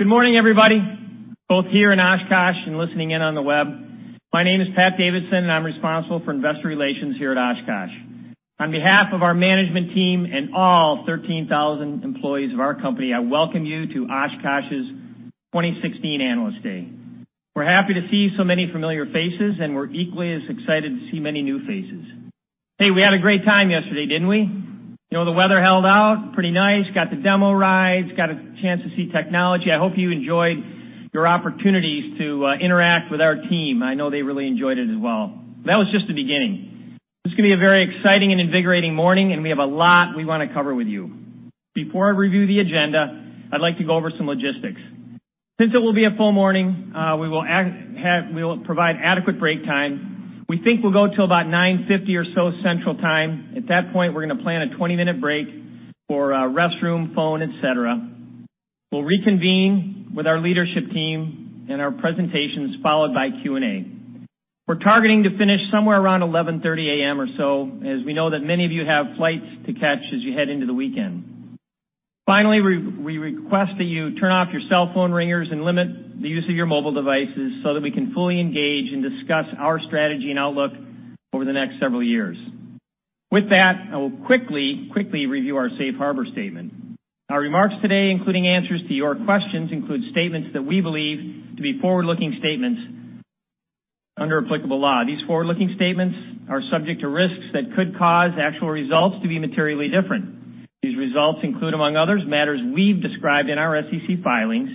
Good morning everybody, both here in Oshkosh and listening in on the web. My name is Pat Davidson and I'm responsible for investor relations here at Oshkosh. On behalf of our management team and all 13,000 employees of our company, I welcome you to Oshkosh's 2016 Analyst Day. We're happy to see so many familiar faces and we're equally as excited to see many new faces. Hey, we had a great time yesterday, didn't we? You know, the weather held out pretty nice, got the demo rides, got a chance to see technology. I hope you enjoyed your opportunities to interact with our team. I know they really enjoyed it as well. That was just the beginning. This could be a very exciting and invigorating morning and we have a lot we want to cover with you. Before I review the agenda, I'd like to go over some logistics. Since it will be a full morning, we will provide adequate break time. We think we'll go till about 9:50A.M. or so Central time. At that point we're going to plan a 20-minute break for restroom, phone, etc. Will reconvene with our leadership team and our presentations followed by Q&A. We're targeting to finish somewhere around 11:30A.M. or so as we know that many of you have flights to catch as you head into the weekend. Finally, we request that you turn off your cell phone ringers and limit the use of your mobile devices so that we can fully engage and discuss our strategy and outlook over the next several years. With that, I will quickly, quickly review. Our Safe Harbor statement. Our remarks today, including answers to your questions, include statements that we believe to be forward-looking statements. Under applicable law, these forward-looking statements are subject to risks that could cause actual results to be materially different. These results include, among others matters we've described in our SEC filings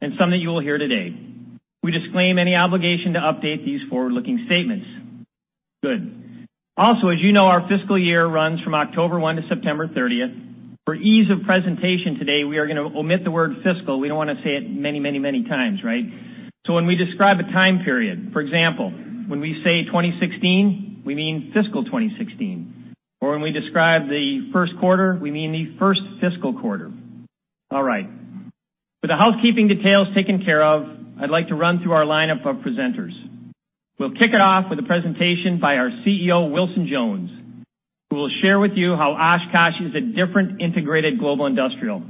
and some that you will hear today. We disclaim any obligation to update these forward-looking statements. Good. Also, as you know, our fiscal year runs from October 1 to September 30. For ease of presentation, today we are going to omit the word fiscal. We don't want to say it many, many, many times. Right? So when we describe a time period, for example, when we say 2016, we mean fiscal 2016 or when we describe the first quarter, we mean the first fiscal quarter. All right. With the housekeeping details taken care of, I'd like to run through our lineup of presenters. We'll kick it off with a presentation by our CEO Wilson Jones, who will share with you how Oshkosh is a different integrated global industrial.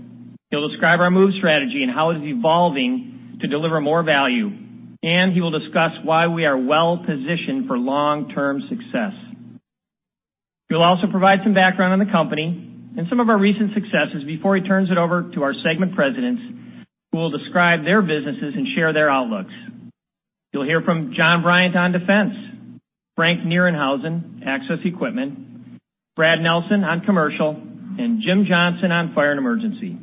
He'll describe our MOVE strategy and how it is evolving more value and he will discuss why we are well positioned for long term success. He will also provide some background on the company and some of our recent successes before he turns it over to our segment presidents who will describe their businesses and share their outlooks. You'll hear from John Bryant on Defense, Frank Nerenhausen, Access Equipment, Brad Nelson on Commercial and Jim Johnson on Fire and Emergency.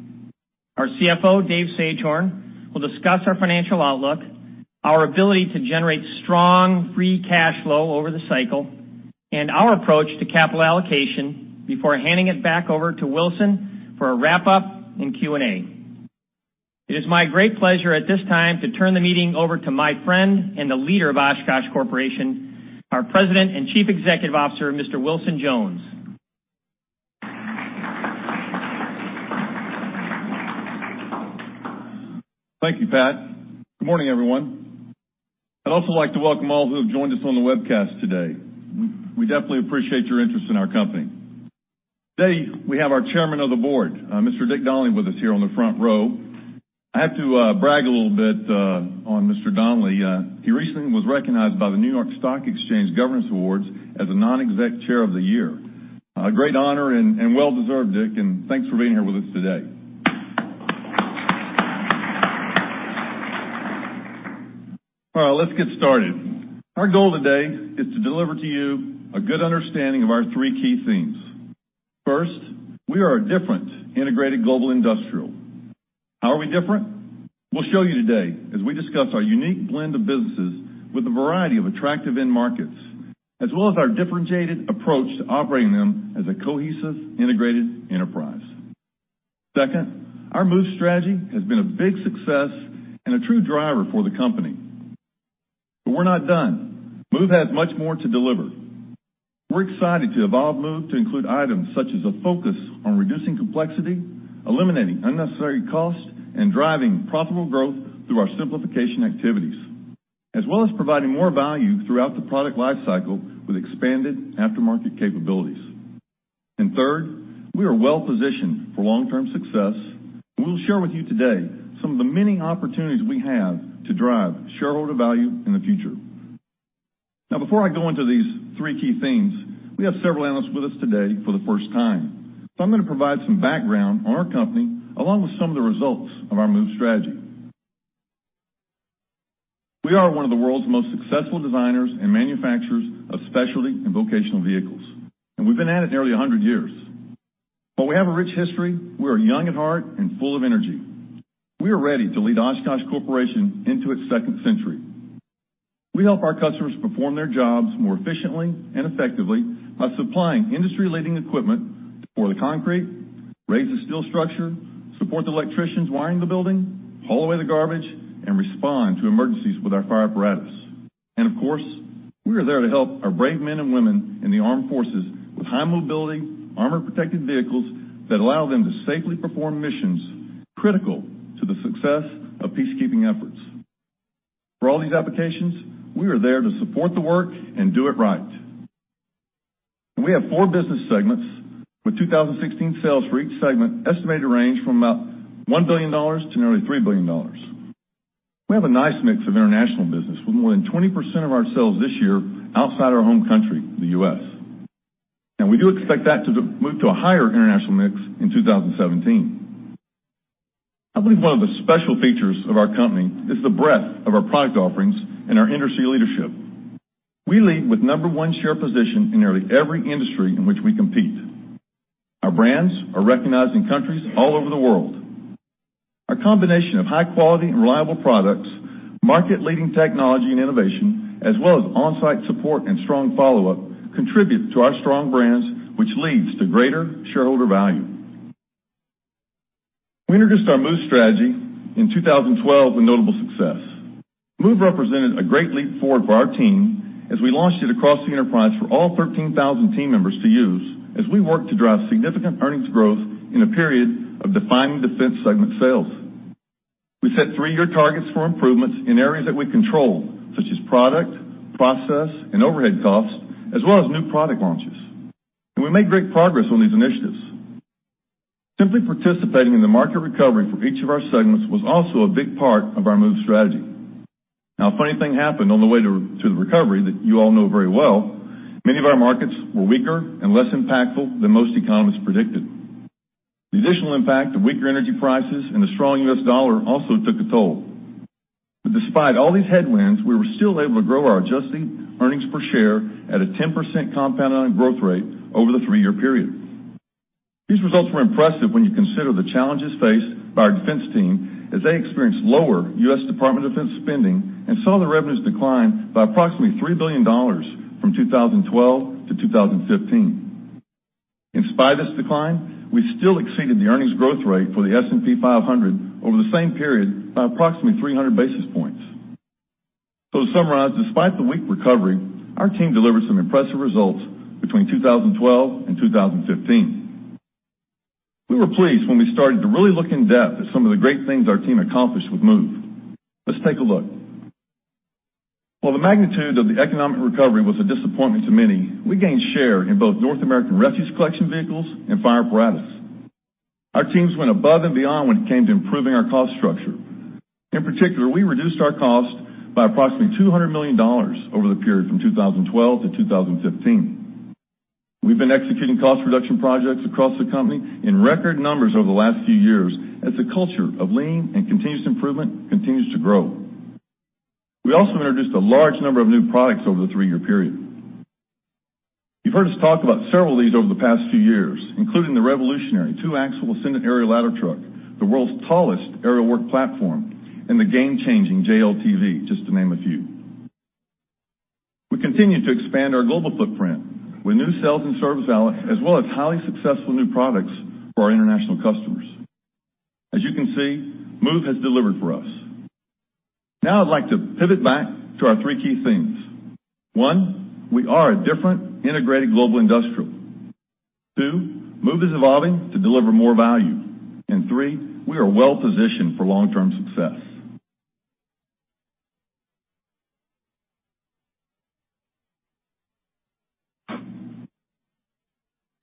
Our CFO Dave Sagehorn will discuss our financial outlook, our ability to generate strong free cash flow over the cycle and our approach to capital allocation before handing it back over to Wilson for a wrap up and Q and A. It is my great pleasure at this time to turn the meeting over to my friend and the leader of Oshkosh Corporation, our President and Chief Executive Officer, Mr. Wilson Jones. Thank you, Pat. Good morning everyone. I'd also like to welcome all who have joined us on the webcast today. We definitely appreciate your interest in our company today. We have our Chairman of the Board, Mr. Dick Donnelly with us here on the front row. I have to brag a little bit on Mr. Donnelly. He recently was recognized by the New York Stock Exchange Governance Awards as a non-Executive Chair of the Year. A great honor and well deserved, Dick. Thanks for being here with us today. All right, let's get started. Our goal today is to deliver to you a good understanding of our three key themes. First, we are a different integrated global industrial. How are we different? We'll show you today as we discuss our unique blend of businesses with a variety of attractive end markets as well as our differentiated approach to operating them as a cohesive integrated enterprise. Second, our MOVE strategy has been a big success and a true driver for the company. But we're not done. MOVE has much more to deliver. We're excited to evolve MOVE to include items such as a focus on reducing complexity, eliminating unnecessary cost and driving profitable growth through our simplification activities, as well as providing more value throughout the product life cycle with expanded aftermarket capabilities. And third, we are well positioned for long term success. We will share with you today some of the many opportunities we have to drive shareholder value in the future. Now, before I go into these three key themes, we have several analysts with us today for the first time. So I'm going to provide some background on our company along with some of the results of our MOVE strategy. We are one of the world's most successful designers and manufacturers of specialty and vocational vehicles. And we've been at it nearly 100 years. While we have a rich history, we are young at heart and full of energy. We are ready to lead Oshkosh Corporation into its second century. We help our customers perform their jobs. More efficiently and effectively by supplying industry leading equipment to pour the concrete, raise the steel structure, support the electricians wiring the building, haul away the garbage and respond to emergency with our fire apparatus. And of course we are there to help our brave men and women in the armed forces with high mobility armor protected vehicles that allow them to safely perform missions critical to the success of peacekeeping efforts. For all these applications, we are there to support the work and do it right. We have four business segments with 2016 sales for each segment estimated to range from about $1 billion to nearly $3 billion. We have a nice mix of international business with more than 20% of our sales this year outside our home country the U.S. and we do expect that to move to a higher international mix in 2017. I believe one of the special features of our company is the breadth of our product offerings and our industry leadership. We lead with No. 1 share position in nearly every industry in which we compete. Our brands are recognized in countries all over the world. Our combination of high quality and reliable products, market leading technology and innovation, as well as on site support and strong follow up contribute to our strong brands which leads to greater shareholder value. We introduced our MOVE Strategy in 2012 with notable success. MOVE represented a great leap forward for our team as we launched it across the enterprise for all 13,000 team members to use as we work to drive significant earnings growth and in a period of defining defense segment sales. We set three-year targets for improvements in areas that we control such as product process and overhead cost as well as new product launches and we made great progress on these initiatives. Simply participating in the market recovery for each of our segments was also a big part of our MOVE Strategy. Now, a funny thing happened on the way to the recovery that you all know very well. Many of our markets were weaker and less impactful than most economists predicted. The additional impact of weaker energy prices and a strong U.S. dollar also took a toll. Despite all these headwinds, we were still able to grow our adjusted earnings per share at a 10% compound growth rate over the three-year period. These results were impressive when you consider the challenges faced by our defense team as they experienced lower U.S. Department of Defense spending and saw the revenues decline by approximately $3 billion from 2012 to 2015. In spite of this decline, we still exceeded the earnings growth rate for the S&P 500 over the same period by approximately 300 basis points. So to summarize, despite the weak recovery, our team delivered some impressive results between 2012 and 2015. We were pleased when we started to really look in depth at some of the great things our team accomplished with move. Let's take a look. While the magnitude of the economic recovery was a disappointment to many, we gained share in both North American refuse collection vehicles and fire apparatus. Our teams went above and beyond when it came to improving our cost structure. In particular, we reduced our cost by approximately $200 million over the period from 2012 to 2015. We've been executing cost reduction projects across the company in record numbers over the last few years as the culture of lean and continuous improvement continues to grow. We also introduced a large number of new products over the three-year period. You've heard us talk about several of these over the past few years, including the revolutionary two-axle Ascendant aerial ladder truck, the world's tallest aerial work platform, and the game-changing JLTV, just to name a few. We continue to expand our global footprint with new sales and service outlets as well as highly successful new products for our international customers. As you can see, MOVE has delivered for us. Now I'd like to pivot back to our three key themes. One, we are a different integrated global industrial. Two, MOVE is evolving to deliver more value. And three, we are well positioned for long-term success.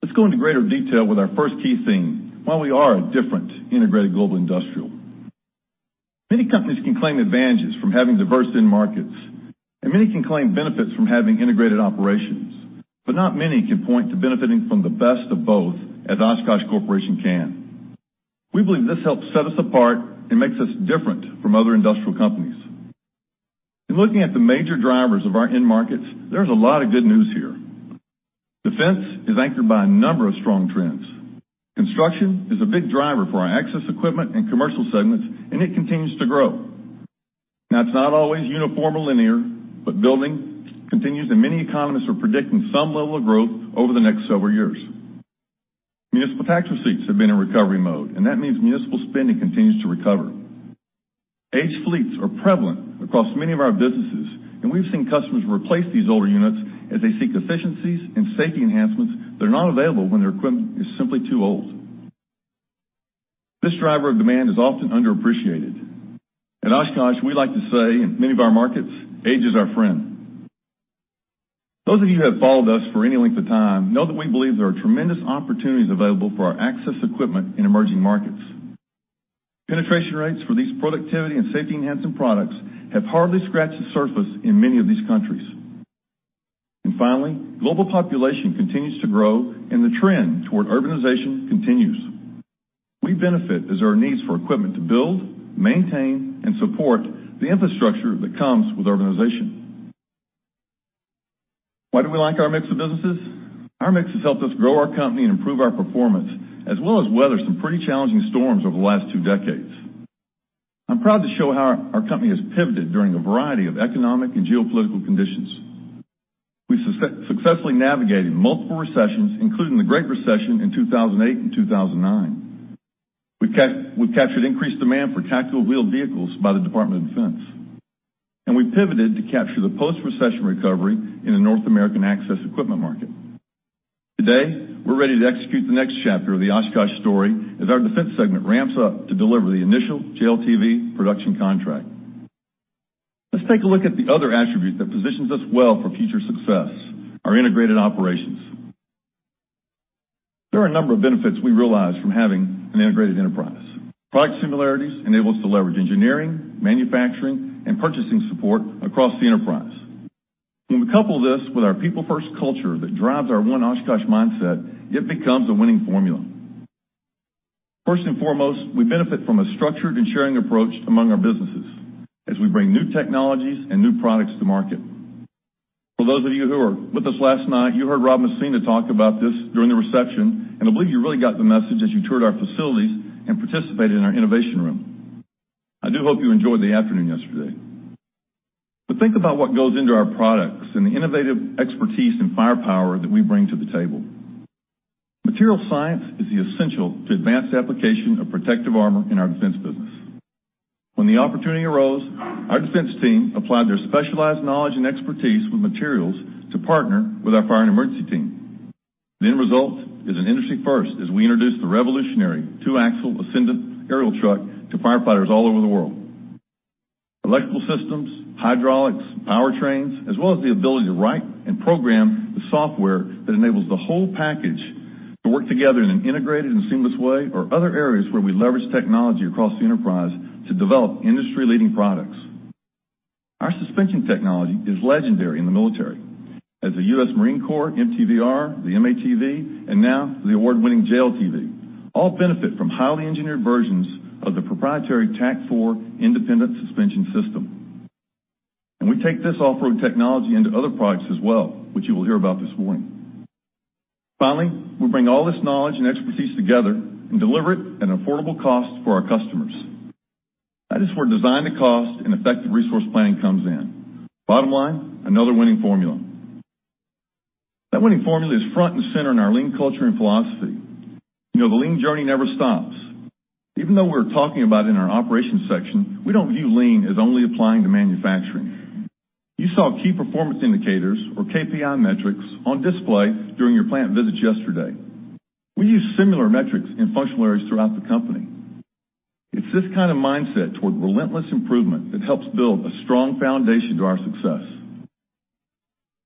Let's go into greater detail with our first key theme, why we are a different integrated global industrial. Many companies can claim advantages from having diverse end markets and many can claim benefits from having integrated operations. But not many can point to benefiting from the best of both. As Oshkosh Corporation can. We believe this helps set us apart and makes us different from other industrial companies. In looking at the major drivers of our end markets, there's a lot of good news here. Defense is anchored by a number of strong trends. Construction is a big driver for our access equipment and commercial segments and it continues to grow. Now, it's not always uniform or linear, but building continues and many economists are predicting some level of growth over the next several years. Municipal tax receipts have been in recovery mode and that means municipal spending continues to recover. Aged fleets are prevalent across many of our businesses and we've seen customers replace these older units as they seek efficiencies and safety enhancements that are not available when their equipment is simply too old. This driver of demand is often underappreciated at Oshkosh. We like to say in many of our markets. Age is our friend. Those of you who have followed us for any length of time know that we believe there are tremendous opportunities available for our access equipment in emerging markets. Penetration rates for these productivity and safety enhancing products have hardly scratched the surface in many of these countries. Finally, global population continues to grow and the trend toward urbanization continues. We benefit as there are needs for equipment to build, maintain and support the infrastructure that comes with urbanization. Why do we like our mix of businesses? Our mix has helped us grow our company and improve our performance as well as weather some pretty challenging storms over the last two decades. I'm proud to show how our company has pivoted during a variety of economic and geopolitical conditions. We successfully navigated multiple recessions including the Great Recession in 2008 and 2009. We've captured increased demand for tactical wheeled vehicles by the Department of Defense, and we pivoted to capture the post-recession recovery in the North American access equipment market. Today we're ready to execute the next chapter of the Oshkosh story. As our defense segment ramps up to deliver the initial JLTV production contract, let's take a look at the other attribute that positions us well for future success. Our integrated operations. There are a number of benefits we realize from having an integrated enterprise. Product similarities enable us to leverage engineering, manufacturing and purchasing support across the enterprise. When we couple this with our people first culture that drives our one Oshkosh mindset, it becomes a winning formula. First and foremost, we benefit from a structured and sharing approach among our businesses as we bring new technologies and new products to market. For those of you who are with us, last night you heard Rob Messina talk about this during the reception and I believe you really got the message as you toured our facilities and participated in our Innovation Room. I do hope you enjoyed the afternoon yesterday, but think about what goes into our products and the innovative expertise in firepower that we bring to the table. Material science is essential to advanced application of protective armor in our defense business. When the opportunity arose, our defense team applied their specialized knowledge and expertise with materials to partner with our fire and emergency team. The end result is an industry first as we introduced the revolutionary two-axle Ascendant aerial truck to firefighters all over the world. Electrical systems, hydraulics, powertrains, as well as the ability to write and program the software that enables the whole package to work together in an integrated and seamless way, are other areas where we leverage technology across the enterprise to develop industry-leading products. Our suspension technology is legendary in the military as the U.S. Marine Corps, MTVR, the M-ATV and now the award-winning JLTV all benefit from highly engineered versions of the proprietary TAK-4 independent suspension system. We take this off-road technology into other products as well, which you will hear about this morning. Finally, we bring all this knowledge and expertise together and deliver it at an affordable cost for our customers. That is where design-to-cost and effective resource planning comes in. Bottom line, another winning formula. That winning formula is front and center in our lean culture and philosophy. You know the lean journey never stops. Even though we're talking about in our operations section, we don't view lean as only applying to manufacturing. You saw key performance indicators or KPI metrics on display during your plant visits yesterday. We use similar metrics in functional areas throughout the company. It's this kind of mindset toward relentless improvement that helps build a strong foundation to our success.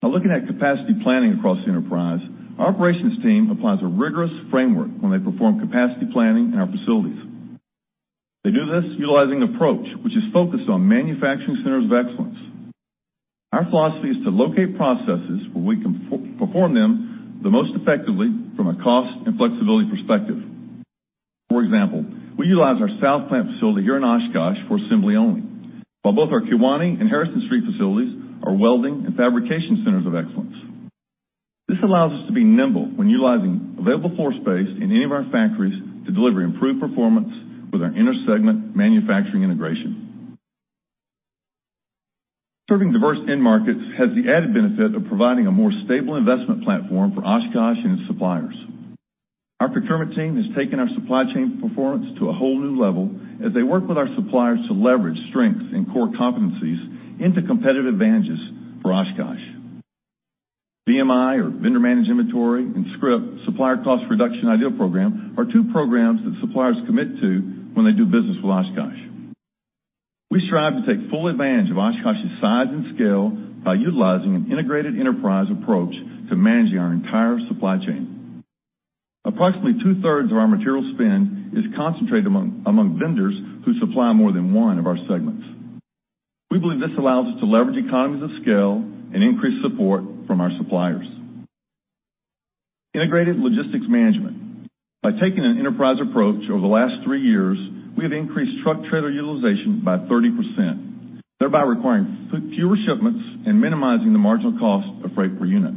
Now, looking at capacity planning across the enterprise, our operations team applies a rigorous framework when they perform capacity planning in our facilities. They do this utilizing approach which is focused on manufacturing centers of excellence. Our philosophy is to locate processes where. We can perform them the most effectively from a cost and flexibility perspective. For example, we utilize our South Plant facility here in Oshkosh for assembly only while both our Kewaunee and Harrison Street facilities are welding and fabrication centers of excellence. This allows us to be nimble when utilizing available floor space in any of our factories to deliver improved performance with our intersegment manufacturing integration. Serving diverse end markets has the added benefit of providing a more stable investment platform for Oshkosh and its suppliers. Our procurement team has taken our supply chain performance to a whole new level as they work with our suppliers to leverage strengths and core competencies into competitive advantages for Oshkosh. VMI or Vendor Managed Inventory and SCRIP Supplier Cost Reduction Idea Program are two programs that suppliers commit to when they do business with Oshkosh. We strive to take full advantage of Oshkosh's size and scale by utilizing an integrated enterprise approach to managing our entire supply chain. Approximately two thirds of our material spend is concentrated among vendors who supply more than one of our segments. We believe this allows us to leverage economies of scale and increase support from our suppliers. Integrated Logistics Management by taking an enterprise approach over the last three years, we have increased truck trailer utilization by 30%, thereby requiring fewer shipments and minimizing the marginal cost of freight per unit.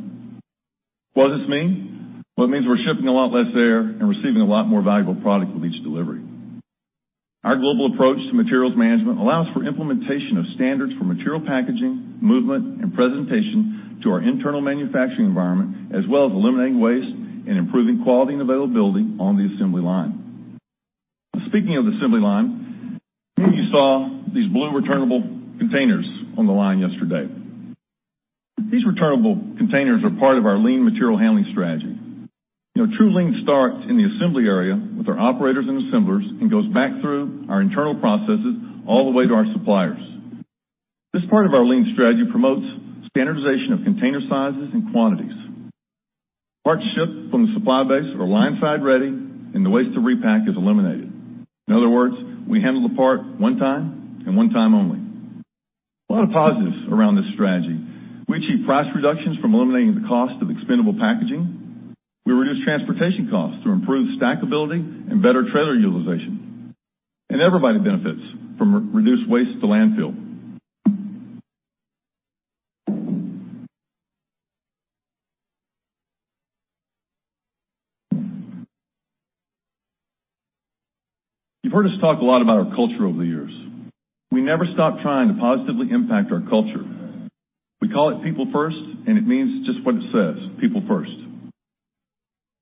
What does this mean? Well, it means we're shipping a lot less air and receiving a lot more valuable product with each delivery. Our global approach to materials management allows for implementation of standards for material packaging, movement and presentation to our internal manufacturing environment, as well as eliminating waste and improving quality and availability on the assembly line. Speaking of the assembly line, you saw these blue returnable containers on the line yesterday. These returnable containers are part of our lean material handling strategy. You know, true lean starts in the assembly area with our operators and assemblers and goes back through our internal processes all the way to our suppliers. This part of our lean strategy promotes standardization of container sizes and quantities. Parts shipped from the supply base are line-side ready and the waste to repack is eliminated. In other words, we handle the part one time and one time only. A lot of positives around this strategy. We achieved price reductions from eliminating the cost of expendable packaging. We reduced transportation costs to improve stackability and better trailer utilization. Everybody benefits from reduced waste to landfill. You've heard us talk a lot about our culture over the years. We never stop trying to positively impact our culture. We call it People first and it means just what it says. People First.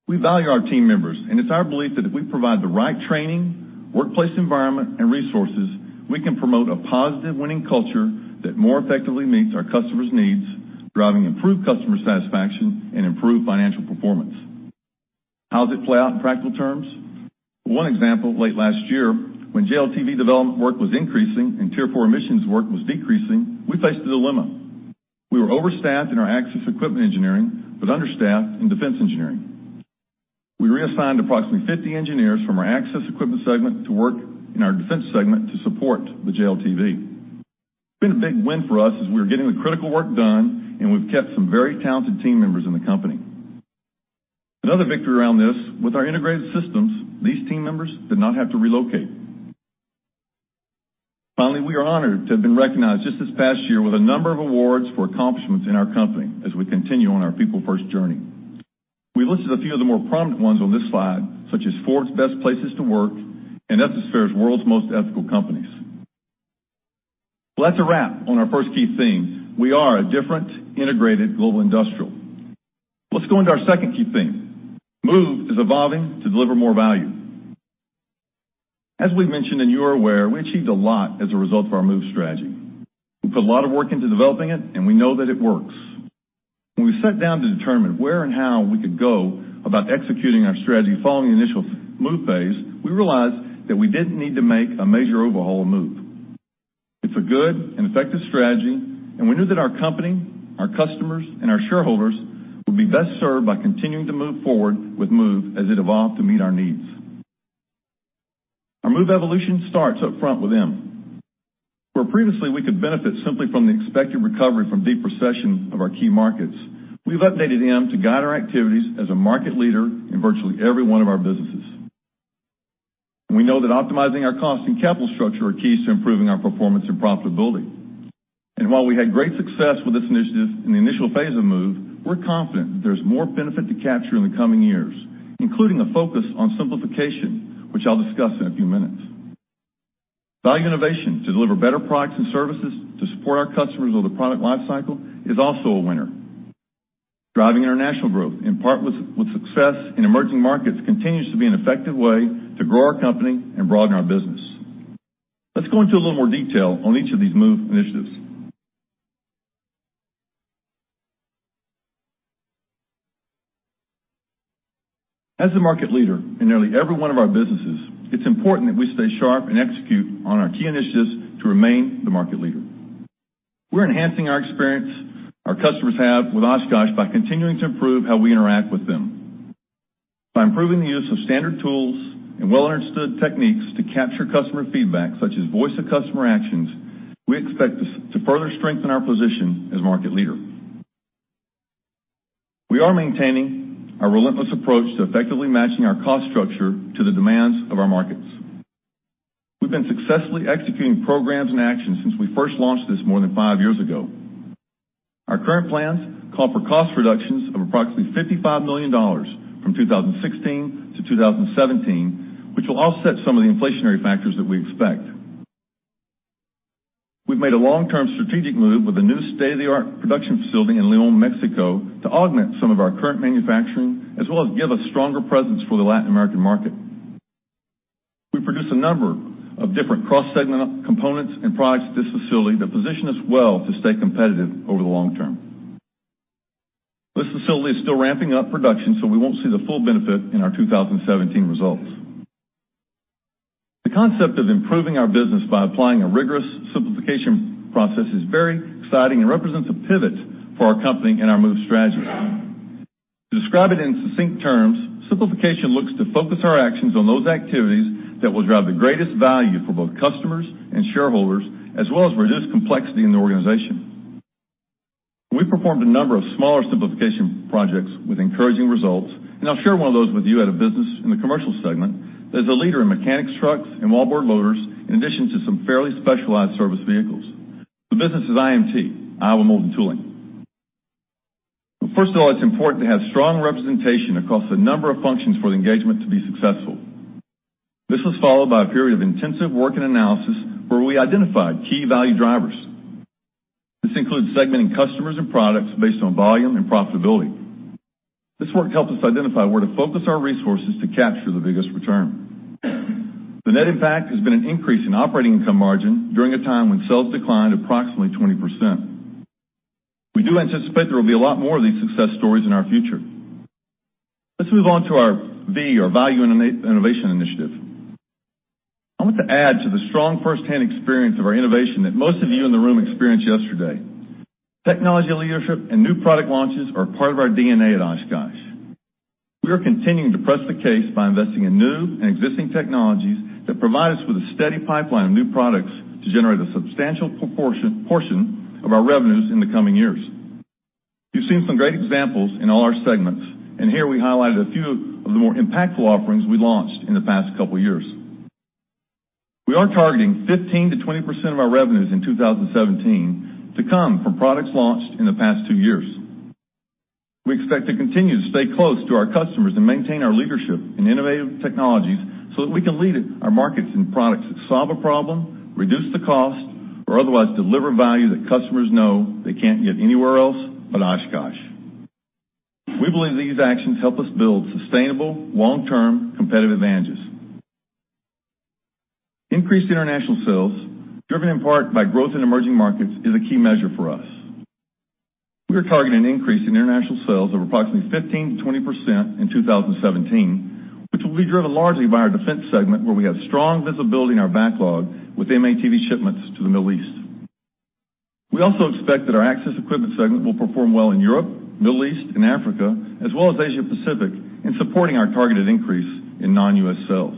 We value our team members and it's our belief that if we provide the right training, workplace environment and resources, we can promote a positive winning culture that more effectively meets our customers' needs, driving improved customer satisfaction and improved financial performance. How does it play out in practical terms? One example late last year when JLTV development work was increasing and Tier 4 emissions work was decreasing, we faced a dilemma. We were overstaffed in our Access Equipment Engineering but understaffed in Defense engineering. We reassigned approximately 50 engineers from our Access Equipment segment to work in our Defense segment to support the JLTV. Been a big win for us as we are getting the critical work done and we've kept some very talented team members in the company. Another victory around this with our integrated systems, these team members did not have to relocate. Finally, we are honored to have been recognized just this past year with a number of awards for accomplishments in our company as we continue on our People First journey. We've listed a few of the more prominent ones on this slide such as Forbes Best Places to Work and Ethisphere's World's Most Ethical Companies. Well, that's a wrap on our first key theme. We are a different integrated global industrial. Let's go into our second key theme. MOVE is Evolving to Deliver More Value. As we've mentioned and you are aware, we achieved a lot as a result of our MOVE strategy. We put a lot of work into developing it and we know that it works. When we sat down to determine where and how we could go about executing our strategy. Following the initial MOVE phase, we realized that we didn't need to make a major overhaul move. It's a good and effective strategy and we knew that our company, our customers and our shareholders would be best served by continuing to move forward with MOVE as it evolved to meet our needs. Our MOVE evolution starts up front with M. Where previously we could benefit simply from the expected recovery from deep recession of our key markets, we've updated M to guide our activities. As a market leader in virtually every one of our businesses, we know that optimizing our cost and capital structure are keys to improving our performance and profitability. And while we had great success with this initiative in the initial phase of MOVE, we're confident there's more benefit to capture in the coming years, including a focus on simplification, which I'll discuss in a few minutes. Value innovation to deliver better products and services to support our customers or the product lifecycle is also a winner. Driving international growth in part with success in emerging markets continues to be an effective way to grow our company and broaden our business. Let's go into a little more detail on each of these MOVE initiatives. As the market leader in nearly every one of our businesses, it's important that we stay sharp and execute on our key initiatives. To remain the market leader, we're enhancing our experience our customers have with Oshkosh by continuing to improve how we interact with them. By improving the use of standard tools and well understood techniques to capture customer feedback such as Voice of Customer actions, we expect to further strengthen our position as market leader. We are maintaining our relentless approach to effectively matching our cost structure to the demands of our markets. We've been successfully executing programs and actions since we first launched this more than five years ago. Our current plans call for cost reductions of approximately $55 million from 2016 to 2017, which will offset some of the inflationary factors that we expect. We've made a long-term strategic move with a new state-of-the-art production facility in León, Mexico to augment some of our current manufacturing as well as give a stronger presence for the Latin American market. We produce a number of different cross-segment components and products at this facility that position us well to stay competitive over the long term. This facility is still ramping up production so we won't see the full benefit in our 2017 results. The concept of improving our business by applying a rigorous simplification process is very exciting and represents a pivot for our company and our MOVE strategy to describe it in succinct terms. Simplification looks to focus our actions on those activities that will drive the greatest value for both customers and shareholders, as well as reduce complexity in the organization. We performed a number of smaller simplification projects with encouraging results, and I'll share one of those with you. A business in the commercial segment that is a leader in mechanics trucks and wallboard loaders, in addition to some fairly specialized service vehicles. The business is IMT, Iowa Mold Tooling. First of all, it's important to have strong representation across a number of functions for the engagement to be successful. This was followed by a period of intensive work and analysis where we identified key value drivers. This includes segmenting customers and products based on volume and profitability. This work helps us identify where to focus our resources to capture the biggest return. The net impact has been an increase in operating income margin during a time when sales declined approximately 20%. We do anticipate there will be a lot more of these success stories in our future. Let's move on to our V or Value Innovation initiative. I want to add to the strong firsthand experience of our innovation that most of you in the room experienced yesterday. Technology leadership and new product launches are part of our DNA at Oshkosh. We are continuing to press the case by investing in new and existing technologies that provide us with a steady pipeline of new products to generate a substantial portion of our revenues in the coming years. You've seen some great examples in all our segments, and here we highlighted a few of the more impactful offerings we launched in the past couple years. We are targeting 15%-20% of our revenues in 2017 to come from products launched in the past two years. We expect to continue to stay close to our customers and maintain our leadership in innovative technologies so that we can lead our markets in products that solve a problem, reduce the cost, or otherwise deliver value that customers know they can't get anywhere else but Oshkosh. We believe these actions help us build sustainable long term competitive advantages. Increased international sales, driven in part by growth in emerging markets, is a key measure for us. We are targeting an increase in international sales of approximately 15%-20% in 2017, which will be driven largely by our Defense segment where we have strong visibility in our backlog with M-ATV shipments to the Middle East. We also expect that our Access Equipment segment will perform well in Europe, Middle East and Africa as well as Asia Pacific in supporting our targeted increase in non-U.S. sales.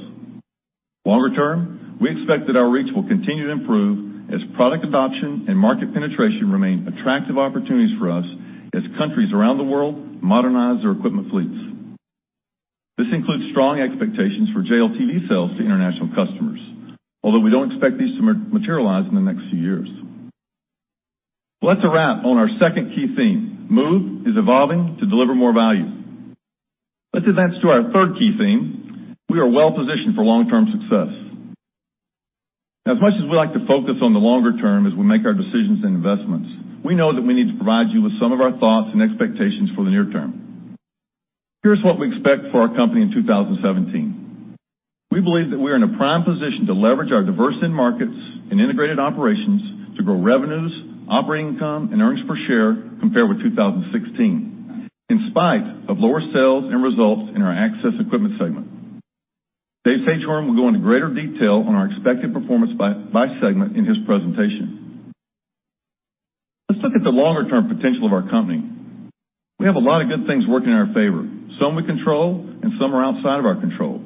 Longer term, we expect that our reach will continue to improve as product adoption and market penetration remain attractive opportunities for us and as countries around the world modernize their equipment fleets. This includes strong expectations for JLTV sales to international customers, although we don't expect these to materialize in the next few years. That's a wrap on our second key theme MOVE is Evolving to deliver More Value, let's advance to our third key theme. We are well positioned for long-term success. As much as we like to focus on the longer term as we make our decisions and investments, we know that we need to provide you with some of our thoughts and expectations for the near term. Here's what we expect for our company in 2017. We believe that we are in a prime position to leverage our diverse end markets and integrated operations to grow revenues, operating income and earnings per share compared with 2016 in spite of lower sales and results in our Access Equipment segment. David Sagehorn will go into greater detail on our expected performance by segment in his presentation. Let's look at the longer-term potential of our company. We have a lot of good things working in our favor. Some we control and some are outside of our control.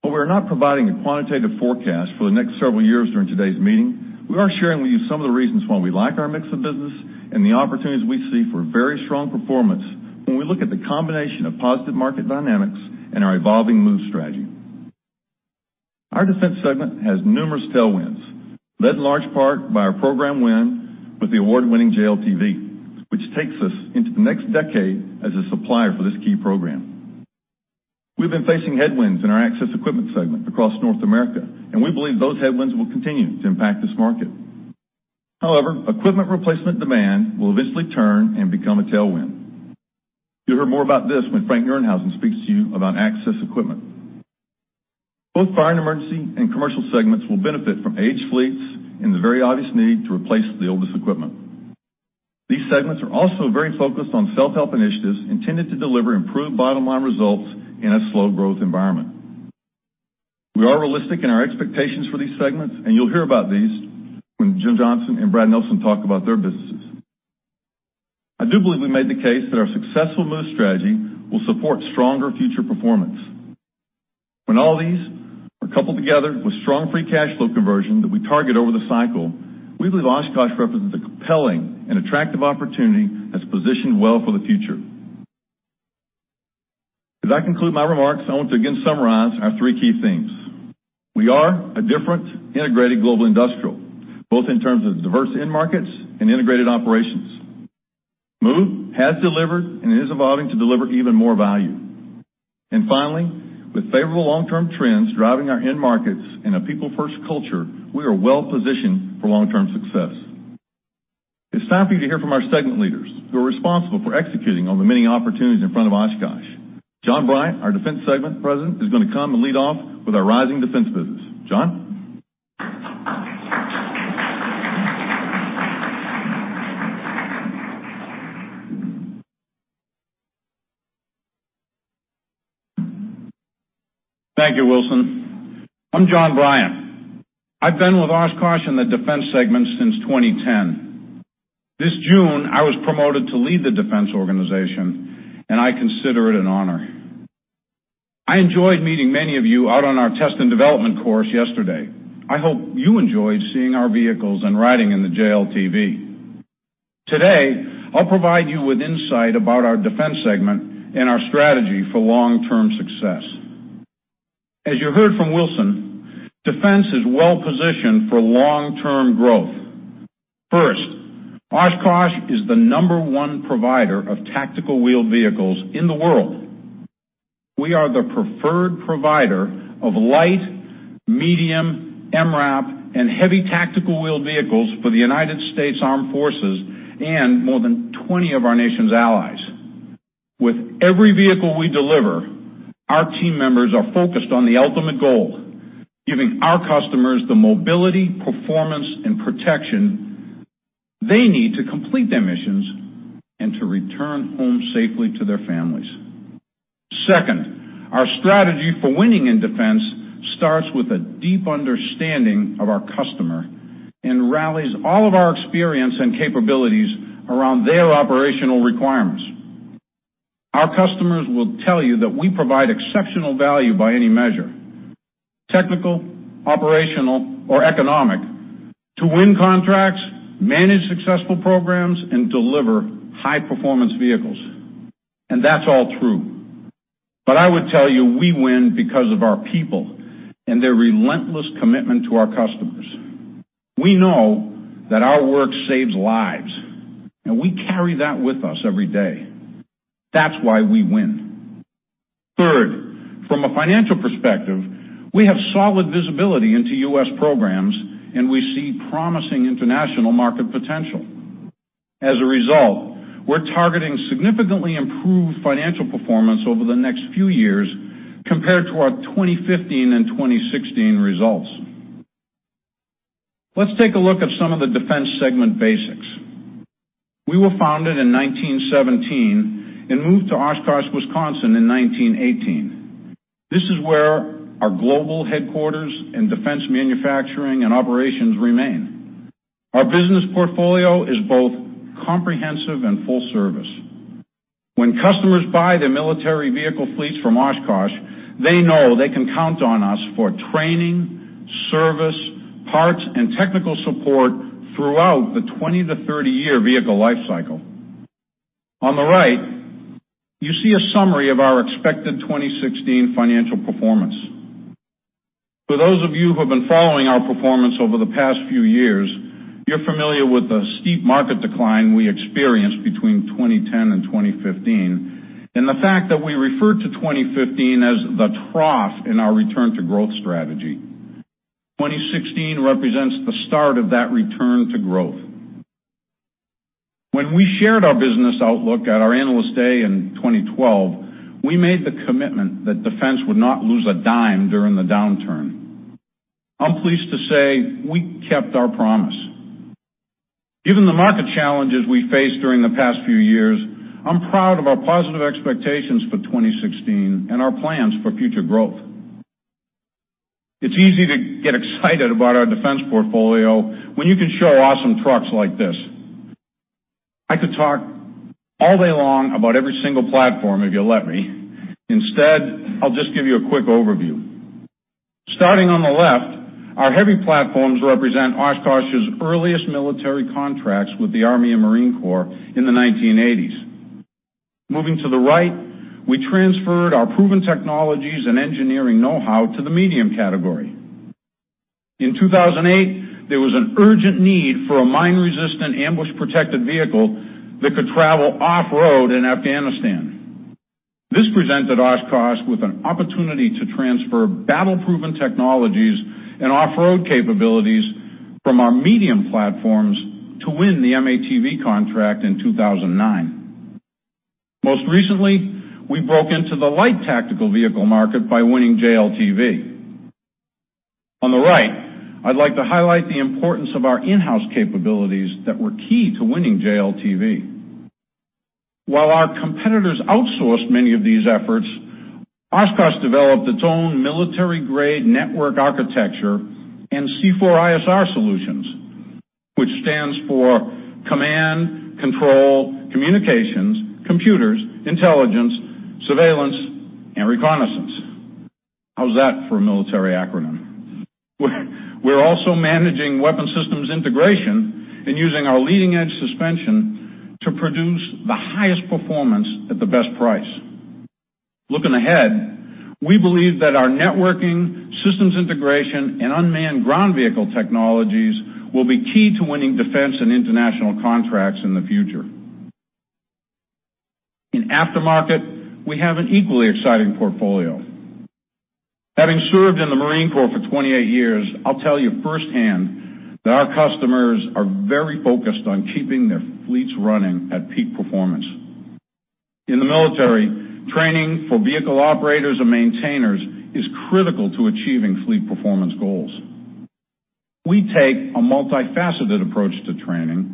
While we are not providing a quantitative forecast for the next several years, during today's meeting we are sharing with you some of the reasons why we like our mix of business and the opportunities we see for very strong performance when we look at the combination of positive market dynamics and our evolving MOVE Strategy. Our Defense segment has numerous tailwinds led in large part by our program WIN with the award-winning JLTV which takes us into the next decade as a supplier for this key program. We've been facing headwinds in our Access Equipment segment across North America and we believe those headwinds will continue to impact this market. However, equipment replacement demand will eventually turn and become a tailwind. You'll hear more about this when Frank Nerenhausen speaks to you about Access Equipment. Both fire and emergency and commercial segments will benefit from aged fleets and the very obvious need to replace the oldest equipment. These segments are also very focused on self help initiatives intended to deliver improved bottom line results in a slow growth environment. We are realistic in our expectations for these segments and you'll hear about these when Jim Johnson and Brad Nelson talk about their businesses. I do believe we made the case that our successful move strategy will support stronger future performance. When all these are coupled together with strong free cash flow conversion that we target over the cycle, we believe Oshkosh represents a compelling and attractive opportunity that's positioned well for the future. As I conclude my remarks, I want to again summarize our three key themes. We are a different integrated global industrial both in terms of diverse end markets and integrated operations. MOVE has delivered and is evolving to deliver even more value. And finally, with favorable long term trends driving our end markets and a people first culture, we are well positioned for long term success. It's time for you to hear from our segment leaders who are responsible for executing on the many opportunities in front of Oshkosh. John Bryant, our Defense Segment President, is going to come and lead off with our rising defense business. John. Thank you Wilson. I'm John Bryant. I've been with Oshkosh in the defense segment since 2010. This June I was promoted to lead the Defense Organization and I consider it an honor. I enjoyed meeting many of you out on our test and development course yesterday. I hope you enjoyed seeing our vehicles and riding in the JLTV. Today. I'll provide you with insight about our Defense segment and our strategy for long term success. As you heard from Wilson, Defense is well positioned for long term growth. First, Oshkosh is the number one provider of tactical wheeled vehicles in the world. We are the preferred provider of light, medium, MRAP and heavy tactical wheeled vehicles for the United States Armed Forces and more than 20 of our nation's allies. With every vehicle we deliver, our team members are focused on the ultimate goal, giving our customers the mobility, performance and protection they need to complete their missions and to return home safely to their families. Second, our strategy for winning in defense starts with a deep understanding of our customer and rallies all of our experience and capabilities around their operational requirements. Our customers will tell you that we provide exceptional value by any measure, technical, operational, or economic, to win contracts, manage successful programs, and deliver high performance vehicles. That's all true, but I would tell you we win because of our people and their relentless commitment to our customers. We know that our work saves lives and we carry that with us every day. That's why we win. Third, from a financial perspective, we have solid visibility into U.S. Programs and we see promising international market potential. As a result, we're targeting significantly improved financial performance over the next few years compared to our 2015 and 2016 results. Let's take a look at some of the Defense Segment basics. We were founded in 1917 and moved to Oshkosh, Wisconsin in 1918. This is where our global headquarters and defense manufacturing and operations remain. Our business portfolio is both comprehensive and full service. When customers buy their military vehicle fleets from Oshkosh, they know they can count on us for training service parts and technical support throughout the 20-30-year vehicle life cycle. On the right, you see a summary. Of our expected 2016 financial performance. For those of you who have been following our performance over the past few years, you're familiar with the steep market decline we experienced between 2010 and 2015 and the fact that we referred to 2015 as the trough in our return to growth strategy. 2016 represents the start of that return to growth. When we shared our business outlook at our Analyst Day in 2012, we made the commitment that defense would not lose a dime during the downturn. I'm pleased to say we kept our promise given the market challenges we faced during the past few years. I'm proud of our positive expectations for 2016 and our plans for future growth. It's easy to get excited about our defense portfolio when you can show awesome trucks like this. I could talk all day long about every single platform if you let me. Instead, I'll just give you a quick overview. Starting on the left, our heavy platforms represent Oshkosh's earliest military contracts with the Army and Marine Corps in the 1980s. Moving to the right, we transferred our proven technologies and engineering know-how to the medium category. In 2008, there was an urgent need for a mine-resistant ambush-protected vehicle that could travel off-road in Afghanistan. This presented Oshkosh with an opportunity to transfer battle-proven technologies and off-road capabilities from our medium platforms to win the M-ATV contract in 2009. Most recently, we broke into the light tactical vehicle market by winning JLTV. On the right, I'd like to highlight the importance of our in-house capabilities that were key to winning JLTV. While our competitors outsourced many of these efforts, Oshkosh developed its own military grade Network Architecture and C4ISR Solutions which stands for Command, Control, Communications, Computers, Intelligence, Surveillance and Reconnaissance. How's that for a military acronym? We're also managing weapon systems integration and using our leading edge suspension to produce the highest performance at the best price. Looking ahead, we believe that our networking systems integration and unmanned ground vehicle technologies will be key to winning defense and international contracts in the future. In aftermarket, we have an equally exciting portfolio. Having served in the Marine Corps for 28 years, I'll tell you firsthand that our customers are very focused on keeping their fleets running at peak performance. In the military, training for vehicle operators and maintainers is critical to achieving fleet performance goals. We take a multifaceted approach to training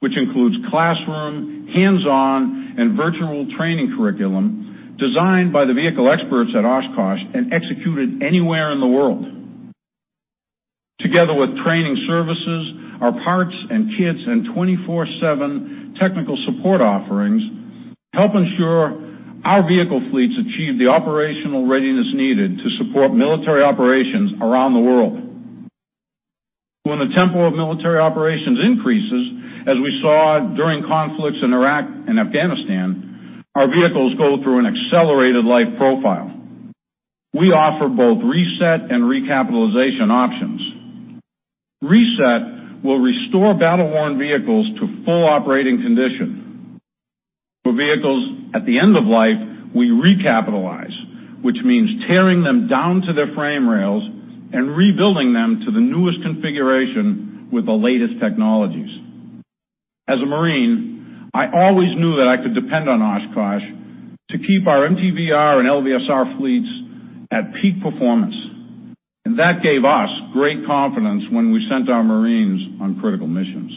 which includes classroom, hands-on and virtual training curriculum designed by the vehicle experts at Oshkosh and executed anywhere in the world. Together with training services, our parts and kits and 24/7 technical support offerings help ensure our vehicle fleets achieve the operational readiness needed to support military operations around the world. When the tempo of military operations increases, as we saw during conflicts in Iraq and Afghanistan, our vehicles go through an accelerated life profile. We offer both reset and recapitalization options. Reset will restore battle-worn vehicles to full operating condition. For vehicles at the end of life, we recapitalize, which means tearing them down to their frame rails and rebuilding them to the newest configuration with the latest technologies. As a Marine, I always knew that I could depend on Oshkosh to keep our MTVR and LVSR fleets at peak performance and that gave us great confidence when we sent our Marines on critical missions.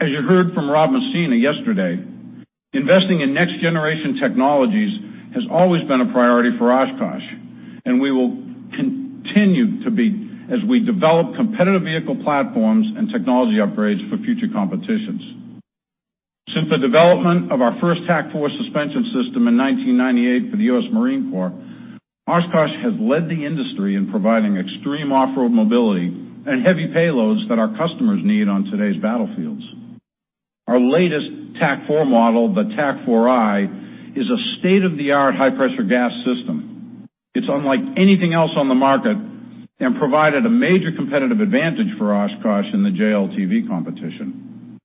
As you heard from Rob Messina yesterday, investing in next generation technologies has always been a priority for Oshkosh and we will continue to be as we develop competitive vehicle platforms and technology upgrades for future competitions. Since the development of our first TAK-4 suspension system in 1998 for the U.S. Marine Corps, Oshkosh has led the industry in providing extreme off road mobility and heavy payloads that our customers need on today's battlefields. Our latest TAK-4 model, the TAK-4i, is a state of the art high pressure gas system. It's unlike anything else on the market and provided a major competitive advantage for Oshkosh in the JLTV competition.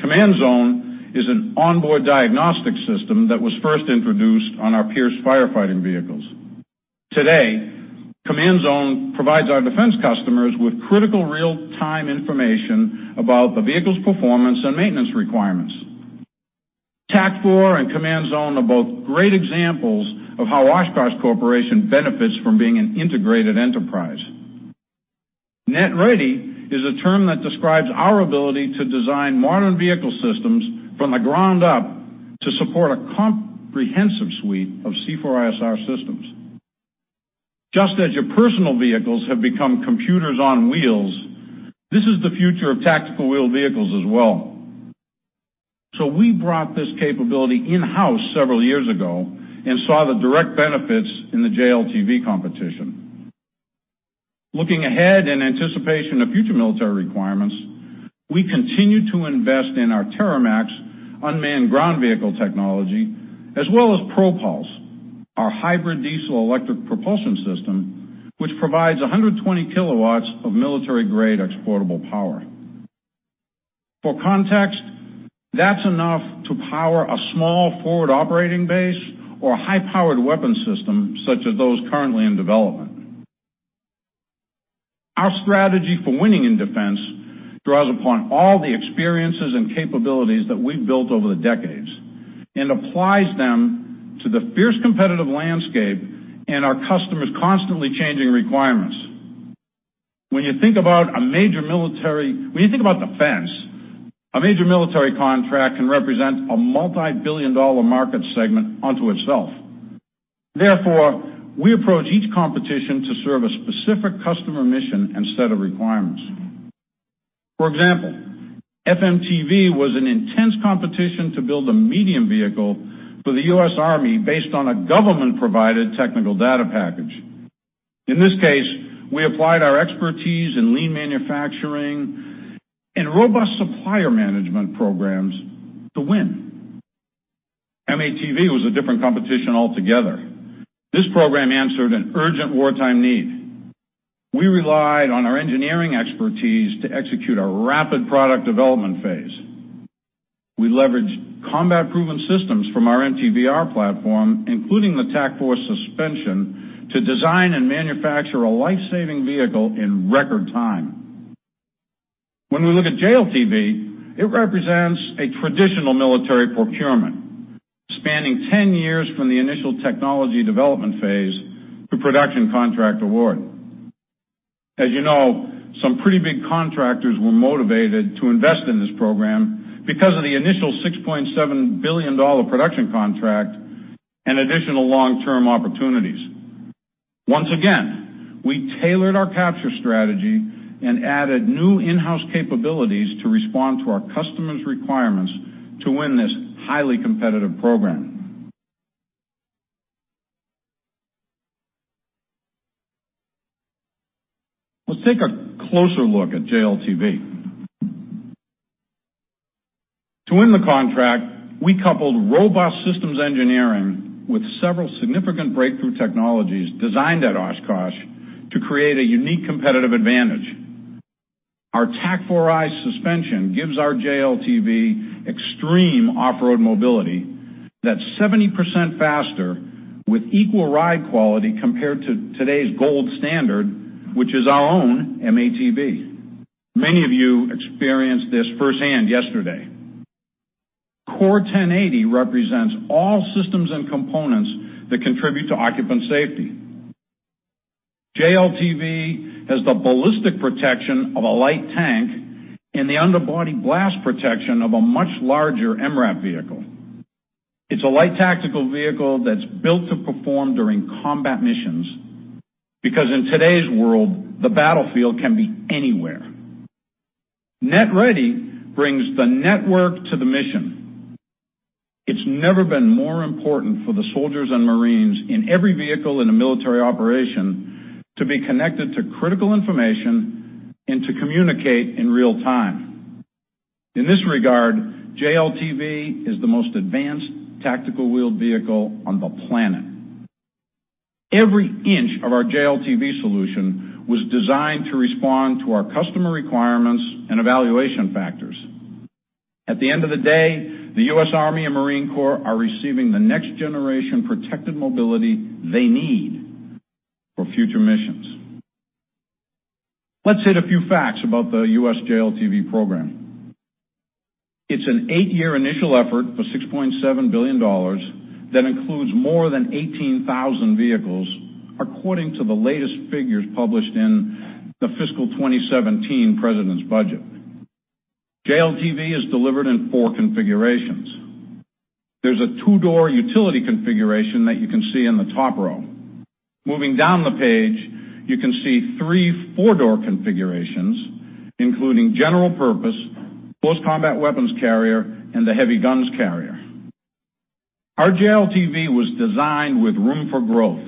Command Zone is an onboard diagnostic system that was first introduced on our Pierce firefighting vehicles. Today, Command Zone provides our defense customers with critical real-time information about the vehicle's performance and maintenance requirements. TAK-4 and Command Zone are both great examples of how Oshkosh Corporation benefits from being an integrated enterprise. Net Ready is a term that describes our ability to design modern vehicle systems from the ground up to support a comprehensive suite of C4ISR systems. Just as your personal vehicles have become computers on wheels, this is the future of tactical wheeled vehicles as well. So we brought this capability in-house several years ago and saw the direct benefits in the JLTV competition. Looking ahead in anticipation of future military requirements, we continue to invest in our TerraMax unmanned ground vehicle technology as well as ProPulse, our hybrid diesel-electric propulsion system which provides 120 kW of military grade exportable power. For context, that's enough to power a small forward operating base or high powered weapons system such as those currently in development. Our strategy for winning in defense draws upon all the experiences and capabilities that we've built over the decades and applies them to the fierce competitive landscape and our customers constantly changing requirements. When you think about defense, a major military contract can represent a multi-billion-dollar market segment unto itself. Therefore, we approach each competition to serve a specific customer mission and set of requirements. For example, FMTV was an intense competition to build a medium vehicle for the U.S. Army based on a government-provided technical data package. In this case, we applied our expertise in lean manufacturing and robust supplier management programs to win. M-ATV was a different competition altogether. This program answered an urgent wartime need. We relied on our engineering expertise to execute our rapid product development phase. We leveraged combat-proven systems from our MTVR platform, including the TAK-4 suspension to design and manufacture a life-saving vehicle in record time. When we look at JLTV, it represents a traditional military procurement spanning 10 years from the initial technology development phase to production contract award. As you know, some pretty big contractors were motivated to invest in this program because of the initial $6.7 billion production contract and additional long-term opportunities. Once again, we tailored our capture strategy and added new in-house capabilities to respond to our customers' requirements to win this highly competitive program. Let's take a closer look at JLTV. To win the contract, we coupled robust systems engineering with several significant breakthrough technologies designed at Oshkosh to create a unique competitive advantage. Our TAK-4i suspension gives our JLTV extreme off-road mobility that's 70% faster with equal ride quality compared to today's gold standard, which is our own M-ATV. Many of you experienced this firsthand yesterday. CORE1080 represents all systems and components that contribute to occupant safety. JLTV has the ballistic protection of a. Light tank and the underbody blast protection. Of a much larger MRAP vehicle. It's a light tactical vehicle that's built to perform during combat missions. Because in today's world, the battlefield can be anywhere net ready brings the network to the mission. It's never been more important for the soldiers and Marines in every vehicle in a military operation to be connected to critical information and to communicate in real time. In this regard, JLTV is the most advanced tactical wheeled vehicle on the planet. Every inch of our JLTV solution was designed to respond to our customer requirements and evaluation factors. At the end of the day, the. U.S. Army and Marine Corps are receiving the next-generation protected mobility they need for future missions. Let's hit a few facts about the U.S. JLTV program. It's an 8-year initial effort for $6.7 billion that includes more than 18,000 vehicles, according to the latest figures published in the Fiscal 2017 President's Budget. JLTV is delivered in four configurations. There's a 2-door utility configuration that you can see in the top row. Moving down the page you can see three 4-door configurations including General Purpose Close Combat Weapons Carrier and the Heavy Guns Carrier. Our JLTV was designed with room for growth,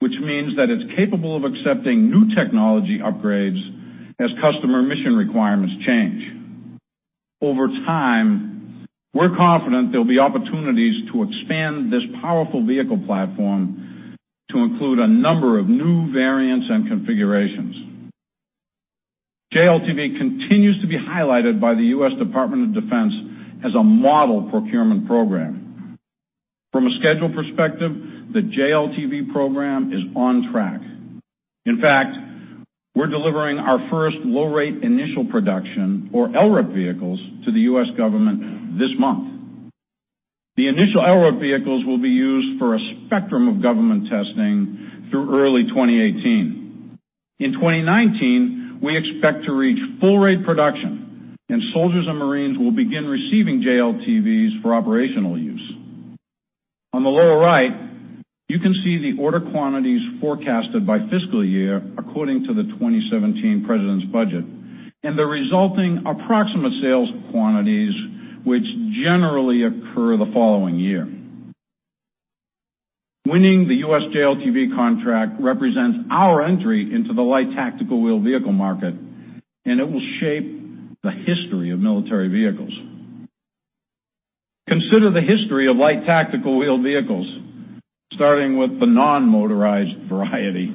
which means that it's capable of accepting new technology upgrades as customer mission. Requirements change over time. We're confident there'll be opportunities to expand this powerful vehicle platform to include a number of new variants and configurations. JLTV continues to be highlighted by the U.S. Department of Defense as a model procurement program. From a schedule perspective, the JLTV program is on track. In fact, we're delivering our first Low Rate Initial Production or LRIP vehicles to the U.S. Government this month. The initial LRIP vehicles will be used for a spectrum of government testing through early 2018. In 2019, we expect to reach Full Rate Production and soldiers and Marines will begin receiving JLTVs for operational use. On the lower right, you can see the order quantities forecasted by fiscal year, according to the 2017 President's Budget and the resulting approximate sales quantities which generally occur the following year. Winning the U.S. JLTV contract represents our entry into the light tactical wheeled vehicle market and it will shape the history of military vehicles. Consider the history of light tactical wheeled vehicles, starting with the non-motorized variety.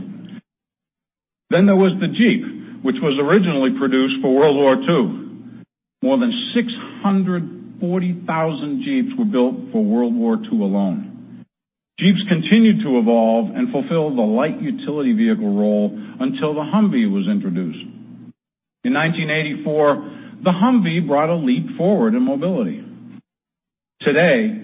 Then there was the Jeep which was originally produced for World War II. More than 640,000 Jeeps were built for World War II alone. Jeeps continued to evolve and fulfill the light utility vehicle role until the Humvee was introduced in 1984. The Humvee brought a leap forward in mobility. Today,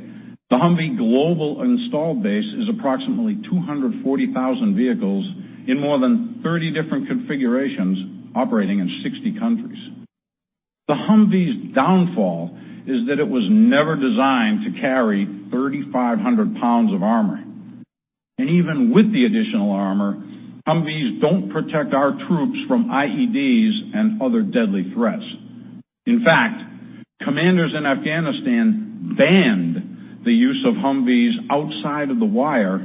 the Humvee global installed base is approximately 240,000 vehicles in more than 30 different configurations operating in 60 countries. The Humvee's downfall is that it was never designed to carry 3,500 pounds of armor and even with the additional armor, Humvees don't protect our troops from IEDs and other deadly threats. In fact, commanders in Afghanistan banned the use of Humvees outside of the wire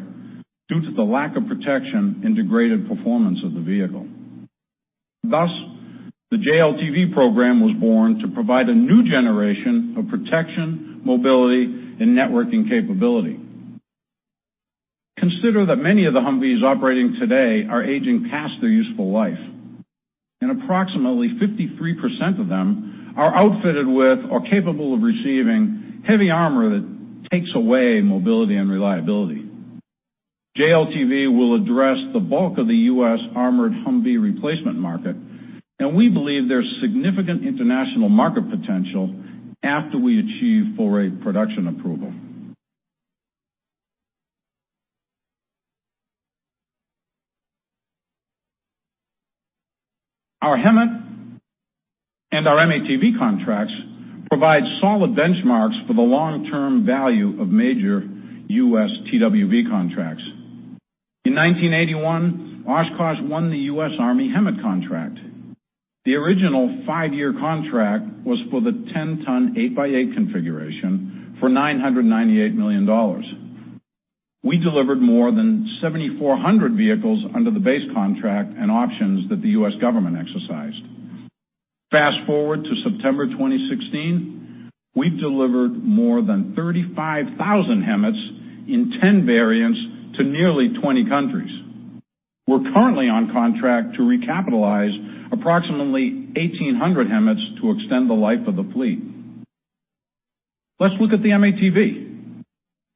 due to the lack of protection and degraded performance of the vehicle. Thus, the JLTV program was born to provide a new generation of protection, mobility and networking capability. Consider that many of the Humvees operating today are aging past their useful life and approximately 53% of them are outfitted with or capable of receiving heavy armor. That takes away mobility and reliability. JLTV will address the bulk of the U.S. Armored Humvee replacement market and we believe there's significant international market potential after we achieve Full Rate Production approval. Our HEMTT and our M-ATV contracts provide solid benchmarks for the long term value of major U.S. TWV contracts. In 1981, Oshkosh won the U.S. Army HEMTT contract. The original five-year contract was for the 10-ton 8x8 configuration for $998 million. We delivered more than 7,400 vehicles under the base contract and options that the U.S. government exercised. Fast forward to September 2016. We've delivered more than 35,000 HEMTTs in 10 variants to nearly 20 countries. We're currently on contract to recapitalize approximately 1,800 HEMTTs to extend the life of the fleet. Let's look at the M-ATV.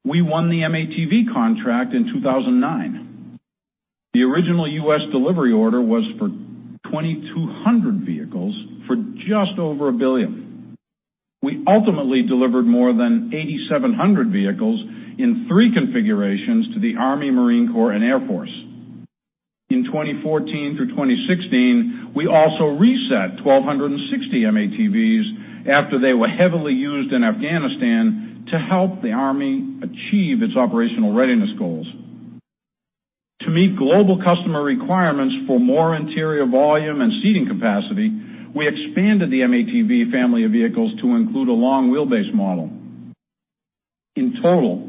We won the M-ATV contract in 2009. The original U.S. delivery order was for 2,200 vehicles for just over $1 billion. We ultimately delivered more than 8,700 vehicles in three configurations to the Army, Marine Corps and Air Force. In 2014 through 2016. We also reset 1,260 M-ATVs after they were heavily used in Afghanistan to help the Army achieve its operational readiness goals. To meet global customer requirements for more interior volume and seating capacity, we expanded the M-ATV family of vehicles to include a long wheelbase model. In total,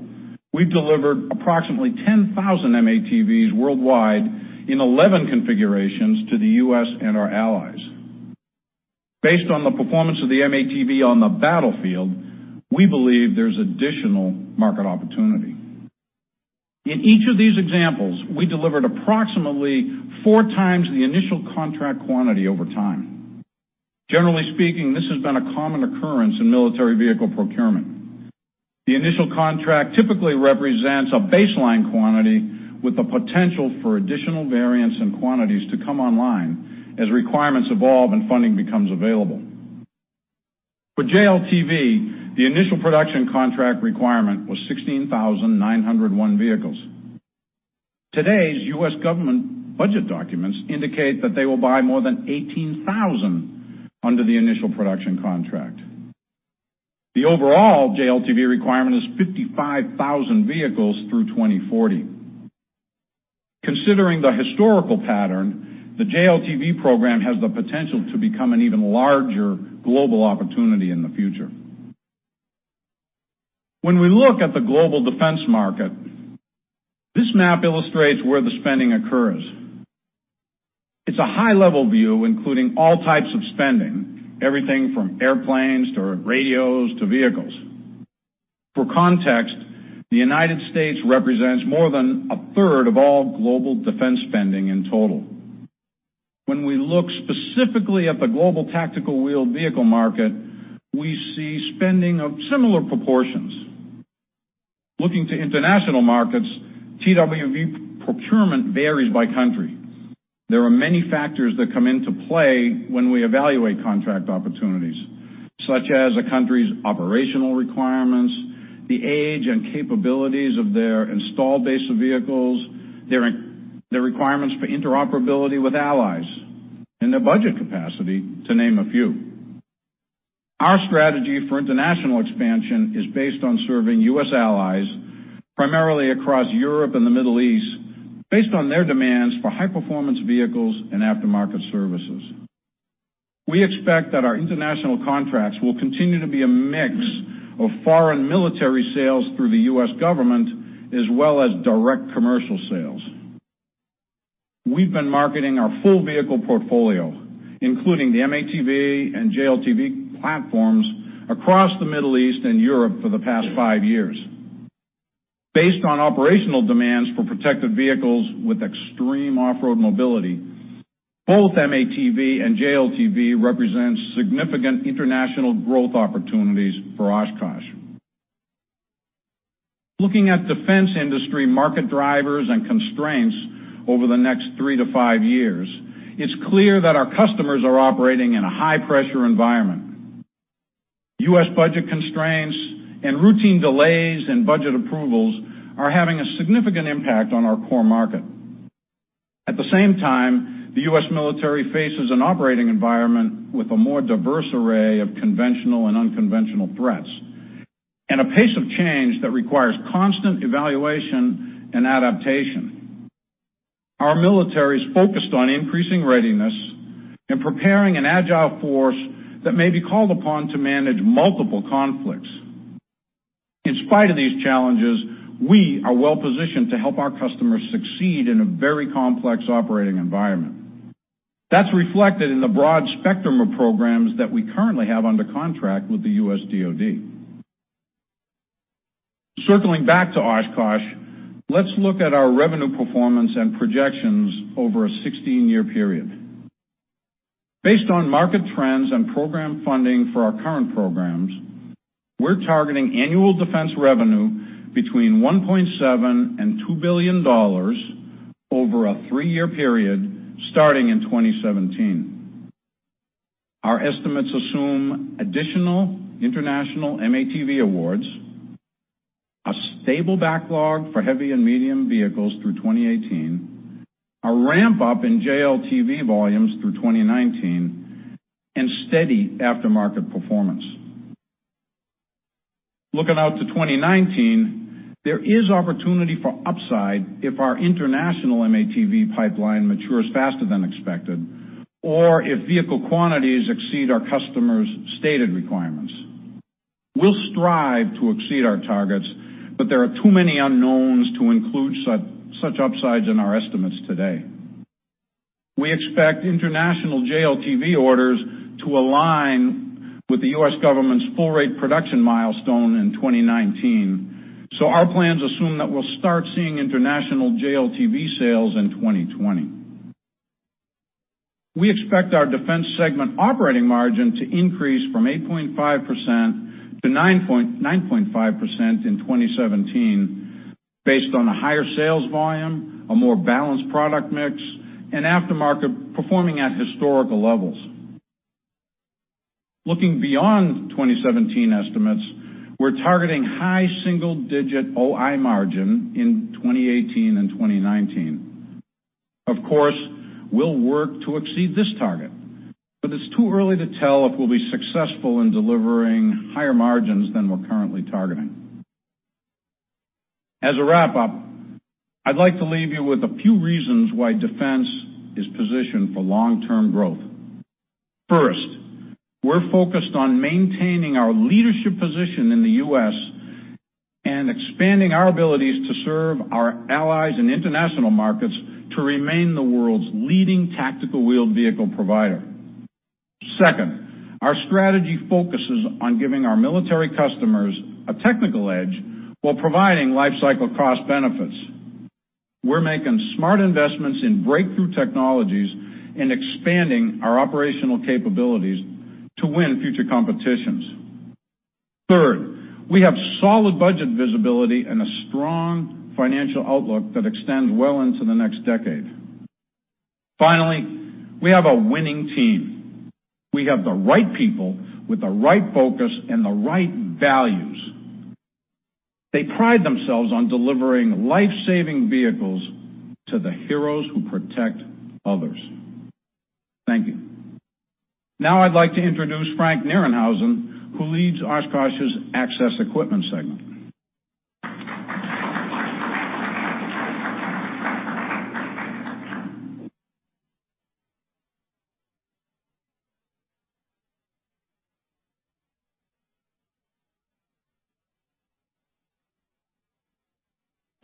we've delivered approximately 10,000 M-ATVs worldwide in 11 configurations to the U.S. and our allies. Based on the performance of the M-ATV on the battlefield, we believe there's additional market opportunity. In each of these examples, we delivered approximately 4 times the initial contract quantity over time. Generally speaking, this has been a common occurrence in military vehicle procurement. The initial contract typically represents a baseline quantity with the potential for additional variants and quantities to come online as requirements evolve and funding becomes available. For JLTV, the initial production contract requirement was 16,901 vehicles. Today's U.S. government budget documents indicate that they will buy more than 18,000 under the initial production contract. The overall JLTV requirement is 55,000 vehicles through 2040. Considering the historical pattern, the JLTV program has the potential to become an even larger global opportunity in the future. When we look at the global defense market, this map illustrates where the spending occurs. It's a high-level view, including all types of spending, everything from airplanes to radios to vehicles. For context, the United States represents more than a third of all global defense spending in total. When we look specifically at the Global Tactical Wheeled Vehicle market, we see spending of similar proportions looking to international markets. TWV procurement varies by country. There are many factors that come into play when we evaluate contract opportunities, such as a country's operational requirements, the age and capabilities of their installed base of vehicles, their requirements for interoperability with allies, and their budget capacity, to name a few. Our strategy for international expansion is based on serving U.S. allies primarily across Europe and the Middle East based on their demands for high-performance vehicles and aftermarket services. We expect that our international contracts will continue to be a mix of foreign military sales through the U.S. Government as well as direct commercial sales. We've been marketing our full vehicle portfolio, including the M-ATV and JLTV platforms across the Middle East and Europe for the past 5 years based on operational demands for protected vehicles with extreme off-road mobility. Both M-ATV and JLTV represent significant international growth opportunities for Oshkosh. Looking at defense industry market drivers and constraints over the next 3-5 years, it's clear that our customers are operating in a high-pressure environment. U.S. budget constraints and routine delays in budget approvals are having a significant impact on our core market. At the same time, the U.S. Military faces an operating environment with a more diverse array of conventional and unconventional threats and a pace of change that requires constant evaluation and adaptation. Our military is focused on increasing readiness and preparing an agile force that may be called upon to manage multiple conflicts. In spite of these challenges, we are well positioned to help our customers succeed in a very complex operating environment that's reflected in the broad spectrum of programs that we currently have under contract with the U.S. DoD. Circling back to Oshkosh, let's look at our revenue performance and projections over a 16-year period based on market trends and program funding. For our current programs, we're targeting annual defense revenue between $1.7-$2 billion over a three-year period starting in 2017. Our estimates assume additional international M-ATV awards, a stable backlog for heavy and medium vehicles through 2018, a ramp up in JLTV volumes through 2019, and steady aftermarket performance. Looking out to 2019, there is opportunity for upside if our international M-ATV pipeline matures faster than expected, or if vehicle quantities exceed our customer's stated requirements. We'll strive to exceed our targets, but there are too many unknowns to include such upsides in our estimates. Today we expect international JLTV orders to align with the U.S. government's full rate production milestone in 2019, so our plans assume that we'll start seeing international JLTV sales in 2020. We expect our Defense segment operating margin to increase from 8.5% to 9.5% in 2017 based on a higher sales volume, a more balanced product mix and aftermarket performing at historical levels. Looking beyond 2017 estimates, we're targeting high single-digit OI margin in 2018 and 2019. Of course, we'll work to exceed this. Target, but it's too early to tell. If we'll be successful in delivering higher margins than we're currently targeting. As a wrap-up, I'd like to leave you with a few reasons why Defense is positioned for long-term growth. First, we're focused on maintaining our leadership position in the U.S. and expanding our abilities to serve our allies in international markets to remain the world's leading tactical wheeled vehicle provider. Second, our strategy focuses on giving our military customers a technical edge while providing life-cycle cost benefits. We're making smart investments in breakthrough technologies and expanding our operational capabilities to win future competitions. Third, we have solid budget visibility and a strong financial outlook that extends well into the next decade. Finally, we have a winning team. We have the right people with the right focus and the right values. They pride themselves on delivering life-saving vehicles to the heroes who protect others. Thank you. Now I'd like to introduce Frank Nerenhausen who leads Oshkosh's Access Equipment segment.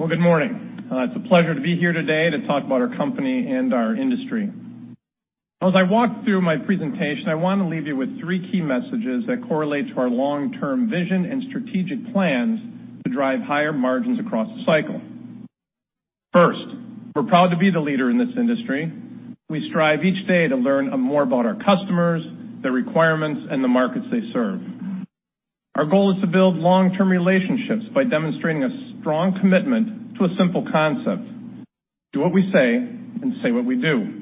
Well, good morning. It's a pleasure to be here today to talk about our company and our industry. As I walk through my presentation, I want to leave you with three key messages that correlate to our long term vision and strategic plans to drive higher margins across the cycle. First, we're proud to be the leader in this industry. We strive each day to learn more about our customers, their requirements and the markets they serve. Our goal is to build long term relationships by demonstrating a strong commitment to a simple concept. Do what we say and say what we do.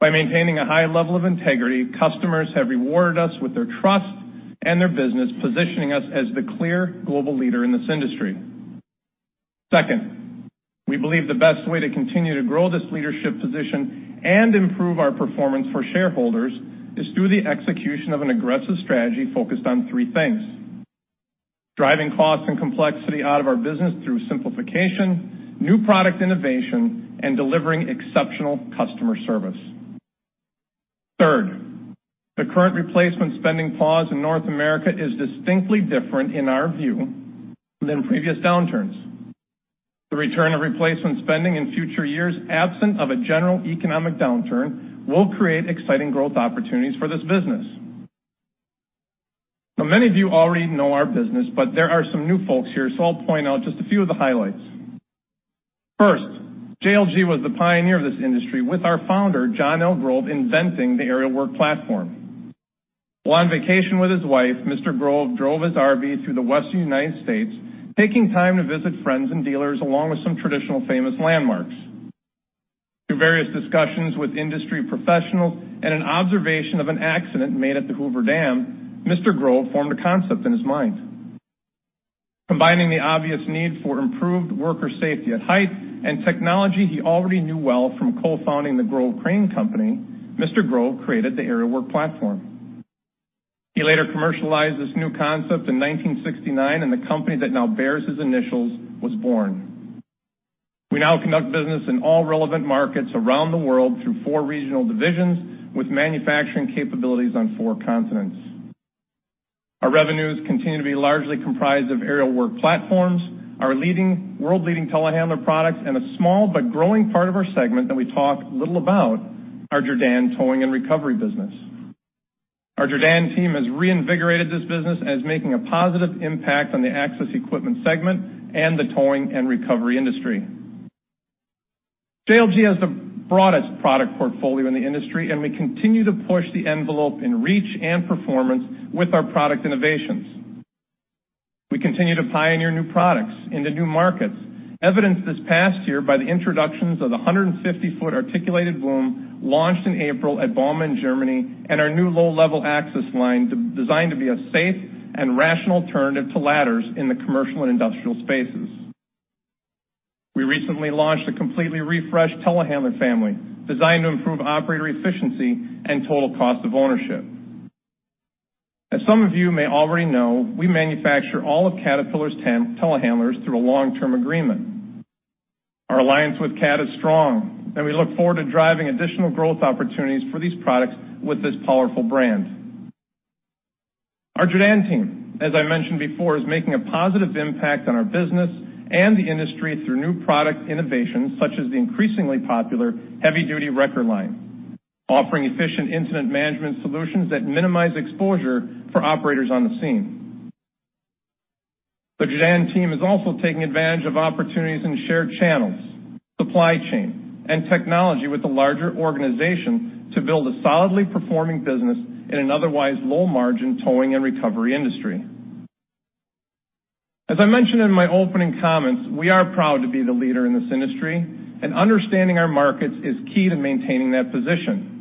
By maintaining a high level of integrity, customers have rewarded us with their trust and their business, positioning us as the clear global leader in this industry. Second, we believe the best way to continue to grow this leadership position and improve our performance for shareholders is through the execution of an aggressive strategy focused on three things: driving cost and complexity out of our business through simplification, new product innovation, and delivering exceptional customer service. Third, the current replacement spending pause in North America is distinctly different in our. Worse than previous downturns. The return of replacement spending in future years absent of a general economic downturn will create exciting growth opportunities for this business. Many of you already know our business, but there are some new folks here, so I'll point out just a few of the highlights. First, JLG was the pioneer of this industry with our founder, John L. Grove, inventing the aerial work platform. While on vacation with his wife, Mr. Grove drove his RV through the Western United States, taking time to visit friends and dealers along with some traditional famous landmarks. Through various discussions with industry professionals and an observation of an accident made at the Hoover Dam, Mr. Grove formed a concept in his mind combining the obvious need for improved worker safety at height and technology he already knew well. From co-founding the Grove Crane Company, Mr. Grove created the aerial work platform. He later commercialized this new concept in 1969 and the company that now bears his initials was born. We now conduct business in all relevant markets around the world through four regional divisions with manufacturing capabilities on four continents. Our revenues continue to be largely comprised of aerial work platforms, our leading world leading telehandler products and a small but growing part of our segment that we talk little about our Jerr-Dan towing and recovery business. Our Jerr-Dan team has reinvigorated this business as making a positive impact on the access equipment segment and the towing and recovery industry. JLG has the broadest product portfolio in the industry and we continue to push the envelope in reach and performance with our product innovations. We continue to pioneer new products into new markets evidenced this past year by the introductions of the 150-foot articulating boom launched in April at Bauma, Germany, and our new low-level access line designed to be a safe and rational alternative to ladders in the commercial and industrial spaces. We recently launched a completely refreshed Telehandler family designed to improve operator efficiency and total cost of ownership. As some of you may already know, we manufacture all of Caterpillar's Telehandlers through a long-term agreement. Our alliance with CAT is strong and we look forward to driving additional growth opportunities for these products with this powerful brand. Our Jerr-Dan team, as I mentioned before, is making a positive impact on our business and the industry through new product innovations such as the increasingly popular Heavy Duty Wrecker line offering efficient incident management solutions that minimize exposure for operators on the scene. The Jerr-Dan team is also taking advantage of opportunities in shared channels, supply chain and technology with the larger organization to build a solidly performing business in an otherwise low margin towing and recovery industry. As I mentioned in my opening comments. We are proud to be the leader. In this industry and understanding our markets is key to maintaining that position.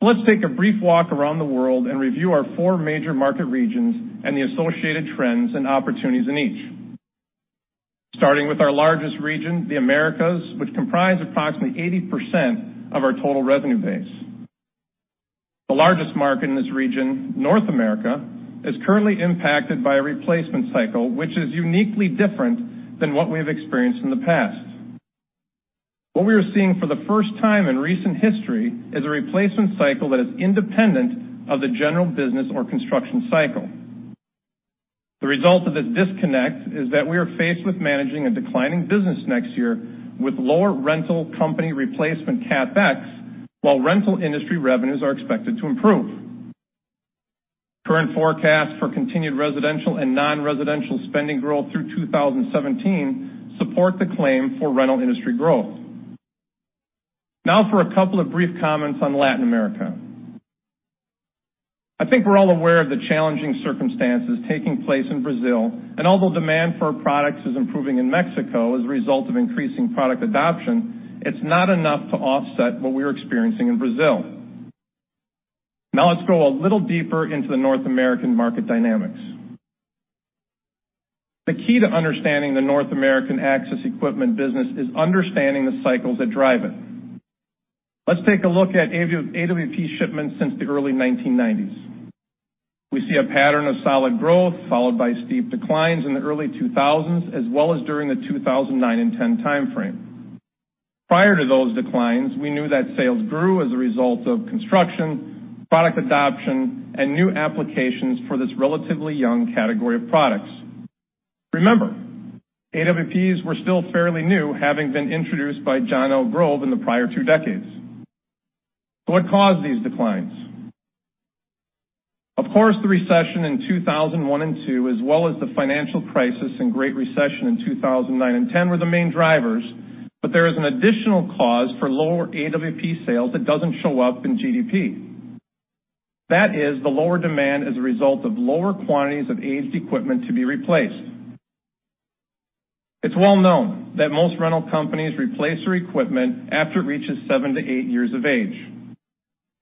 So let's take a brief walk around the world and review our four major market regions and the associated trends and opportunities in each starting with our largest region, the Americas, which comprise approximately 80% of our total revenue base. The largest market in this region, North America, is currently impacted by a replacement cycle which is uniquely different than what we have experienced in the past. What we are seeing for the first time in recent history is a replacement cycle that is independent of the general business or construction cycle. The result of this disconnect is that we are faced with managing a declining business next year with lower rental company replacement CapEx. While rental industry revenues are expected to improve, current forecast for continued residential and non-residential spending growth through 2017 support the claim for rental industry growth. Now for a couple of brief comments. On Latin America, I think we're all. Aware of the challenging circumstances taking place in Brazil and although demand for our products is improving in Mexico as a result of increasing product adoption, it's not enough to offset what we are experiencing in Brazil. Now let's go a little deeper into the North American market dynamics. The key to understanding the North American access equipment business is understanding the cycles that drive it. Let's take a look at AWP shipments since the early 1990s. We see a pattern of solid growth followed by steep declines in the early 2000s as well as during the 2009 and 2010 timeframe. Prior to those declines, we knew that sales grew as a result of construction product adoption and new applications for this relatively young category of products. Remember, AWPs were still fairly new, having been introduced by John L. Grove in. The prior two decades. What caused these declines? Of course, the recession in 2001 and 2002 as well as the financial crisis and Great Recession in 2009 and 2010 were the main drivers. There is an additional cause for lower AWP sales that doesn't show up. In GDP, that is the lower demand. As a result of lower quantities of aged equipment to be replaced. It's well known that most rental companies replace their equipment after it reaches seven. To 8 years of age.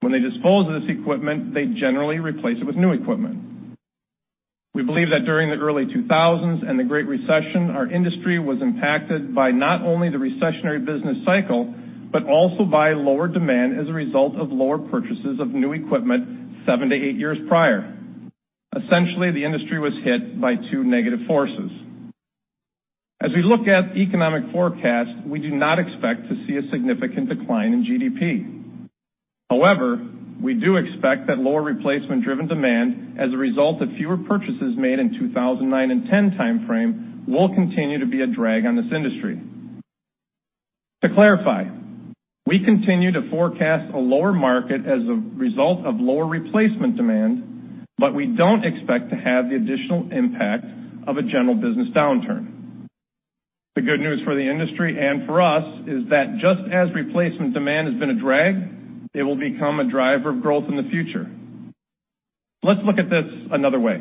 When they dispose of this equipment, they generally replace it with new equipment. We believe that during the early 2000s and the Great Recession, our industry was impacted by not only the recessionary business cycle, but also by lower demand as a result of lower purchases of new equipment 7-8 years prior. Essentially, the industry was hit by two negative forces. As we look at economic forecast, we do not expect to see a significant decline in GDP. However, we do expect that lower replacement driven demand as a result of fewer purchases made in 2009 and 2010 timeframe will continue to be a drag on this industry. To clarify, we continue to forecast a lower market as a result of lower replacement demand. But we don't expect to have the additional impact of a general business downturn. The good news for the industry and for us is that just as replacement demand has been a drag, they will become a driver of growth in the future. Let's look at this another way.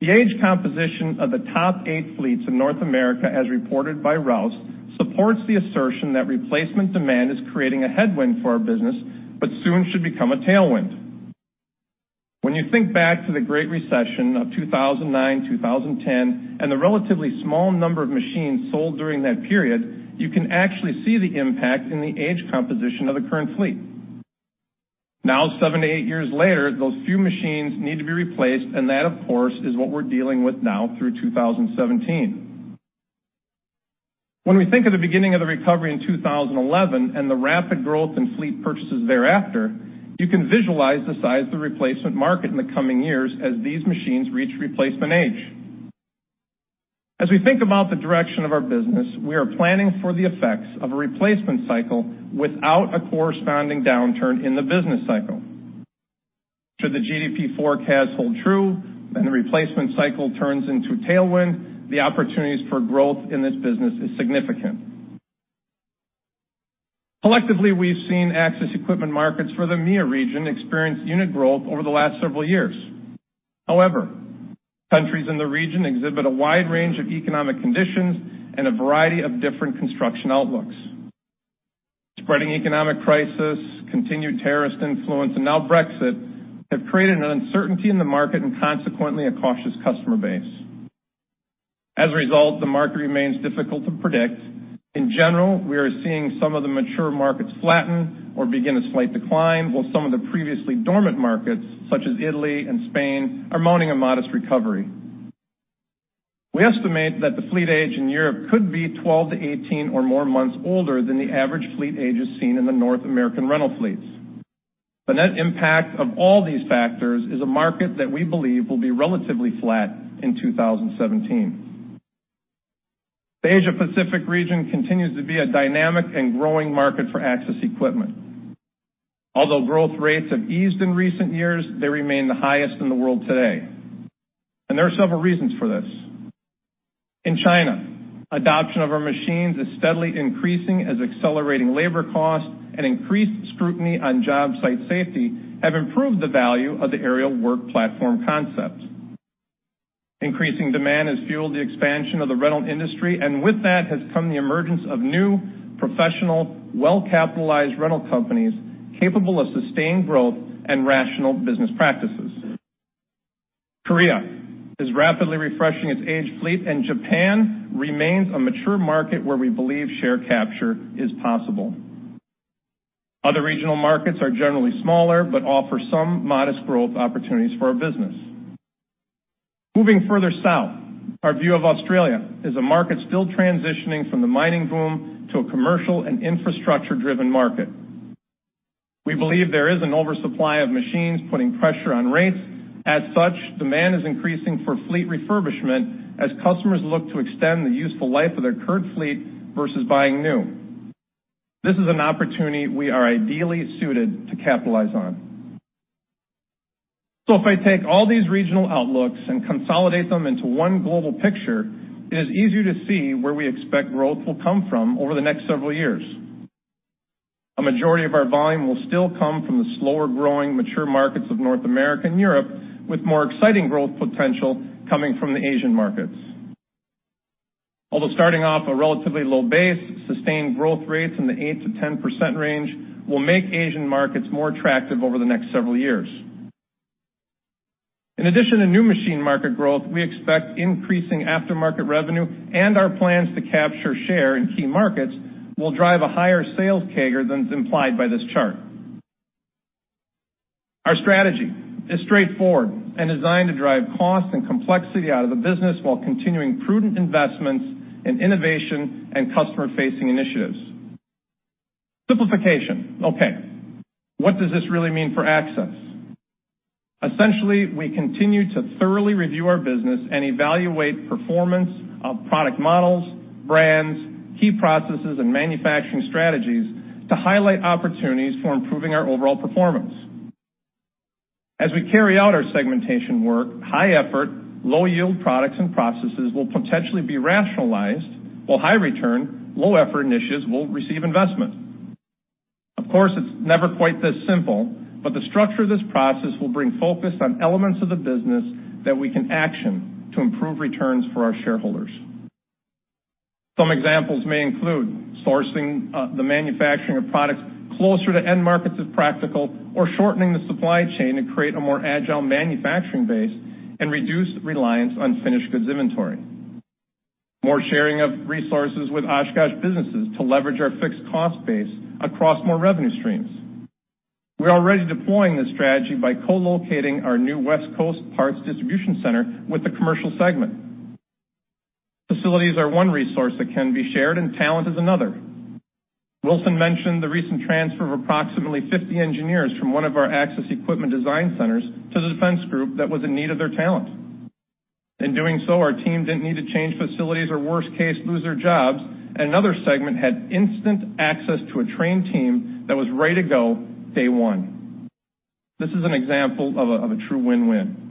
The age composition of the top 8 fleets in North America as reported by Rouse, supports the assertion that replacement demand is creating a headwind for our business, but soon should become a tailwind. When you think back to the Great Recession of 2009-2010 and the relatively small number of machines sold during that period, you can actually see the impact in the age composition of the current fleet. Now, 7-8 years later, those few machines need to be replaced. And that, of course, is what we're dealing with now through 2017. When we think of the beginning of the recovery in 2011 and the rapid growth in fleet purchases thereafter, you can visualize the size of the replacement market in the coming years as these machines reach replacement age. As we think about the direction of our business, we are planning for the effects of a replacement cycle without a corresponding downturn in the business cycle. Should the GDP forecast hold true and the replacement cycle turns into tailwind, the opportunities for growth in this business is significant. Collectively, we've seen Access equipment markets for the EMEA region experience unit growth over the last several years. However, countries in the region exhibit a wide range of economic conditions and a variety of different construction outlooks. Spreading economic crisis, continued terrorist influence, and now Brexit have created an uncertainty in the market and consequently a cautious customer base. As a result, the market remains difficult to predict. In general, we are seeing some of the mature markets flatten or begin a slight decline, while some of the previously dormant markets such as Italy and Spain are showing a modest recovery. We estimate that the fleet age in Europe could be 12-18 or more months older than the average fleet ages seen in the North American rental fleets. The net impact of all these factors is a market that we believe will be relatively flat in 2017. The Asia Pacific region continues to be a dynamic and growing market for Access Equipment. Although growth rates have eased in recent years, they remain the highest in the world today and there are several reasons for this. In China, adoption of our machines is steadily increasing as accelerating labor costs and increased scrutiny on job site safety have improved the value of the aerial work platform concept. Increasing demand has fueled the expansion of the rental industry and with that has come the emergence of new professional well capitalized rental companies capable of sustained growth and rational business practices. Korea is rapidly refreshing its age fleet and Japan remains a mature market where we believe share capture is possible. Other regional markets are generally smaller but offer some modest growth opportunities for our business. Moving further south, our view of Australia is a market still transitioning from the mining boom to a commercial and infrastructure driven market. We believe there is an oversupply of machines putting pressure on rates. As such, demand is increasing for fleet refurbishment as customers look to extend the useful life of their current fleet versus buying new. This is an opportunity we are ideally suited to capitalize on. So if I take all these regional outlooks and consolidate them into one global picture, it is easier to see where we expect growth will come from over the next several years. A majority of our volume will still come from the slower growing mature markets of North America and Europe, with more exciting growth potential coming from the Asian markets. Although starting off a relatively low base, sustained growth rates in the 8%-10% range will make Asian markets more attractive over the next several years. In addition to new machine market growth, we expect increasing aftermarket revenue and our plans to capture share in key markets will drive a higher sales CAGR than implied by this chart. Our strategy is straightforward and designed to drive cost and complexity out of the business while continuing prudent investments in innovation and customer facing initiatives. Simplification. Okay, what does this really mean for access? Essentially, we continue to thoroughly review our business and evaluate performance of product models, brands, key processes and manufacturing strategies to highlight opportunities for improving our overall performance as we carry out our segmentation work. High effort, low yield products and processes will potentially be rationalized while high return, low effort initiatives will receive investment. Of course, it's never quite this simple, but the structure of this process will bring focus on elements of the business that we can action to improve returns for our shareholders. Some examples may include sourcing the manufacturing of products closer to end markets as practical or shortening the supply chain to create a more agile manufacturing base and reduce reliance on finished goods inventory. More sharing of resources with Oshkosh businesses to leverage our fixed cost base across more revenue streams. We're already deploying this strategy by co-locating our new West Coast parts distribution center with the commercial segment. Facilities are one resource that can be shared and talent is another. Wilson mentioned the recent transfer of approximately 50 engineers from one of our Access equipment design centers to the defense group that was in need of their talent. In doing so, our team didn't need to change facilities or, worst case, lose their jobs, and another segment had instant access to a trained team that was ready to go day one. This is an example of a true win-win.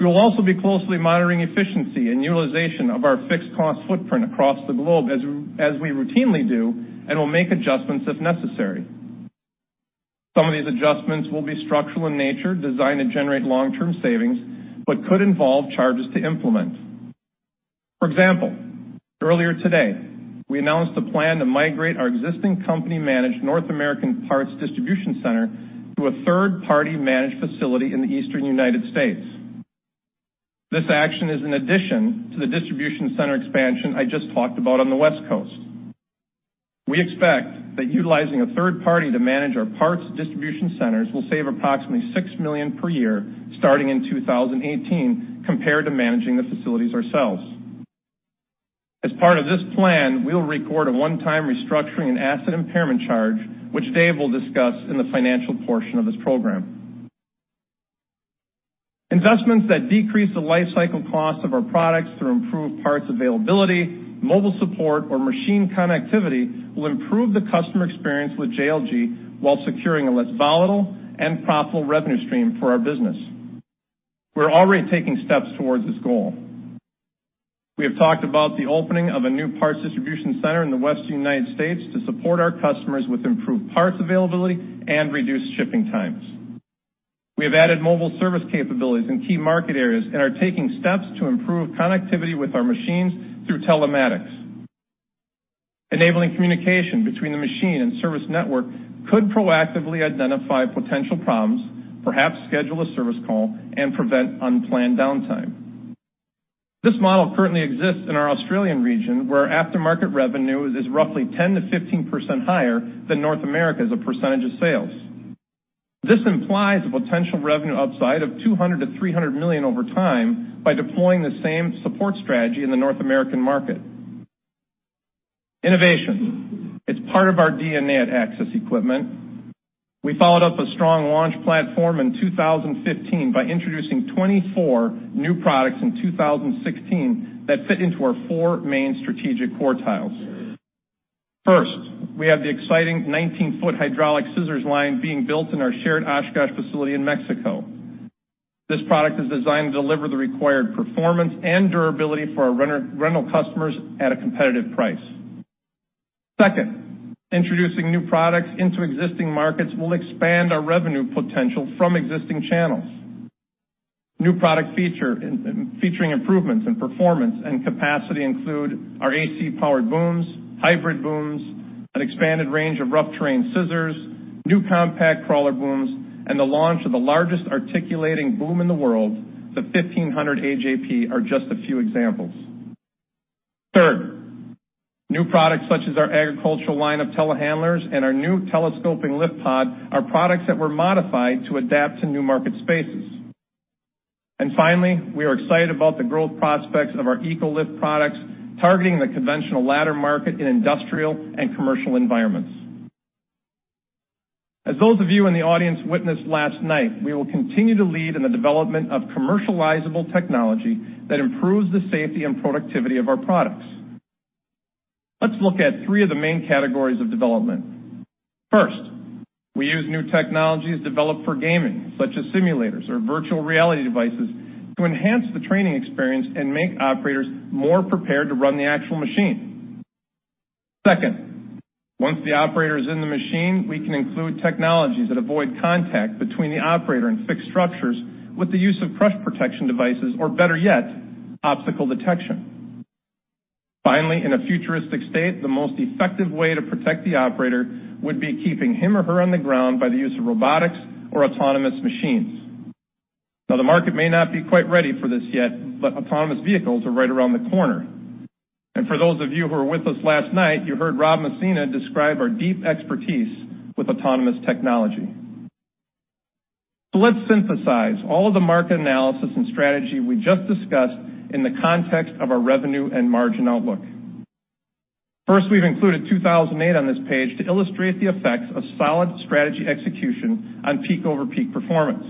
We will also be closely monitoring efficiency and utilization of our fixed cost footprint across the globe as we routinely do, and we'll make adjustments if necessary. Some of these adjustments will be structural in nature, designed to generate long-term savings, but could involve charges to implement. For example, earlier today we announced a plan to migrate our existing company-managed North American parts distribution center to a third-party-managed facility in the Eastern United States. This action is in addition to the distribution center expansion I just talked about on the West Coast. We expect that utilizing a third party to manage our parts distribution centers will save approximately $6 million per year starting in 2018 compared to managing the facilities ourselves. As part of this plan, we will record a one-time restructuring and asset impairment charge which Dave will discuss in the financial portion of this program. Investments that decrease the life cycle cost of our products through improved parts availability, mobile support or machine connectivity will improve the customer experience with JLG while securing a less volatile and profitable revenue stream for our business. We're already taking steps towards this goal. We have talked about the opening of a new parts distribution center in the Western United States to support our customers with improved parts availability and reduced shipping times. We have added mobile service capabilities in key market areas and are taking steps to improve connectivity with our machines through telematics. Enabling communication between the machine and service network could proactively identify potential problems, perhaps schedule a service call and prevent unplanned downtime. This model currently exists in our Australian region where aftermarket revenue is roughly 10%-15% higher than North America as a percentage of sales. This implies a potential revenue upside of $200 million-$300 million over time by deploying the same support strategy in the North American market. Innovation. It's part of our DNA at Access Equipment. We followed up a strong launch platform in 2015 by introducing 24 new products in 2016 that fit into our four main strategic quartiles. First, we have the exciting 19-foot hydraulic scissors line being built in our shared Oshkosh facility in Mexico. This product is designed to deliver the required performance and durability for our rental customers at a competitive price. Second, introducing new products into existing markets will expand our revenue potential from existing channels. New product featuring improvements in performance and capacity include our AC powered booms, hybrid booms, an expanded range of rough terrain scissors, new compact crawler booms, and the launch of the largest articulating boom in the world. The 1500AJP are just a few examples. Third, new products such as our agricultural line of telehandlers and our new telescoping LiftPod are products that were modified to adapt to new market spaces. Finally, we are excited about the growth prospects of our EcoLift products targeting the conventional ladder market in industrial and commercial environments. As those of you in the audience witnessed last night, we will continue to lead in the development of commercializable technology that improves the safety and productivity of our products. Let's look at three of the main categories of development. First, we use new technologies developed for gaming, such as simulators or virtual reality devices to enhance the training experience and make operators more prepared to run the actual machine. Second, once the operator is in the machine, we can include technologies that avoid contact between the operator and fixed structures with the use of crush protection devices or better yet, obstacle detection. Finally, in a futuristic state, the most effective way to protect the operator would be keeping him or her on the ground by the use of robotics or autonomous machines. Now, the market may not be quite ready for this yet, but autonomous vehicles are right around the corner. For those of you who were with us last night, you heard Rob Messina describe our deep expertise with autonomous technology. Let's synthesize all of the market analysis and strategy we just discussed in the context of our revenue and margin outlook. First, we've included 2008 on this page to illustrate the effects of solid strategy execution on peak over peak performance.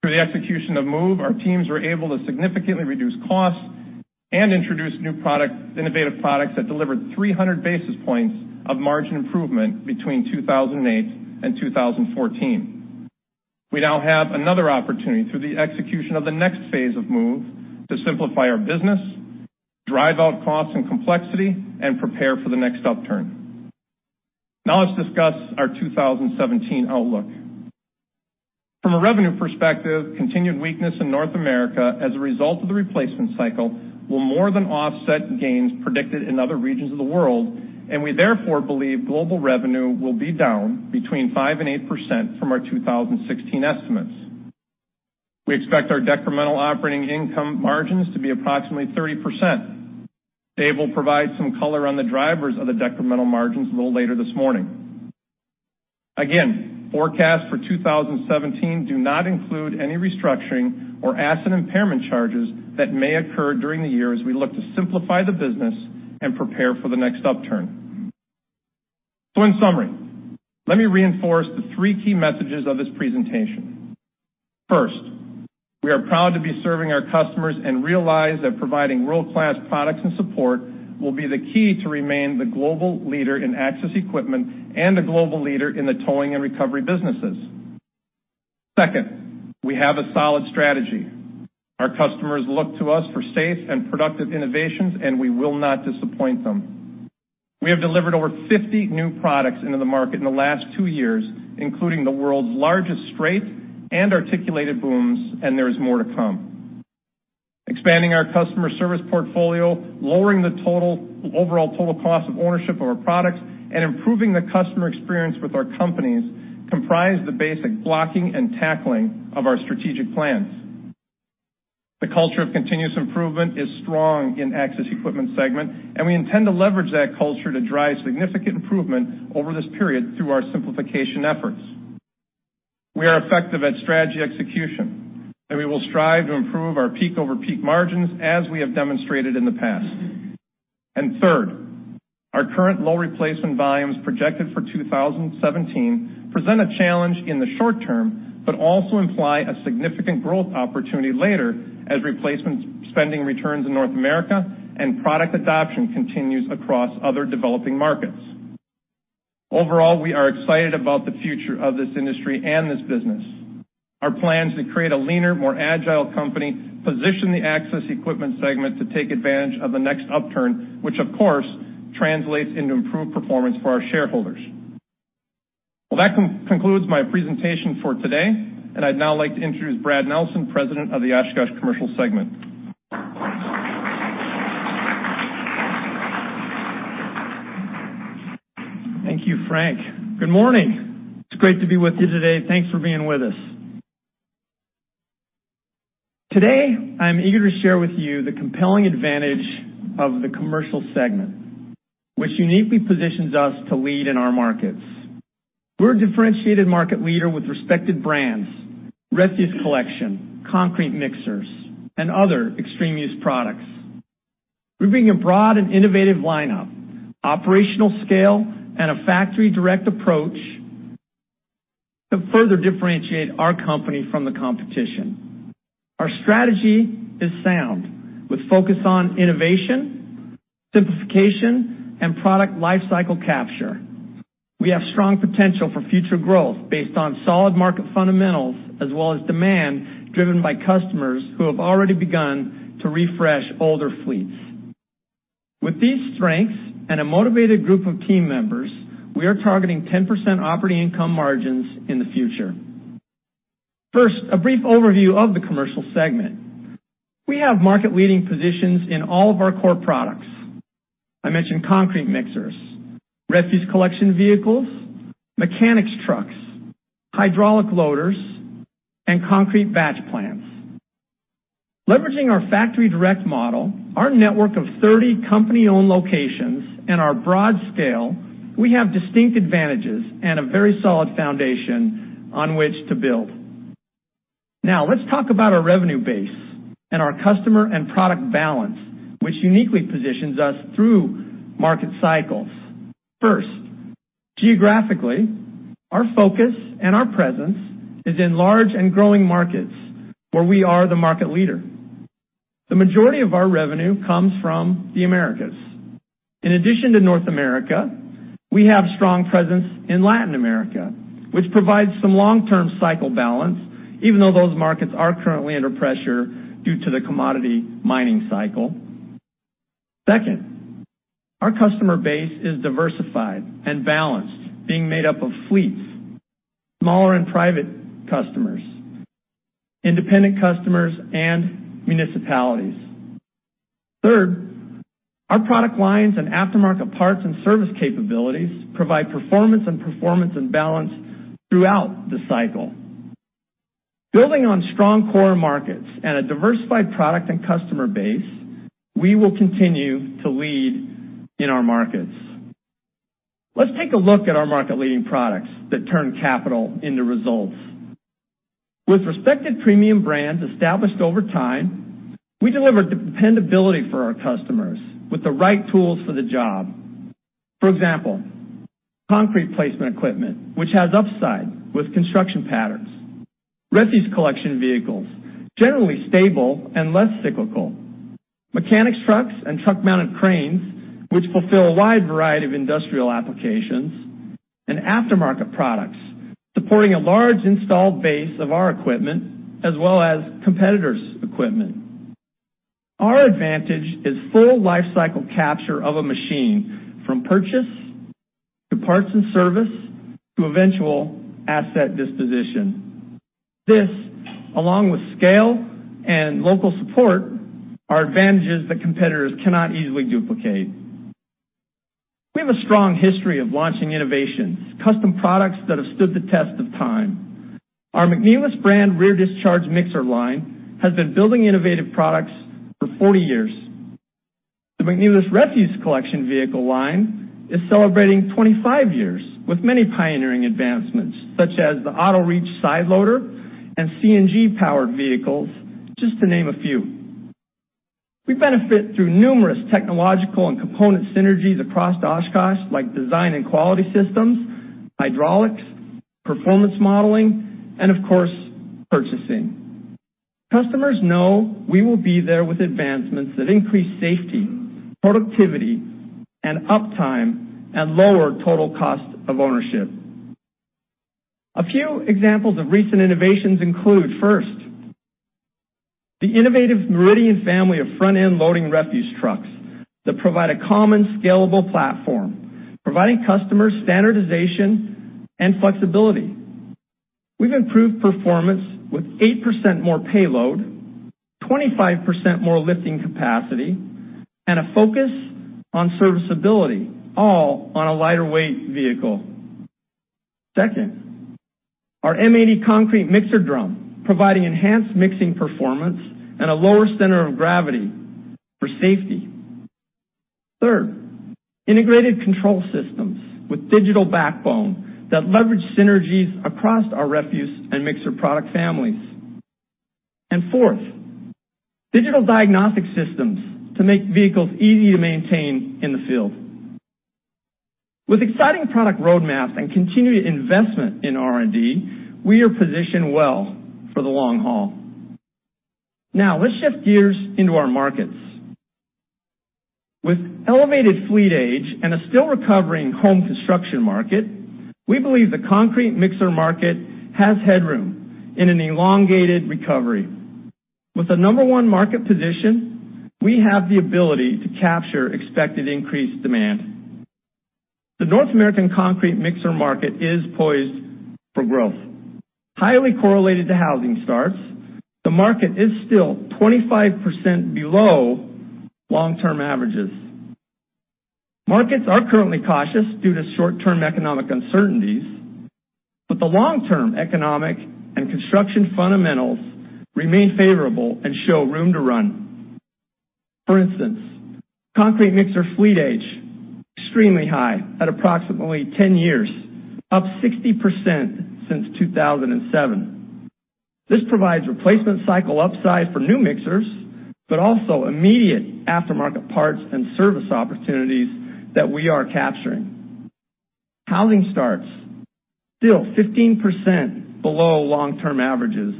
Through the execution of MOVE, our teams were able to significantly reduce costs and introduce new product innovative products that delivered 300 basis points of margin improvement between 2008 and 2014. We now have another opportunity through the execution of the next phase of MOVE to simplify our business, drive out costs and complexity and prepare for the next upturn. Now let's discuss our 2017 outlook from a revenue perspective. Continued weakness in North America as a result of the replacement cycle will more than offset gains predicted in other regions of the world, and we therefore believe global revenue will be down between 5%-8% from our 2016 estimates. We expect our decremental operating income margins to be approximately 30%. Dave will provide some color on the drivers of the decremental margins a little later this morning. Again, forecasts for 2017 do not include any restructuring or asset impairment charges that may occur during the year as we look to simplify the business and prepare for the next upturn. So, in summary, let me reinforce the three key messages of this presentation. First, we are proud to be serving our customers and realize that providing world class products and support will be the key to remain the global leader in access equipment and a global leader in the towing and recovery businesses. Second, we have a solid strategy. Our customers look to us for safe and productive innovations and we will not disappoint them. We have delivered over 50 new products into the market in the last two years, including the world's largest straight and articulated booms. There is more to come. Expanding our customer service portfolio, lowering the. Total overall total Cost of Ownership of. Our products and improving the customer experience with our companies comprise the basic blocking and tackling of our strategic plans. The culture of continuous improvement is strong in Access Equipment segment and we intend to leverage that culture to drive significant improvement over this period. Through our simplification efforts, we are effective at strategy execution and we will strive to improve our peak over peak margins as we have demonstrated in the past. And third, our current low replacement volumes projected for 2017 present a challenge in the short term, but also imply a significant growth opportunity later as replacement spending returns in North America and product adoption continues across other developing markets. Overall, we are excited about the future. Of this industry and this business. Our plan is to create a leaner, more agile company, position the Access Equipment segment to take advantage of the next upturn, which of course translates into improved. Performance for our shareholders. Well, that concludes my presentation for today and I'd now like to introduce Brad Nelson, President of the Oshkosh Commercial Segment. Thank you. Frank, good morning. It's great to be with you today. Thanks for being with us. Today. I'm eager to share with you the compelling advantage of the commercial segment which uniquely positions us to lead in our markets. We're a differentiated market leader with respected brands, refuse collection, concrete mixers and other extreme use products. We bring a broad and innovative lineup, operational scale and a factory direct approach to further differentiate our company from the competition. Our strategy is sound with focus on innovation, simplification and product life cycle capture. We have strong potential for future growth based on solid market fundamentals as well as demand driven by customers who have already begun to refresh older fleets. With these strengths and a motivated group of team members, we are targeting 10% operating income margins in the future. First, a brief overview of the commercial segment. We have market leading positions in all of our core products. I mentioned concrete mixers, refuse collection vehicles, mechanics trucks, hydraulic loaders and concrete batch plants. Leveraging our factory direct model, our network of 30 company-owned locations and our broad scale, we have distinct advantages and a very solid foundation on which to build. Now let's talk about our revenue base and our customer and product balance which uniquely positions us through market cycles. First, geographically our focus and our presence is in large and growing markets where we are the market leader. The majority of our revenue comes from the Americas in addition to North America. We have strong presence in Latin America which provides some long-term cycle balance even though those markets are currently under pressure due to the commodity mining cycle. Second, our customer base is diversified and balanced, being made up of fleets, smaller and private customers, independent customers and municipalities. Third, our product lines and aftermarket parts and service capabilities provide performance and balance throughout the cycle. Building on strong core markets and a diversified product and customer base, we will continue to lead in our markets. Let's take a look at our market. Leading products that turn capital into results with respect to premium brands established over time. We deliver dependability for our customers with the right tools for the job, for example concrete placement equipment which has upside with construction patterns, refuse collection vehicles generally stable and less cyclical mechanics trucks and truck mounted cranes which fulfill a wide variety of industrial applications and aftermarket products supporting a large installed base of our equipment as well as competitors' equipment. Our advantage is full life cycle capture of a machine from purchase to parts and service to eventual asset disposition. This along with scale and local support are advantages that competitors cannot easily duplicate. We have a strong history of launching innovations, custom products that have stood the test of time. Our McNeilis brand rear discharge mixer line has been building innovative products for 40 years. The McNeilus refuse collection vehicle line is celebrating 25 years with many pioneering advancements such as the AutoReach side loader and CNG powered vehicles just to name a few. We benefit through numerous technological and component synergies across Oshkosh like design and quality systems, hydraulics, performance modeling and of course purchasing. Customers know we will be there with advancements that increase safety, productivity and uptime and lower total cost of ownership. A few examples of recent innovations include first, the innovative Meridian family of front end loading refuse trucks that provide a common scalable platform providing customers standardization flexibility. We've improved performance with 8% more payload, 25% more lifting capacity and a focus on serviceability, all on a lighter weight vehicle. Second, our M80 concrete mixer drum providing enhanced mixing performance and a lower center of gravity for safety. Third, integrated control systems with digital backbone that leverage synergies across our refuse and mixer product families and fourth, digital diagnostic systems to make vehicles easy to maintain in the field. With exciting product roadmaps and continued investment in R and D, we are positioned well for the long haul. Now let's shift gears into our markets. With elevated fleet age and a still recovering home construction market, we believe the concrete mixer market has headroom in an elongated recovery. With the number one market position, we have the ability to capture expected increased demand. The North American concrete mixer market is poised for growth. Highly correlated to housing starts. The market is still 25% below long-term averages. Markets are currently cautious due to short-term economic uncertainties, but the long-term economic and construction fundamentals remain favorable and show room to run. For instance, concrete mixer fleet age extremely high at approximately 10 years, up 60% since 2007. This provides replacement cycle upside for new mixers but also immediate aftermarket parts and service opportunities that we are capturing. Housing starts still 15% below long term averages.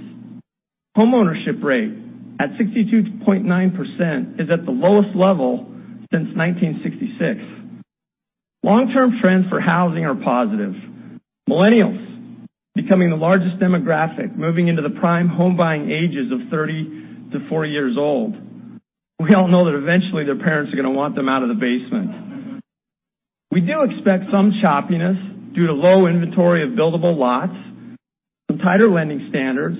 Homeownership rate at 62.9% is at the lowest level since 1966. Long term trends for housing are positive. Millennials becoming the largest demographic moving into the prime home buying ages of 30 to 40 years old. We all know that eventually their parents are going to want them out of the basement. We do expect some choppiness due to low inventory of buildable lots, some tighter lending standards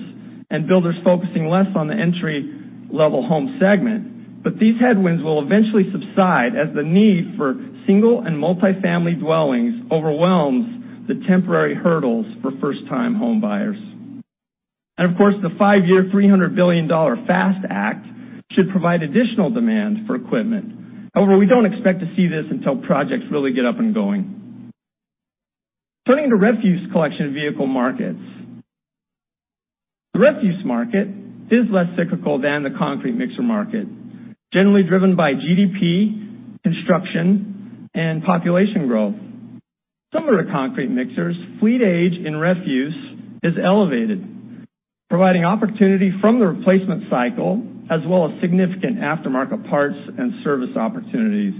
and builders focusing less on the entry level home segment. But these headwinds will eventually subside as the need for single and multi family dwellings overwhelms the temporary hurdles for first time home buyers. Of course, the 5-year $300 billion FAST Act should provide additional demand for equipment. However, we don't expect to see this until projects really get up and going. Turning to refuse collection vehicle markets, the refuse market is less cyclical than the concrete mixer market, generally driven by GDP, construction, and population growth. Similar to concrete mixers, fleet age in refuse is elevated, providing opportunity from the replacement cycle as well as significant aftermarket parts and service opportunities.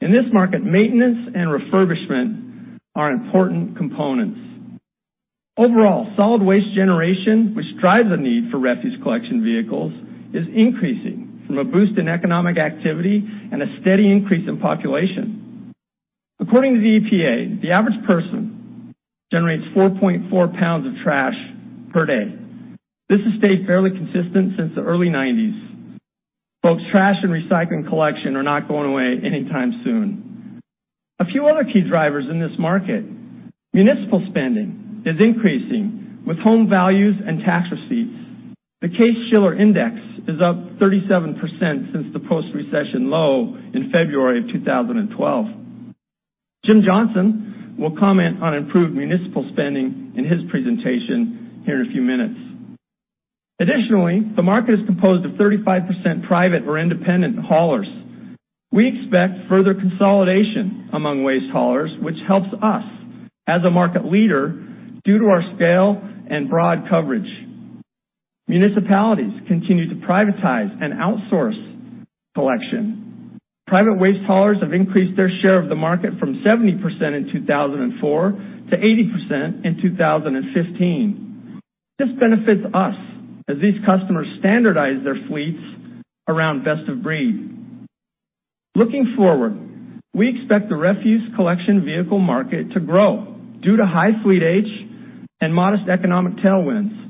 In this market, maintenance and refurbishment are important components. Overall, solid waste generation, which drives the need for refuse collection vehicles, is increasing from a boost in economic activity and a steady increase in population. According to the EPA, the average person generates 4.4 pounds of trash per day. This has stayed fairly consistent since the early 1990s. Folks, trash and recycling collection are not going away anytime soon. A few other key drivers in this market. Municipal spending is increasing with home values and tax receipts. The Case-Shiller index is up 37% since the post recession low in February of 2012. Jim Johnson will comment on improved municipal spending in his presentation here in a few minutes. Additionally, the market is composed of 35% private or independent haulers. We expect further consolidation among waste haulers which helps us. As a market leader, due to our scale and broad coverage, municipalities continue to privatize and outsource collection. Private waste haulers have increased their share of the market from 70% in 2004 to 80% in 2015. This benefits us as these customers standardize their fleets around best of breed. Looking forward, we expect the refuse collection vehicle market to grow due to high fleet age and modest economic tailwinds.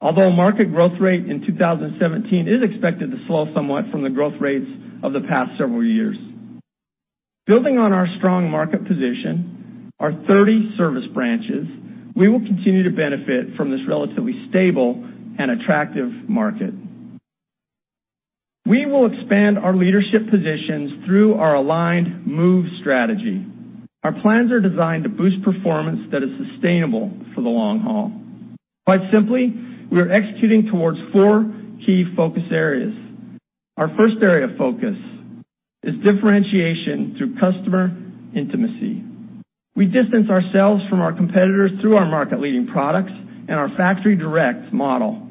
Although market growth rate in 2017 is expected to slow somewhat from the growth rates of the past several years. Building on our strong market position, our 30 service branches, we will continue to benefit from this relatively stable and attractive market. We will expand our leadership positions through our aligned MOVE strategy. Our plans are designed to boost performance that is sustainable for the long haul. Quite simply, we are executing towards four key focus areas. Our first area of focus is differentiation through customer intimacy. We distance ourselves from our competitors through our market leading products and our factory direct model.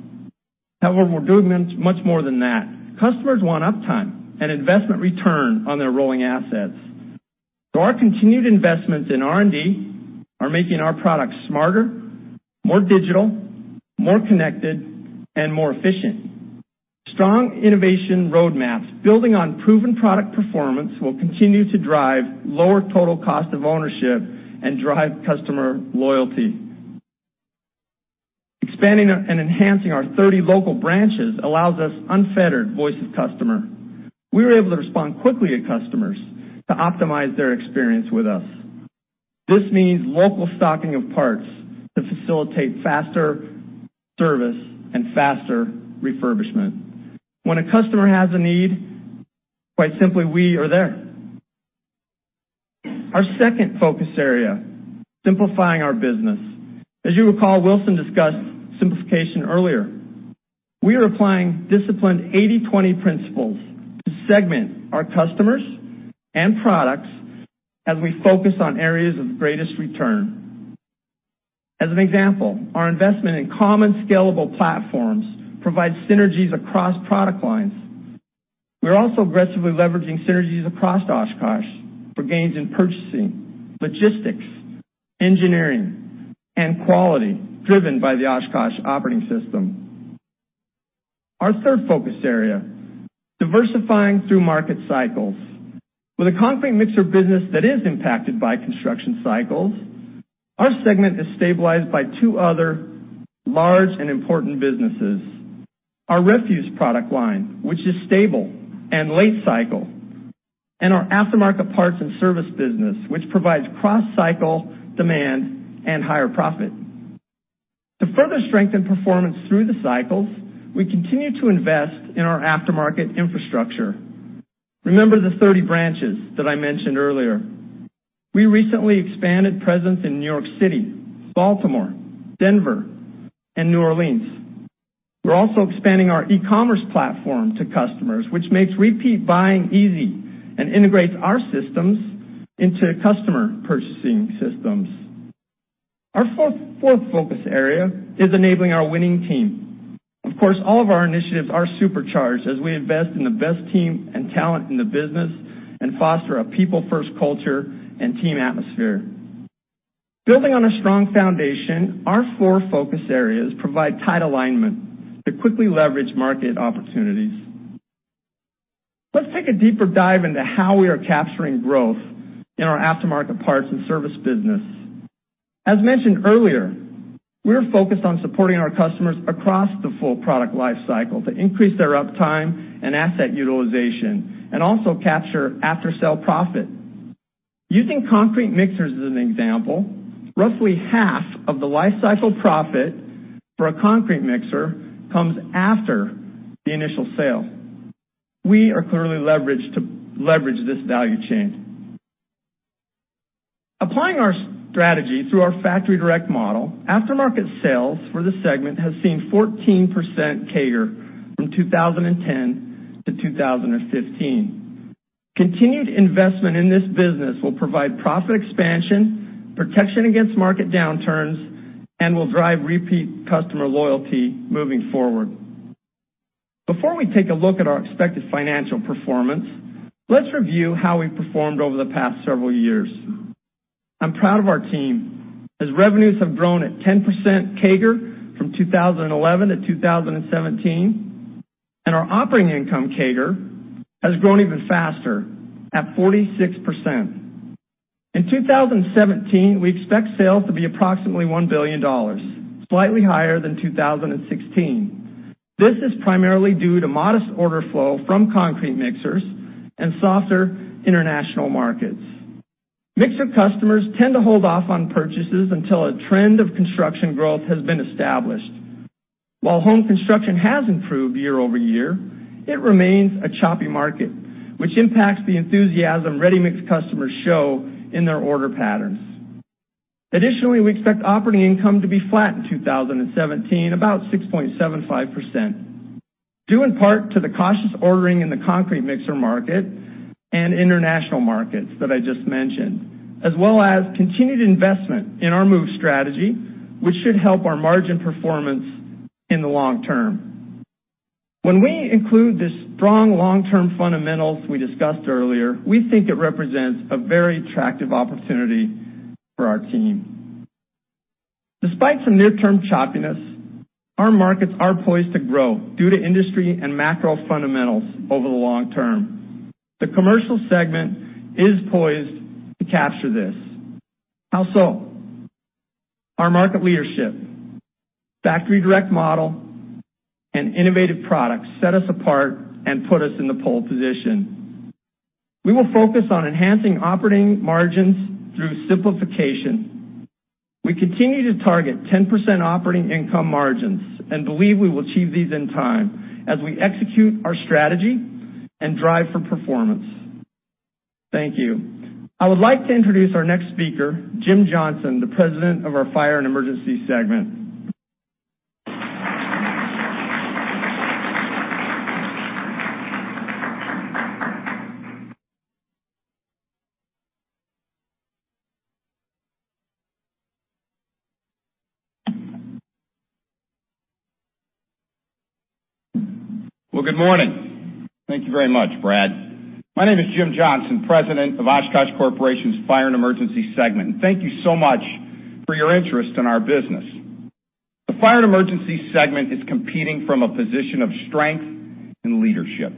However, we're doing much more than that. Customers want uptime and investment return on their rolling assets. So our continued investments in R and D are making our products smarter, more digital, more connected and more efficient. Strong innovation roadmaps building on proven product performance will continue to drive lower total cost of ownership and drive customer loyalty. Expanding and enhancing our 30 local branches allows us unfettered voice of customer. We were able to respond quickly to customers to optimize their experience with us. This means local stocking of parts to facilitate faster service and faster refurbishment. When a customer has a need, quite simply, we are there. Our second focus area, simplifying our business, as you recall, Wilson discussed simplification earlier. We are applying disciplined 80/20 principles to segment our customers and products as we focus on areas of greatest return. As an example, our investment in common scalable platforms provides synergies across product lines. We are also aggressively leveraging synergies across Oshkosh for gains in purchasing, logistics, engineering and quality driven by the Oshkosh Operating System. Our third focus area, Diversifying through market cycles with a concrete mixer business that is impacted by construction cycles. Our segment is stabilized by two other large and important businesses, our refuse product line which is stable and late cycle, and our aftermarket parts and service business which provides cross cycle demand and higher profit. To further strengthen performance through the cycles, we continue to invest in our aftermarket infrastructure. Remember the 30 branches that I mentioned earlier? We recently expanded presence in New York City, Baltimore, Denver and New Orleans. We're also expanding our e-commerce platform to customers which makes repeat buying easy and integrates our systems into customer purchasing systems. Our fourth focus area is enabling our winning team. Of course, all of our initiatives are supercharged as we invest in the best team and talent in the business and foster a people first culture and team atmosphere. Building on a strong foundation, our four focus areas provide tight alignment to quickly leverage market opportunities. Let's take a deeper dive into how we are capturing growth in our aftermarket parts and service business. As mentioned earlier, we are focused on supporting our customers across the full product life cycle to increase their uptime and asset utilization and also capture after sale profit. Using concrete mixers as an example, roughly half of the life cycle profit for a concrete mixer comes after the initial sale. We are clearly leveraged to leverage this value chain. Applying our strategy through our factory direct model, aftermarket sales for the segment has seen 14% CAGR from 2010 to 2015. Continued investment in this business will provide profit expansion protection against market downturns and will drive repeat customer loyalty moving forward. Before we take a look at our. Expected financial performance, let's review how we performed over the past several years. I'm proud of our team as revenues have grown at 10% CAGR from 2011 to 2017 and our operating income CAGR has grown even faster at 46% in 2017. We expect sales to be approximately $1 billion, slightly higher than 2016. This is primarily due to modest order flow from concrete mixers and softer international markets. Mixer customers tend to hold off on purchases until a trend of construction growth has been established. While home construction has improved year-over-year, it remains a choppy market which impacts the enthusiasm ready mix customers show in their order patterns. Additionally, we expect operating income to be flat in 2017 about 6.75% due in part to the cautious ordering in the concrete mixer market and international markets that I just mentioned as well as continued investment in our MOVE Strategy which should help our margin performance in the long term. When we include this strong long term fundamentals we discussed earlier, we think it represents a very attractive opportunity for our team. Despite some near term choppiness, our markets are poised to grow due to industry and macro fundamentals. Over the long term, the commercial segment is poised to capture this. How so? Our market leadership, factory direct model and innovative products set us apart and put us in the pole position. We will focus on enhancing operating margins through simplification. We continue to target 10% operating income margins and believe we will achieve these in time as we execute our strategy and drive for performance. Thank you. I would like to introduce our next speaker, Jim Johnson, the President of our Fire and Emergency segment. Well, good morning. Thank you very much, Brad. My name is Jim Johnson, President of. Oshkosh Corporation's Fire and Emergency Segment. Thank you so much for your interest in our business. The fire and emergency segment is competing from a position of strength and leadership.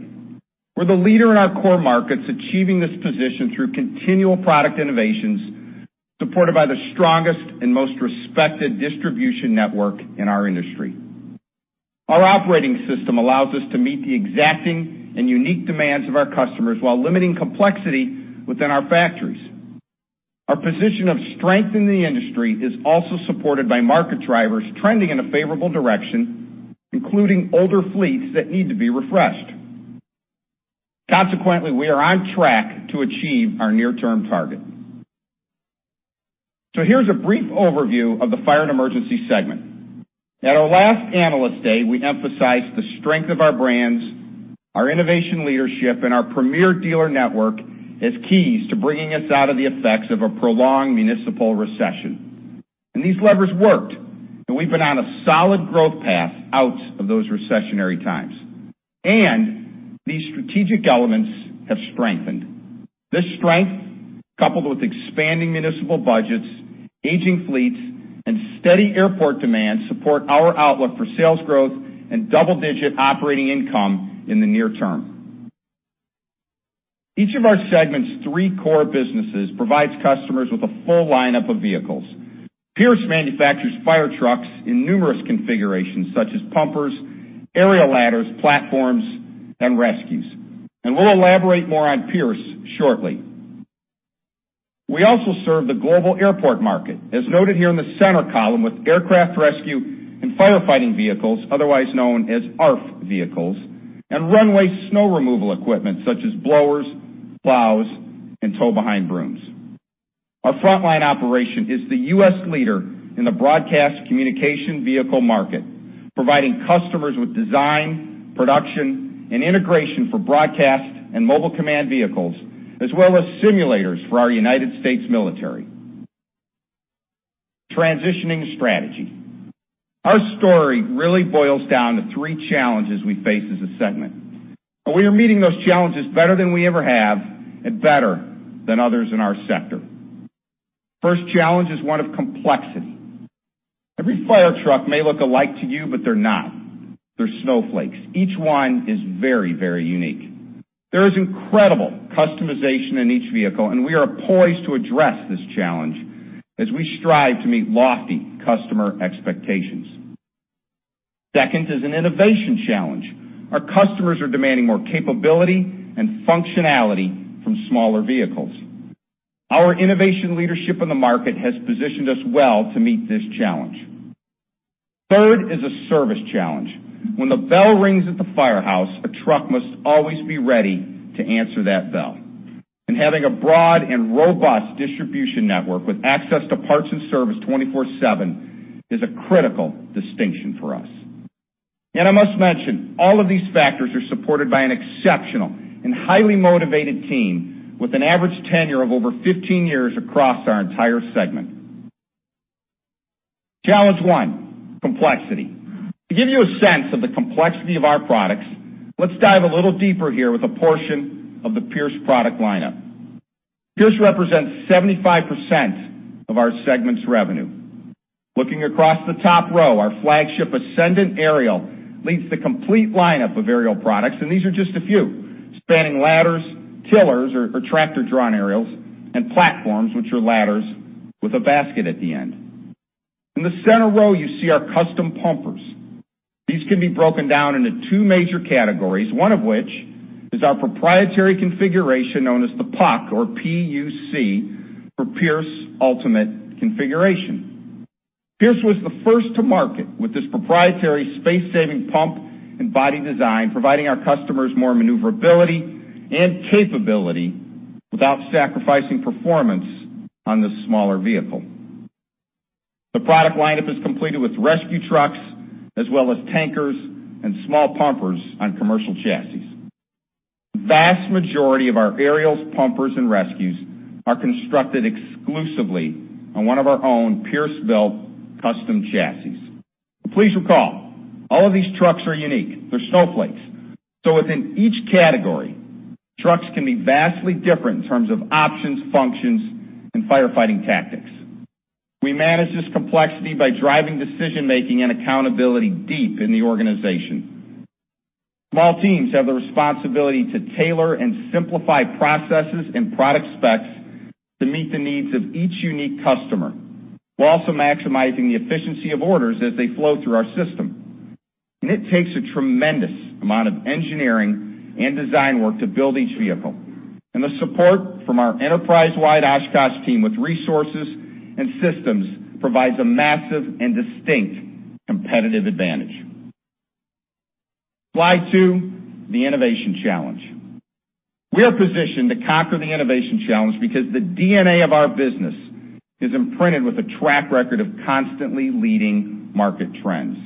We're the leader in our core markets, achieving this position through continual product innovations supported by the strongest and most respected distribution network in our industry. Our operating system allows us to meet the exacting and unique demands of our customers while limiting complexity within our factories. Our position of strength in the industry is also supported by market drivers trending in a favorable direction, including older fleets that need to be refreshed. Consequently, we are on track to achieve our near term target. Here's a brief overview of the. Fire and Emergency Segment. At our last analyst day, we emphasized the strength of our brands, our innovation leadership, and our premier dealer network as keys to bringing us out of the effects of a prolonged municipal recession. These levers worked, and we've been on a solid growth path out of those recessionary times. These strategic elements have strengthened this strength. Coupled with expanding municipal budgets, aging fleets, and steady airport demand, support our outlook for sales growth and double-digit operating income in the near term. Each of our segment's three core businesses. Provides customers with a full lineup of vehicles. Pierce manufactures fire trucks in numerous configurations such as pumpers, aerial ladders, platforms and rescues. We'll elaborate more on Pierce shortly. We also serve the global airport market. As noted here in the center column. With aircraft rescue and firefighting vehicles, otherwise known as ARFF vehicles, and runway snow removal equipment such as blowers, plows and tow behind brooms. Our frontline operation is the U.S. leader in the broadcast communication vehicle market, providing customers with design, production and integration for broadcast and mobile command vehicles, as well as simulators for our United States military transitioning strategy. Our story really boils down to three. Challenges we face as a segment. We are meeting those challenges better than we ever have and better than others in our sector. First challenge is one of complexity. Every fire truck may look alike to you, but they're not. They're snowflakes. Each one is very, very unique. There is incredible customization in each vehicle, and we are poised to address this. Challenge as we strive to meet lofty customer expectations. Second is an innovation challenge. Our customers are demanding more capability and functionality from smaller vehicles. Our innovation leadership in the market has positioned us well to meet this challenge. Third is a service challenge. When the bell rings at the firehouse, a truck must always be ready to answer that bell. And having a broad and robust distribution. Network with access to parts and service 24/7 is a critical distinction for us. I must mention all of these factors are supported by an exceptional and highly motivated team with an average tenure of over 15 years across our entire segment. Challenge 1 complexity to give you a sense of the complexity of our products. Let's dive a little deeper here with. A portion of the Pierce product lineup. Pierce represents 75% of our segment's revenue. Looking across the top row, our flagship Ascendant aerial leads the complete lineup of aerial products. These are just a few spanning ladders, tillers or tractor-drawn aerials and platforms, which are ladders with a basket at the end. In the center row you see our custom pumpers. These can be broken down into two major categories, one of which is our proprietary configuration known as the PUC or PUC for Pierce Ultimate Configuration. Pierce was the first to market with this proprietary space-saving pump and body design, providing our customers more maneuverability and capability without sacrificing performance on this smaller vehicle. The product lineup is completed with rescue trucks as well as tankers and small pumpers on commercial chassis. Vast majority of our aerials, pumpers and rescues are constructed exclusively on one of our own Pierce built custom chassis. Please recall all of these trucks are unique. They're snowflakes. So within each category, trucks can be vastly different in terms of options, functions and firefighting tactics. We manage this complexity by driving, decision making and accountability deep in the organization. Small teams have the responsibility to tailor and simplify processes and product specs to meet the needs of each unique customer while also maximizing the efficiency of orders as they flow through our system. It takes a tremendous amount of engineering and design work to build each. Vehicle and the support from our enterprise. Worldwide Oshkosh team with resources and systems provides a massive and distinct competitive advantage. Slide 2. The Innovation Challenge we are. Positioned to conquer the innovation challenge because the DNA of our business is imprinted with a track record of constantly leading market trends.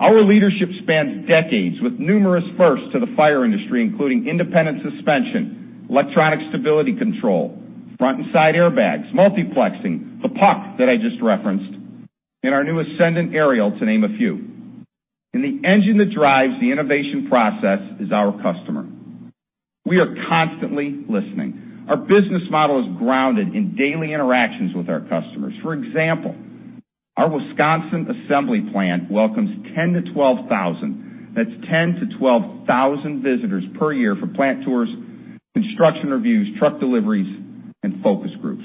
Our leadership spans decades with numerous firsts to the fire industry including independent suspension, electronic stability control, front and side airbags, multiplexing the PUC that I just referenced, and our new Ascendant aerial to name a few. The engine that drives the innovation process is our customer. We are constantly listening. Our business model is grounded in daily interactions with our customers. For example, our Wisconsin Assembly Plant welcomes 10-12,000. That's 10-12,000 visitors per year for plant tours, construction reviews, truck deliveries and focus groups.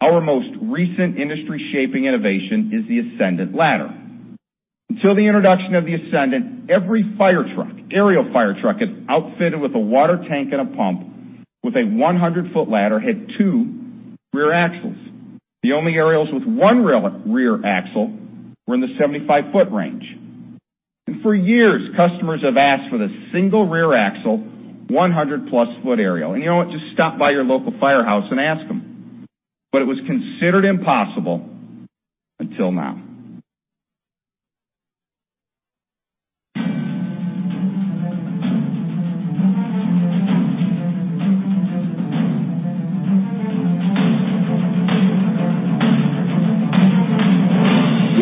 Our most recent industry-shaping innovation is the Ascendant Ladder. Until the introduction of the Ascendant, every fire truck aerial fire truck is outfitted with a water tank and a pump. With a 100-foot ladder had two rear axles. The only aerials with one rear axle were in the 75-foot range. For years customers have asked for the single rear axle 100-plus-foot aerial. You know what, just stop by your local firehouse and ask them. But it was considered impossible until now.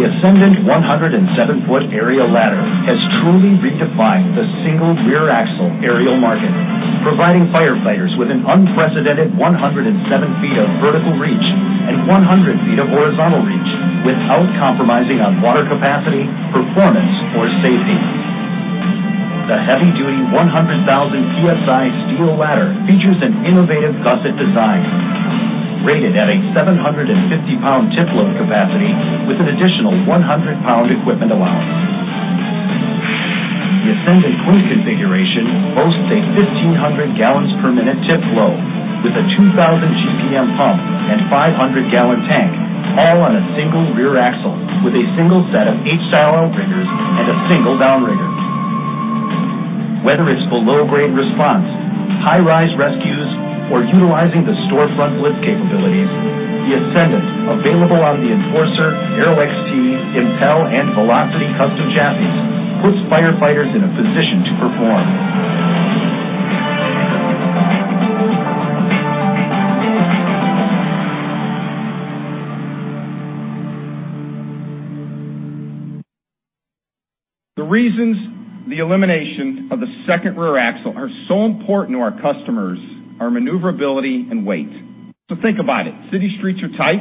The Ascendant 107-foot aerial ladder has truly redefined the single rear axle aerial market, providing firefighters with an unprecedented 107 ft of vertical reach and 100 ft of horizontal reach without compromising on water capacity, performance or safety. The heavy-duty 100,000 psi steel ladder features an innovative gusset design rated at a 750-pound tip load capacity with an additional 100-pound equipment allowance. The Ascendant Queen Configuration boasts a 1,500 gallons per minute tip flow with a 2,000 GPM pump and 500-gallon tank all on a single rear axle with a single set of H-style riggers and a single downrigger. Whether it's below-grade response, high-rise rescues or utilizing the storefront blitz capabilities, the Ascendant, available on the Enforcer, Arrow XT, Impel and Velocity custom chassis, puts firefighters in a position to perform. The reasons the elimination of the second rear axle are so important to our customers are maneuverability and weight. So think about it. City streets are tight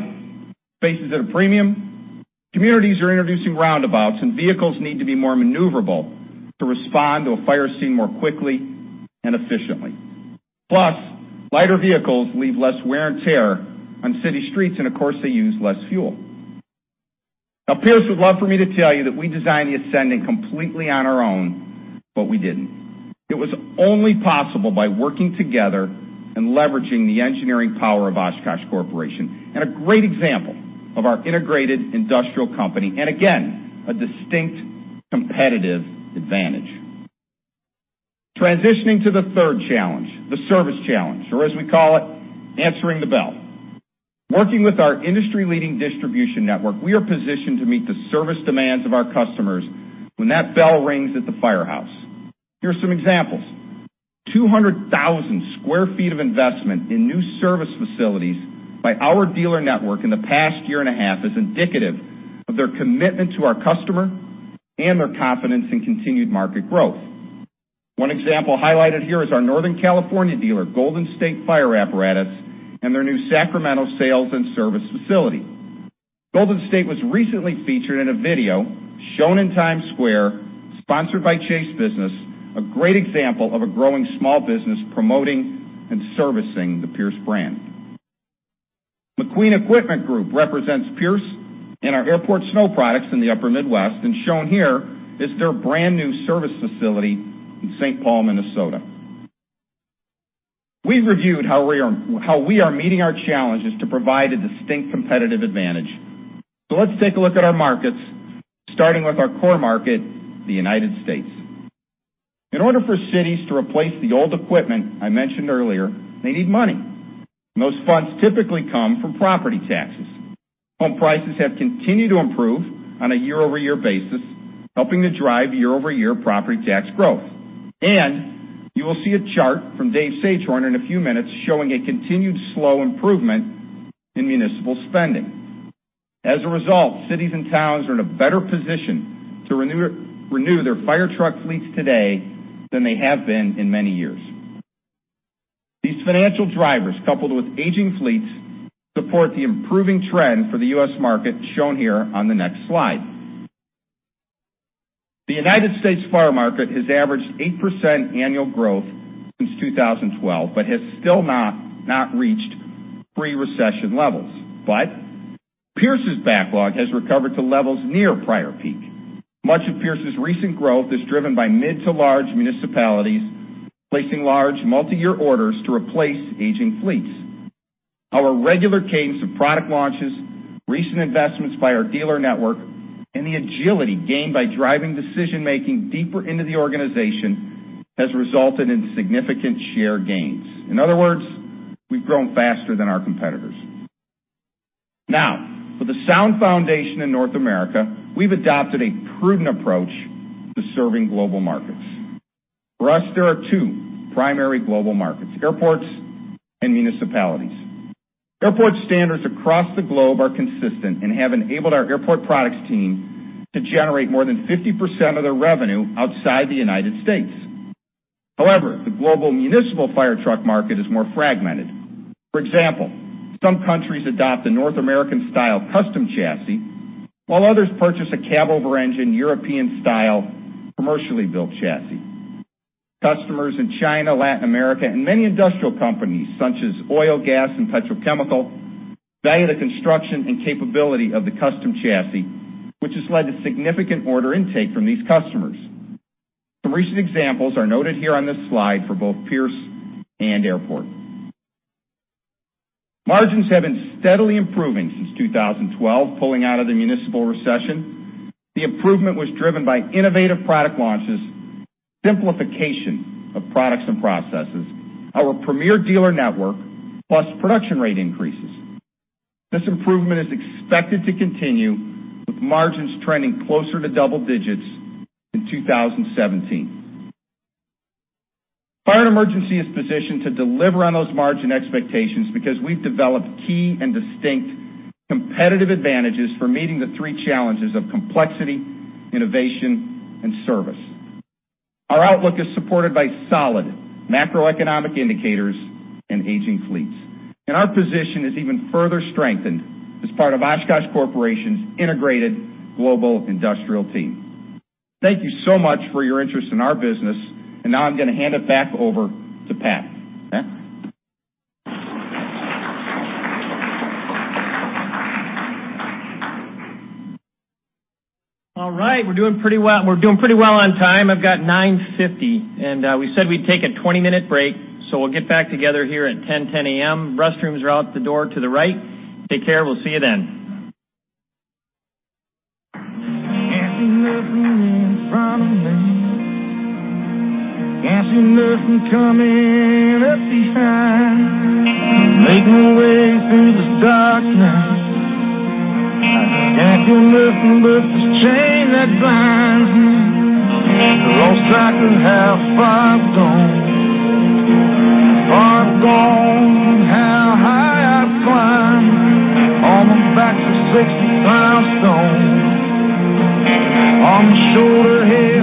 spaces at a premium, communities are introducing roundabouts and vehicles need to be more maneuverable to respond to a fire scene more quickly and efficiently. Plus, lighter vehicles leave less wear and tear on city streets and of course. They use less fuel. Now Pierce would love for me to tell you that we designed the Ascendant completely on our own, but we didn't. It was only possible by working together and leveraging the engineering power of Oshkosh Corporation and a great example of our integrated industrial company and again, a distinct competitive advantage transitioning to the third challenge. The service challenge or as we call. It's answering the bell. Working with our industry-leading distribution network. We are positioned to meet the service. Demands of our customers when that bell rings at the firehouse. Here are some examples. 200,000 sq ft of investment in new service facilities by our dealer network in the past year and a half is indicative of their commitment to our customer and their confidence in continued market growth. One example highlighted here is our Northern California dealer Golden State Fire Apparatus, their new Sacramento sales and service facility. Golden State was recently featured in a video shown in Times Square sponsored by Chase for Business. A great example of a growing small business promoting and servicing the Pierce brand. MacQueen Equipment Group represents Pierce and our airport snow products in the Upper Midwest and shown here is their brand new service facility in St. Paul, Minnesota. We've reviewed how we are meeting our challenges to provide a distinct competitive advantage. Let's take a look at our. Markets starting with our core market, the United States. In order for cities to replace the old equipment I mentioned earlier, they need money. Most funds typically come from property taxes. Home prices have continued to improve on a year-over-year basis, helping to drive year-over-year property tax growth. You will see a chart from Dave Sagehorn in a few minutes showing a continued slow improvement in municipal spending. As a result, cities and towns are. In a better position to renew their fire truck fleets today than they have been in many years. These financial drivers coupled with aging fleets support the improving trend for the U.S. market shown here on the next slide. The United States fire market has averaged 8% annual growth since 2012, but has still not reached pre-recession levels. But Pierce's backlog has recovered to levels near prior peak. Much of Pierce's recent growth is driven by mid- to large municipalities placing large multi-year orders to replace aging fleets. Our regular cadence of product launches, recent investments by our dealer network and the agility gained by driving decision making deeper into the organization has resulted in significant share gains. In other words, we've grown faster than our competitors. Now with the solid foundation in North America, we've adopted a prudent approach to serving global markets. For us, there are two primary global markets, airports and municipalities. Airport standards across the globe are consistent and have enabled our airport products team to generate more than 50% of their revenue. Outside the United States, however, the global municipal fire truck market is more fragmented. For example, some countries adopt a North American style custom chassis while others purchase a cabover engine European style commercially built chassis. Customers in China, Latin America and many industrial companies such as oil, gas and petrochemical value the construction and capability of the custom chassis which has led to significant order intake from these customers. Some recent examples are noted here on this slide. For both Pierce and Airport, margins have been steadily improving since 2012, pulling out. Of the municipal recession. The improvement was driven by innovative product launches, simplification of products and processes, our premier dealer network plus production rate increases. This improvement is expected to continue with margins trending closer to double digits in 2017. Fire and emergency is positioned to deliver on those margin expectations because we've developed key and distinct competitive advantages for meeting the three challenges of complexity, innovation and service. Our outlook is supported by solid macroeconomic indicators and aging fleets. Our position is even further strengthened as part of Oshkosh Corporation's integrated global industrial team. Thank you so much for your interest in our business. Now I'm going to hand it back over to Pat. All right. We're doing pretty well. We're doing pretty well on time. I've got 9:50A.M. and we said we'd take a 20-minute break. So we'll get back together here at 10:10A.M. Restrooms are out the door to the right. Take care. We'll see you then. The Ross tracking how far I've gone, far gone, how high I've climbed on the backs of 60,000. On the shoulder. Half-mile line. Come on up. Come. On up, we're head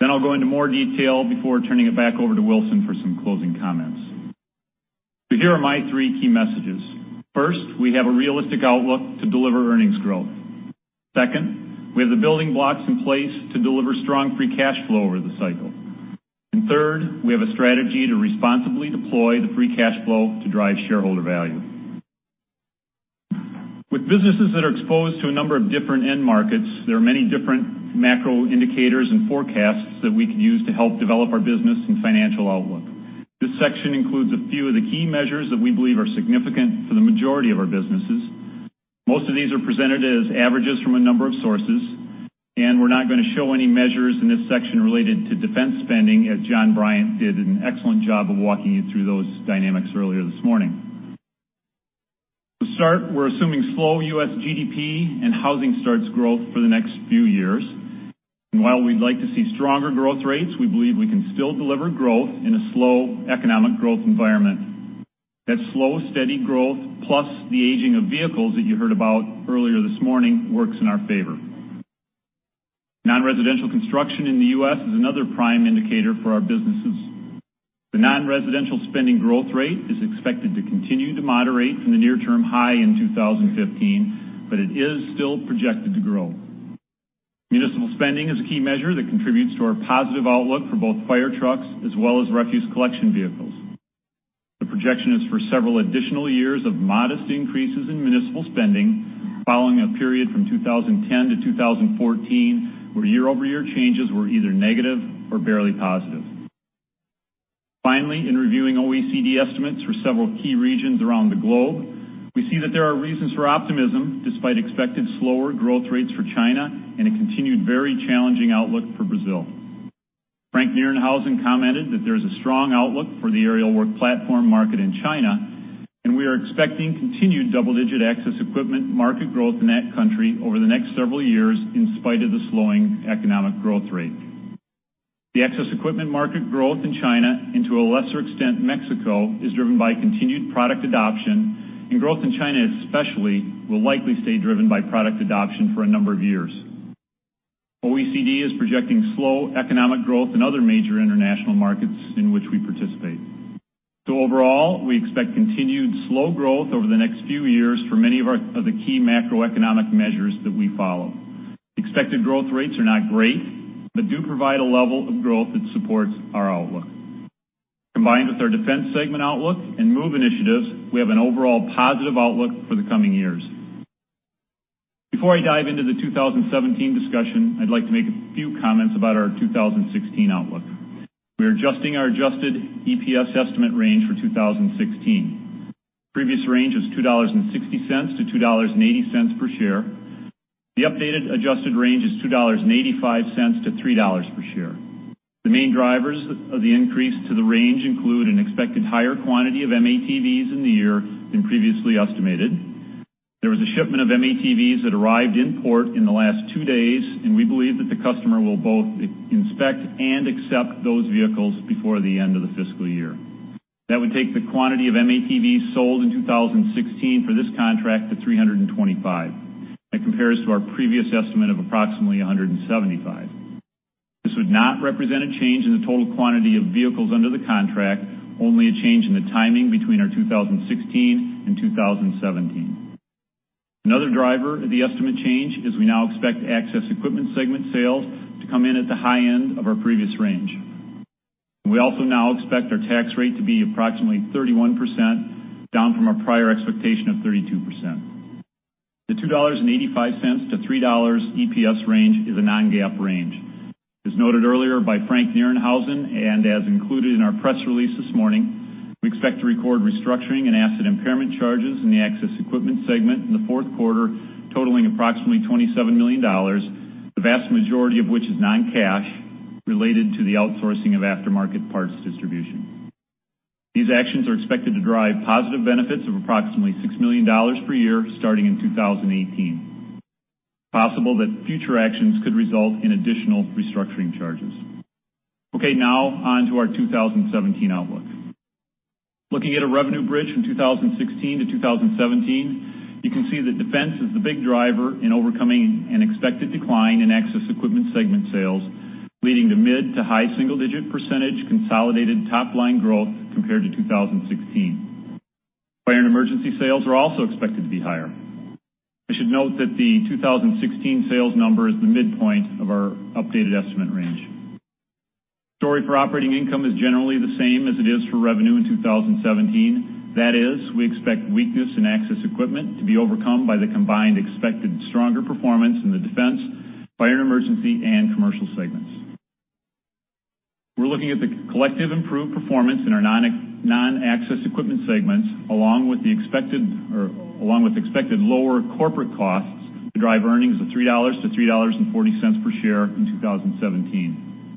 then I'll go into more detail before turning it back over to Wilson for some closing comments. Here are my three key messages. First, we have a realistic outlook to deliver earnings growth. Second, we have the building blocks in place to deliver strong free cash flow over the cycle. Third, we have a strategy to responsibly deploy the free cash flow to drive shareholder value. With businesses that are. Exposed to a number of different end markets. There are many different macro indicators and forecasts that we can use to help develop our business and financial outlook. This section includes a few of the key measures that we believe are significant for the majority of our businesses. Most of these are presented as averages from a number of sources and we're not going to show any measures in this section related to defense spending as John Bryant did an excellent job of walking you through those dynamics earlier this morning. To start, we're assuming slow U.S. GDP and housing starts growth for the next few years. While we'd like to see stronger growth rates, we believe we can still deliver growth in a slow economic growth environment. That slow, steady growth plus the aging of vehicles that you heard about earlier this morning works in our favor. Non-residential construction in the U.S. is another prime indicator for our businesses. The non-residential spending growth rate is expected to continue to moderate from the near-term high in 2015, but it is still projected to grow. Municipal spending is a key measure that contributes to our positive outlook for both fire trucks as well as refuse collection vehicles. The projection is for several additional years of modest increases in municipal spending following a period from 2010 to 2014 where year-over-year changes were either negative or barely positive. Finally, in reviewing OECD estimates for several key regions around the globe, we see that there are reasons for optimism despite expected slower growth rates for China and a continued very challenging outlook for Brazil. Frank Nerenhausen commented that there is a strong outlook for the aerial work platform market in China and we are expecting continued double-digit access equipment market growth in that country over the next several years in spite of the slowing economic growth rate. The access equipment market growth in China and to a lesser extent Mexico is driven by continued product adoption and growth in China especially will likely stay driven by product adoption for a number of years. OECD is projecting slow economic growth in other major international markets in which we participate, so overall we expect continued slow growth over the next few years for many of the key macroeconomic measures that we follow. Expected growth rates are not great, but do provide a level of growth that supports our outlook. Combined with our Defense segment outlook and MOVE initiatives, we have an overall positive outlook for the coming years. Before I dive into the 2017 discussion, I'd like to make a few comments about our 2016 outlook. We are adjusting our adjusted EPS estimate range for 2016. Previous range is $2.60-$2.80 per share. The updated adjusted range is $2.85-$3 per share. The main drivers of the increase to the range include an expected higher quantity of M-ATVs in the year than previously estimated. There was a shipment of M-ATVs that arrived in port in the last two days and we believe that the customer will both inspect and accept those vehicles before the end of the fiscal year. That would take the quantity of M-ATVs sold in 2016 for this contract to 325. That compares to our previous estimate of approximately 175. This would not represent a change in the total quantity of vehicles under the contract, only a change in the timing between our 2018. Another driver of the estimate change is we now expect Access Equipment segment sales to come in at the high end of our previous range. We also now expect our tax rate to be approximately 31%, down from our prior expectation of 32%. The $2.85-$3 EPS range is a non-GAAP range. As noted earlier by Frank Nerenhausen and as included in our press release this morning, we expect to record restructuring and asset impairment charges in the Access Equipment segment in the fourth quarter totaling approximately $27 million, the vast majority of which is non cash related to the outsourcing of aftermarket parts distribution. These actions are expected to drive positive benefits of approximately $6 million per year starting in 2018. possible that future actions could result in additional restructuring charges. Okay, now on to our 2017 outlook. Looking at a revenue bridge from 2016 to 2017, you can see that defense is the big driver in overcoming an expected decline in Access Equipment segment sales leading to mid- to high-single-digit% consolidated top line growth compared to 2016. Fire and Emergency sales are also expected to be higher. I should note that the 2016 sales number is the midpoint of our updated estimate. Range story for operating income is generally the same as it is for revenue in 2017. That is, we expect weakness in Access Equipment to be overcome by the combined expected stronger performance in the Defense, Fire and Emergency, and Commercial segments. We're looking at the collective improved performance in our non-Access Equipment segments along with expected lower corporate costs to drive earnings of $3-$3.40 per share in 2017.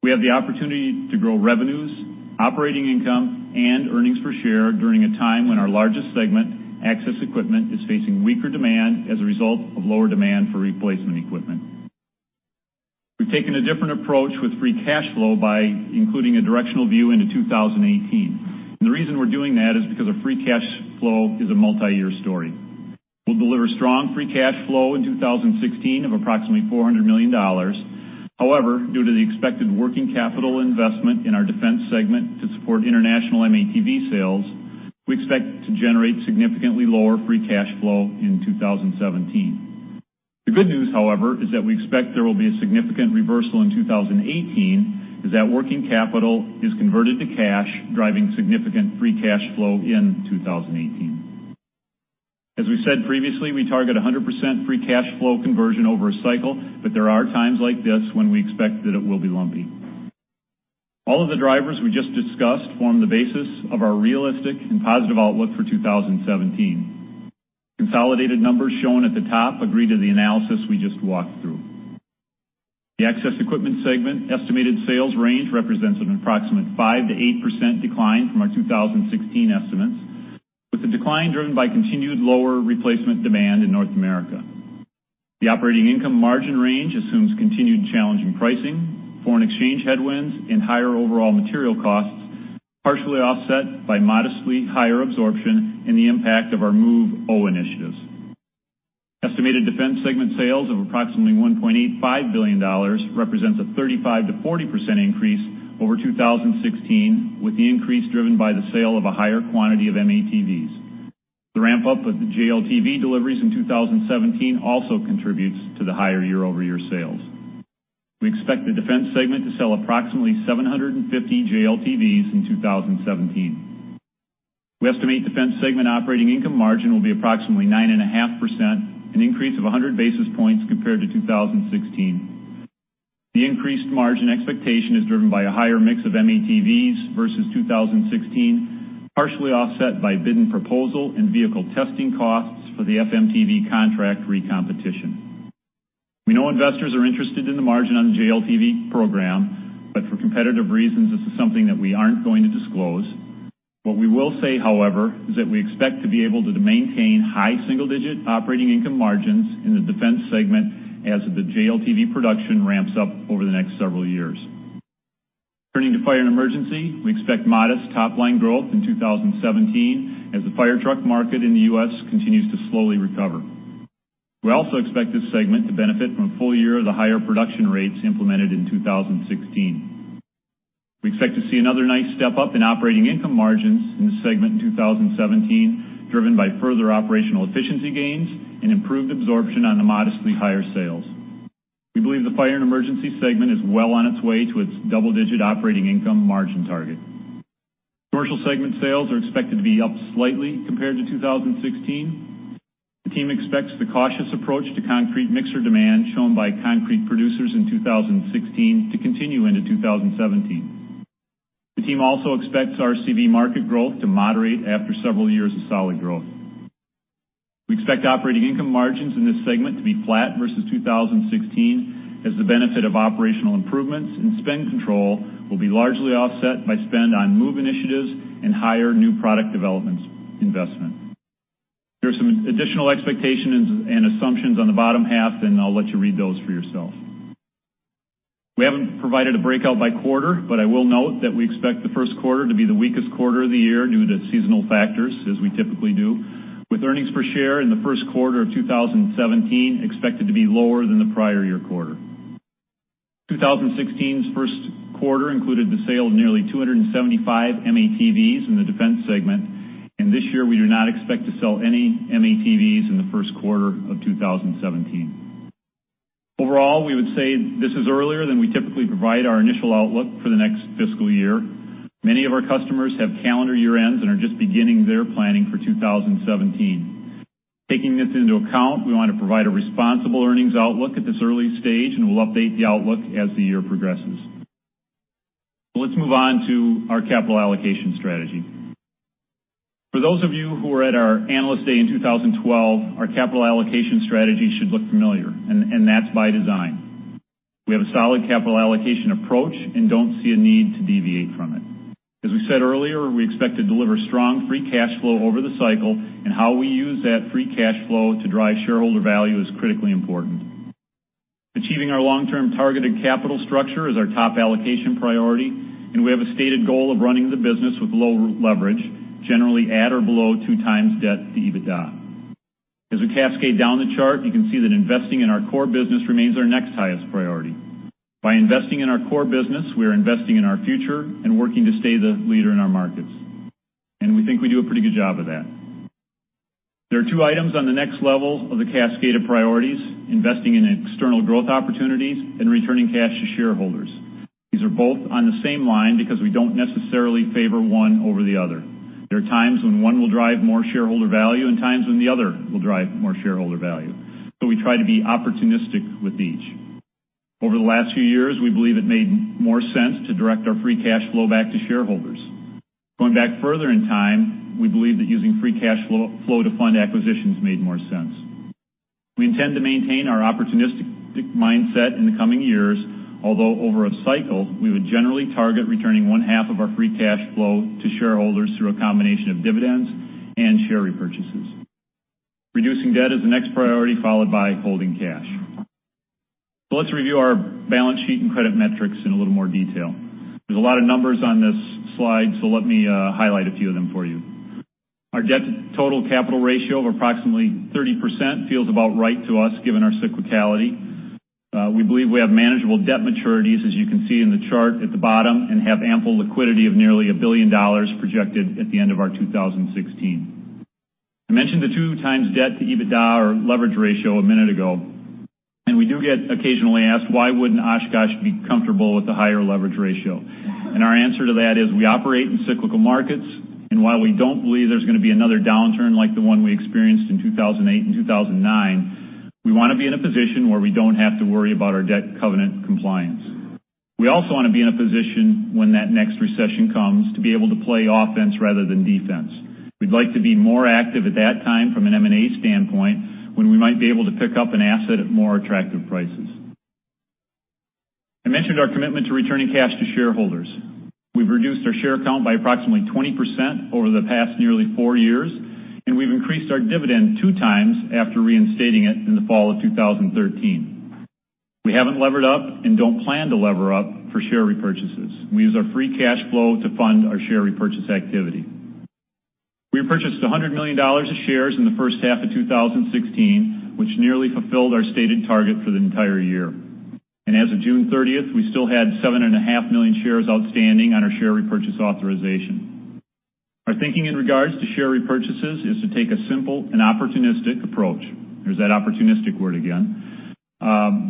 We have the opportunity to grow revenues, operating income and earnings per share during a time when our largest segment Access Equipment is facing weaker demand as a result of lower demand for replacement equipment. We've taken a different approach with free cash flow by including a directional view into 2018 and the reason we're doing that is because free cash flow is a multi-year story. We'll deliver strong free cash flow in 2016 of approximately $400 million. However, due to the expected working capital investment in our Defense Segment to support international M-ATV sales, we expect to generate significantly lower free cash flow in 2017. The good news, however, is that we expect there will be a significant reversal in 2018 as that working capital is converted to cash, driving significant free cash flow in 2018. As we said previously, we target 100% free cash flow conversion over a cycle, but there are times like this when we expect that it will be lumpy. All of the drivers we just discussed form the basis of our realistic and positive outlook for 2017. Consolidated numbers shown at the top agree to the analysis we just walked through. The Access Equipment segment estimated sales range represents an approximate 5%-8% decline from our 2016 estimates, with the decline driven by continued lower replacement demand in North America. The operating income margin range assumes continued challenging pricing, foreign exchange headwinds and higher overall material costs, partially offset by modestly higher absorption and the impact of our MOVE initiatives. Estimated Defense segment sales of approximately $1.85 billion represents a 35%-40% increase over 2016, with the increase driven by the sale of a higher quantity of M-ATVs. The ramp up of the JLTV deliveries in 2017 also contributes to the higher year-over-year sales. We expect the Defense segment to sell approximately 750 JLTVs in 2017. We estimate Defense segment operating income margin will be approximately 9.5%, an increase of 100 basis points compared to 2016. The increased margin expectation is driven by a higher mix of M-ATVs versus 2016, partially offset by bid and proposal and vehicle testing costs for the FMTV contract recompetition. We know investors are interested in the margin on the JLTV program, but for competitive reasons this is something that we aren't going to disclose. What we will say, however, is that we expect to be able to maintain high single digit operating income margins in the Defense segment as the JLTV production ramps up over the next several years. Turning to fire and emergency, we expect modest top line growth in 2017 as the fire truck market in the U.S. continues to slowly recover. We also expect this segment to benefit from a full year of the higher production rates implemented in 2016. We expect to see another nice step up in operating income margins in the segment in 2017, driven by further operational efficiency gains and improved absorption on the modestly higher sales. We believe the fire and emergency segment is well on its way to its double-digit operating income margin target. Commercial segment sales are expected to be up slightly compared to 2016. The team expects the cautious approach to concrete mixer demand shown by concrete producers in 2016 to continue into 2017. The team also expects RCV market growth to moderate after several years of solid growth. We expect operating income margins in this segment to be flat versus 2016 as the benefit of operational improvements and spend control will be largely offset by spend on move initiatives and higher new product development investment. There are some additional expectations and assumptions on the bottom half, and I'll let you read those for yourself. We haven't provided a breakout by quarter, but I will note that we expect the first quarter to be the weakest quarter of the year due to seasonal factors, as we typically do, with earnings per share in the first quarter of 2017 expected to be lower than the prior year quarter. 2016's first quarter included the sale of nearly 275 M-ATVs in the defense segment, and this year we do not expect to sell any M-ATVs in the first quarter of 2017. Overall, we would say this is earlier than we typically provide our initial outlook for the next fiscal year. Many of our customers have calendar year ends and are just beginning their planning for 2017. Taking this into account, we want to provide a responsible earnings outlook at this early stage, and we'll update the outlook as the year progresses. Let's move on to our capital allocation strategy. For those of you who are at our analyst day in 2012, our capital allocation strategy should look familiar, and that's by design. We have a solid capital allocation approach and don't see a need to deviate from it. As we said earlier, we expect to deliver strong free cash flow over the cycle and how we use that free cash flow to drive shareholder value is critically important. Achieving our long-term targeted capital structure is our top allocation priority and we have a stated goal of running the business with low leverage, generally at or below 2 times debt to EBITDA. As we cascade down the chart, you can see that investing in our core business remains our next highest priority. By investing in our core business, we are investing in our future and working to stay the leader in our markets, and we think we do a pretty good job of that. There are two items on the next level of the cascade of priorities, investing in external growth opportunities and returning cash to shareholders. These are both on the same line because we don't necessarily favor one over the other. There are times when one will drive more shareholder value and times when the other will drive more shareholder value, so we try to be opportunistic with each. Over the last few years we believe it made more sense to direct our free cash flow back to shareholders. Going back further in time, we believe that using free cash flow to fund acquisitions made more sense. We intend to maintain our opportunistic mindset in the coming years, although over a cycle we would generally target returning 50% of our free cash flow to shareholders through a combination of dividends and share repurchases. Reducing debt is the next priority, followed by holding cash. So let's review our balance sheet and credit metrics in a little more detail. There's a lot of numbers on this slide, so let me highlight a few of them for you. Our debt to total capital ratio of approximately 30% feels about right to us, given our cyclicality. We believe we have manageable debt maturities as you can see in the chart at the bottom, and have ample liquidity of nearly $1 billion projected at the end of our 2016. I mentioned the 2 times debt to EBITDA or leverage ratio a minute ago, and we do get occasionally asked why wouldn't Oshkosh be comfortable with the higher leverage ratio. Our answer to that is we operate in cyclical markets, and while we don't believe there's going to be another downturn like the one we experienced in 2008 and 2009, we want to be in a position where we don't have to worry about our debt covenant compliance. We also want to be in a position when that next recession comes, to be able to play offense rather than defense. We'd like to be more active at that time from an M&A standpoint when we might be able to pick up an asset at more attractive prices. I mentioned our commitment to returning cash to shareholders. We've reduced our share count by approximately 20% over the past nearly four years, and we've increased our dividend two times after reinstating it in the fall of 2013. We haven't levered up and don't plan to lever up for share repurchases. We use our free cash flow to fund our share repurchase activity. We purchased $100 million of shares in the first half of 2016, which nearly fulfilled our stated target for the entire year, and as of June 30, we still had 7.5 million shares outstanding on our share repurchase authorization. Our thinking in regards to share repurchases is to take a simple and opportunistic approach. There's that opportunistic word again.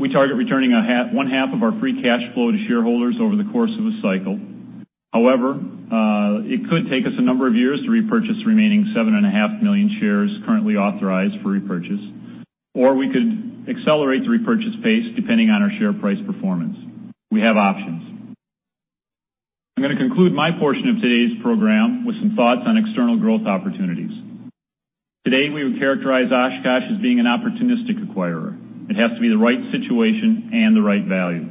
We target returning one half of our free cash flow to shareholders over the course of a cycle. However, it could take us a number of years to repurchase remaining 7.5 million shares currently authorized for repurchase. Or we could accelerate the repurchase pace, depending on our share price performance. We have options. I'm going to conclude. My portion of today's program with some thoughts on external growth opportunities. Today we would characterize Oshkosh as being an opportunistic acquirer. It has to be the right situation and the right value.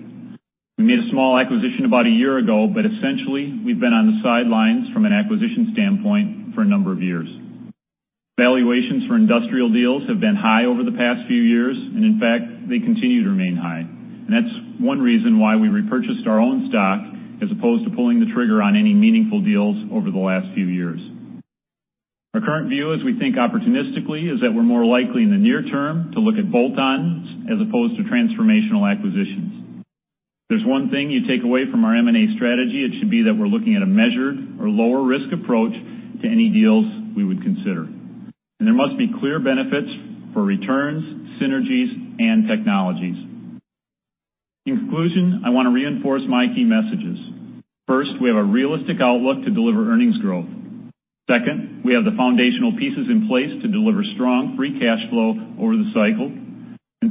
We made a small acquisition about a year ago, but essentially we've been on the sidelines from an acquisition standpoint for a number of years. Valuations for industrial deals have been high over the past few years, and in fact they continue to remain high. That's one reason why we repurchased our own stock as opposed to pulling the trigger on any meaningful deals over the last few years. Our current view, as we think opportunistically, is that we're more likely in the near term to look at bolt ons as opposed to transformational acquisitions. If there's one thing you take away from our M&A strategy, it should be that we're looking at a measured or lower risk approach to any deals we would consider, and there must be clear benefits for returns, synergies and technologies. In conclusion, I want to reinforce my key messages. First, we have a realistic outlook to deliver earnings growth. Second, we have the foundational pieces in place to deliver strong free cash flow over the cycle.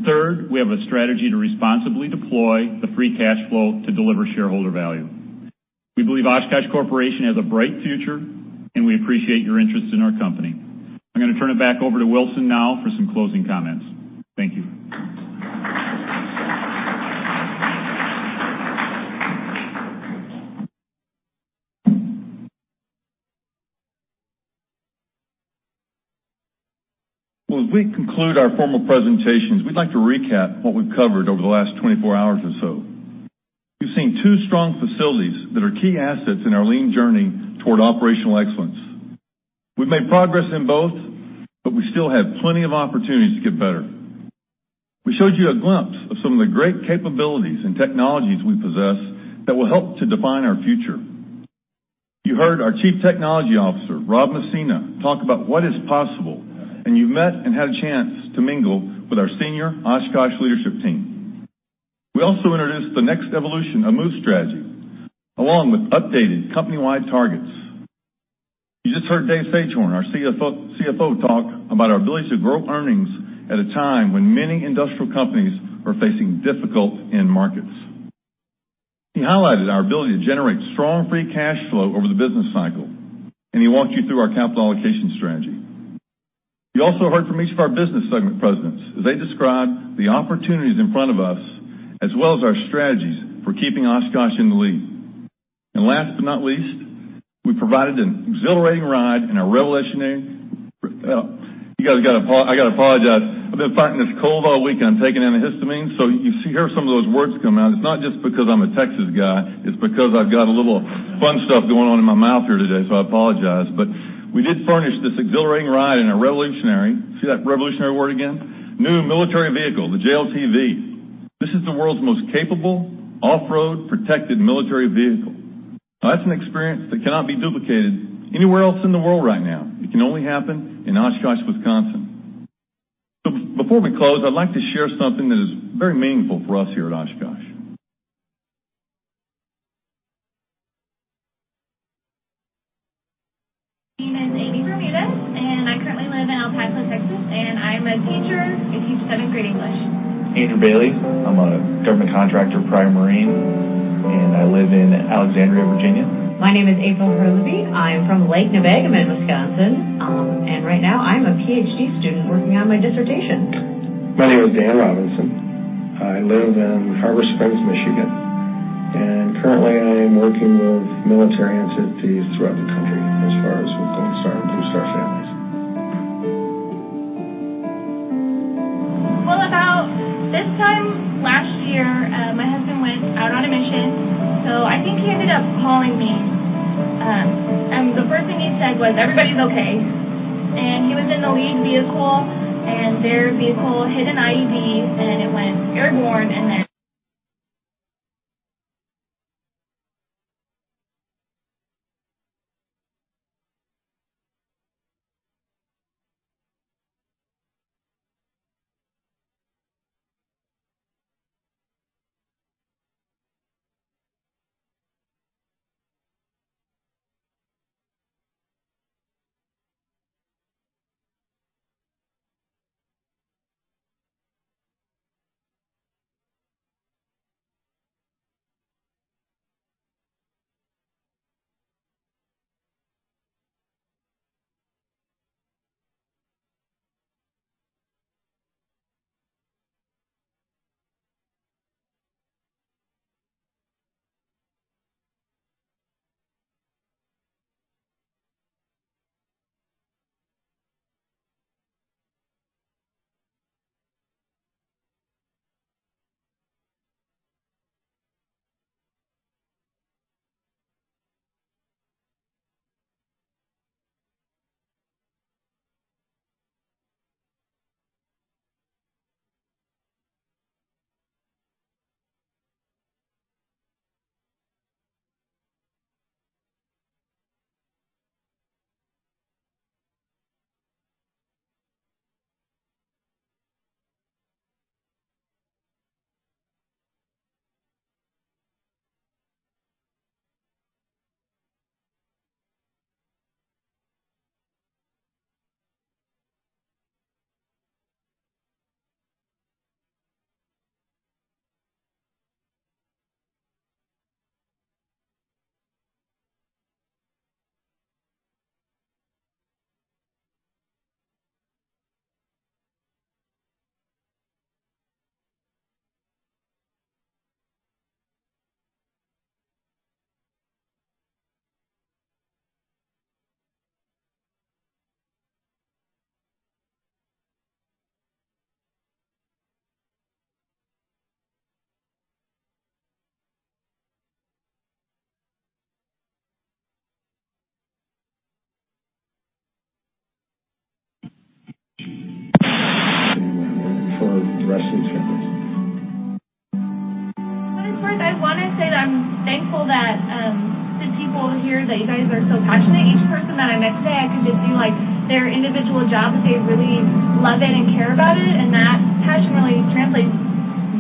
Third, we have a strategy to responsibly deploy the free cash flow to deliver shareholder value. We believe Oshkosh Corporation has a bright future and we appreciate your interest in our company. I'm going to turn it back over to Wilson now for some closing comments. Thank you. Well, as we conclude our formal presentations, we'd like to recap what we've covered over the last 24 hours or so. We've seen two strong facilities that are key assets in our lean journey toward operational excellence. We've made progress in both, but we still have plenty of opportunities to get better. We showed you a glimpse of some of the great capabilities and technologies we possess that will help to define our future. You heard our Chief Technology Officer, Rob Messina talk about what is possible and you've met and had a chance to mingle with our senior Oshkosh leadership team. We also introduced the next evolution of MOVE Strategy along with updated company-wide targets. You just heard Dave Sagehorn, our CFO, talk about our ability to grow earnings at a time when many industrial companies are facing difficult, difficult end markets. He highlighted our ability to generate strong free cash flow over the business cycle and he walked you through our capital allocation strategy. You also heard from each of our business segment presidents as they described the opportunities in front of us as well as our strategies for keeping Oshkosh in the lead. And last but not least, we provided an exhilarating ride in our revolutionary. I got to apologize. I've been fighting this cold all weekend. I'm taking antihistamines. So you see here some of those words come out. It's not just because I'm a Texas guy. It's because I've got a little fun stuff going on in my mouth here today. So I apologize. But we did furnish this exhilarating ride in a revolutionary. See that revolutionary word again. New military vehicle, the JLTV. This is the world's most capable off-road protected military vehicle. That's an experience that cannot be duplicated anywhere else in the world. Right now. It can only happen in Oshkosh, Wisconsin. Before we close, I'd like to share something that is very meaningful for us here at Oshkosh. My name is Amy Bermudez and I. Currently live in El Paso, Texas and I'm a teacher. I teach seventh grade English. Andrew Bailey. I'm a government contractor, prior Marine and. I live in Alexandria, Virginia. My name is April Herlevi. I'm from Lake Nebagamon, Wisconsin and right now I'm a PhD student working on my dissertation. My name is Dan Robinson. I live in Harbor Springs, Michigan, and currently I am working with military entities throughout the country as far as with Gold Star and Blue Star families. Well, about this time last year, my. Husband went out on a mission. I think he ended up calling me, and the first thing he said was everybody's okay. He was in the lead vehicle. Their vehicle hit an IED and it went airborne. I want to say that I'm thankful that the people here that you guys are so passionate. Each person that I met today, I. Can just do like their individual job if they really love it and care about it. That passion really translates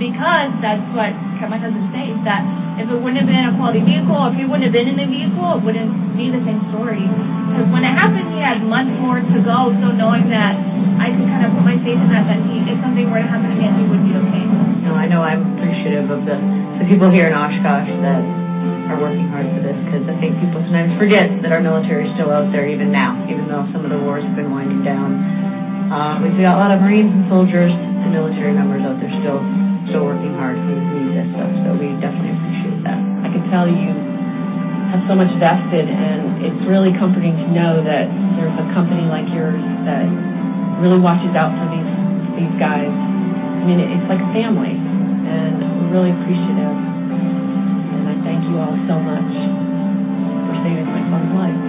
because that's what kept my cousin, that if it wouldn't have been a quality vehicle, if he wouldn't have been in the vehicle. It wouldn't be the same story because when it happened he had months more to go. Knowing that I could kind of put my faith in that, that he. If something were to happen to me. He would be okay. I know I'm appreciative of the people here in Oshkosh that are working hard for this because I think people sometimes forget that our military is still out there even now, even though some of the wars have been winding down. We've got a lot of Marines and soldiers, soldiers to military members out there still working hard. We definitely appreciate that. I can tell you have so much vested and it's really comforting to know that there's a company like yours that really watches out for these guys. I mean, it's like a family. I'm really appreciative and I thank you all so much for saving my son's life.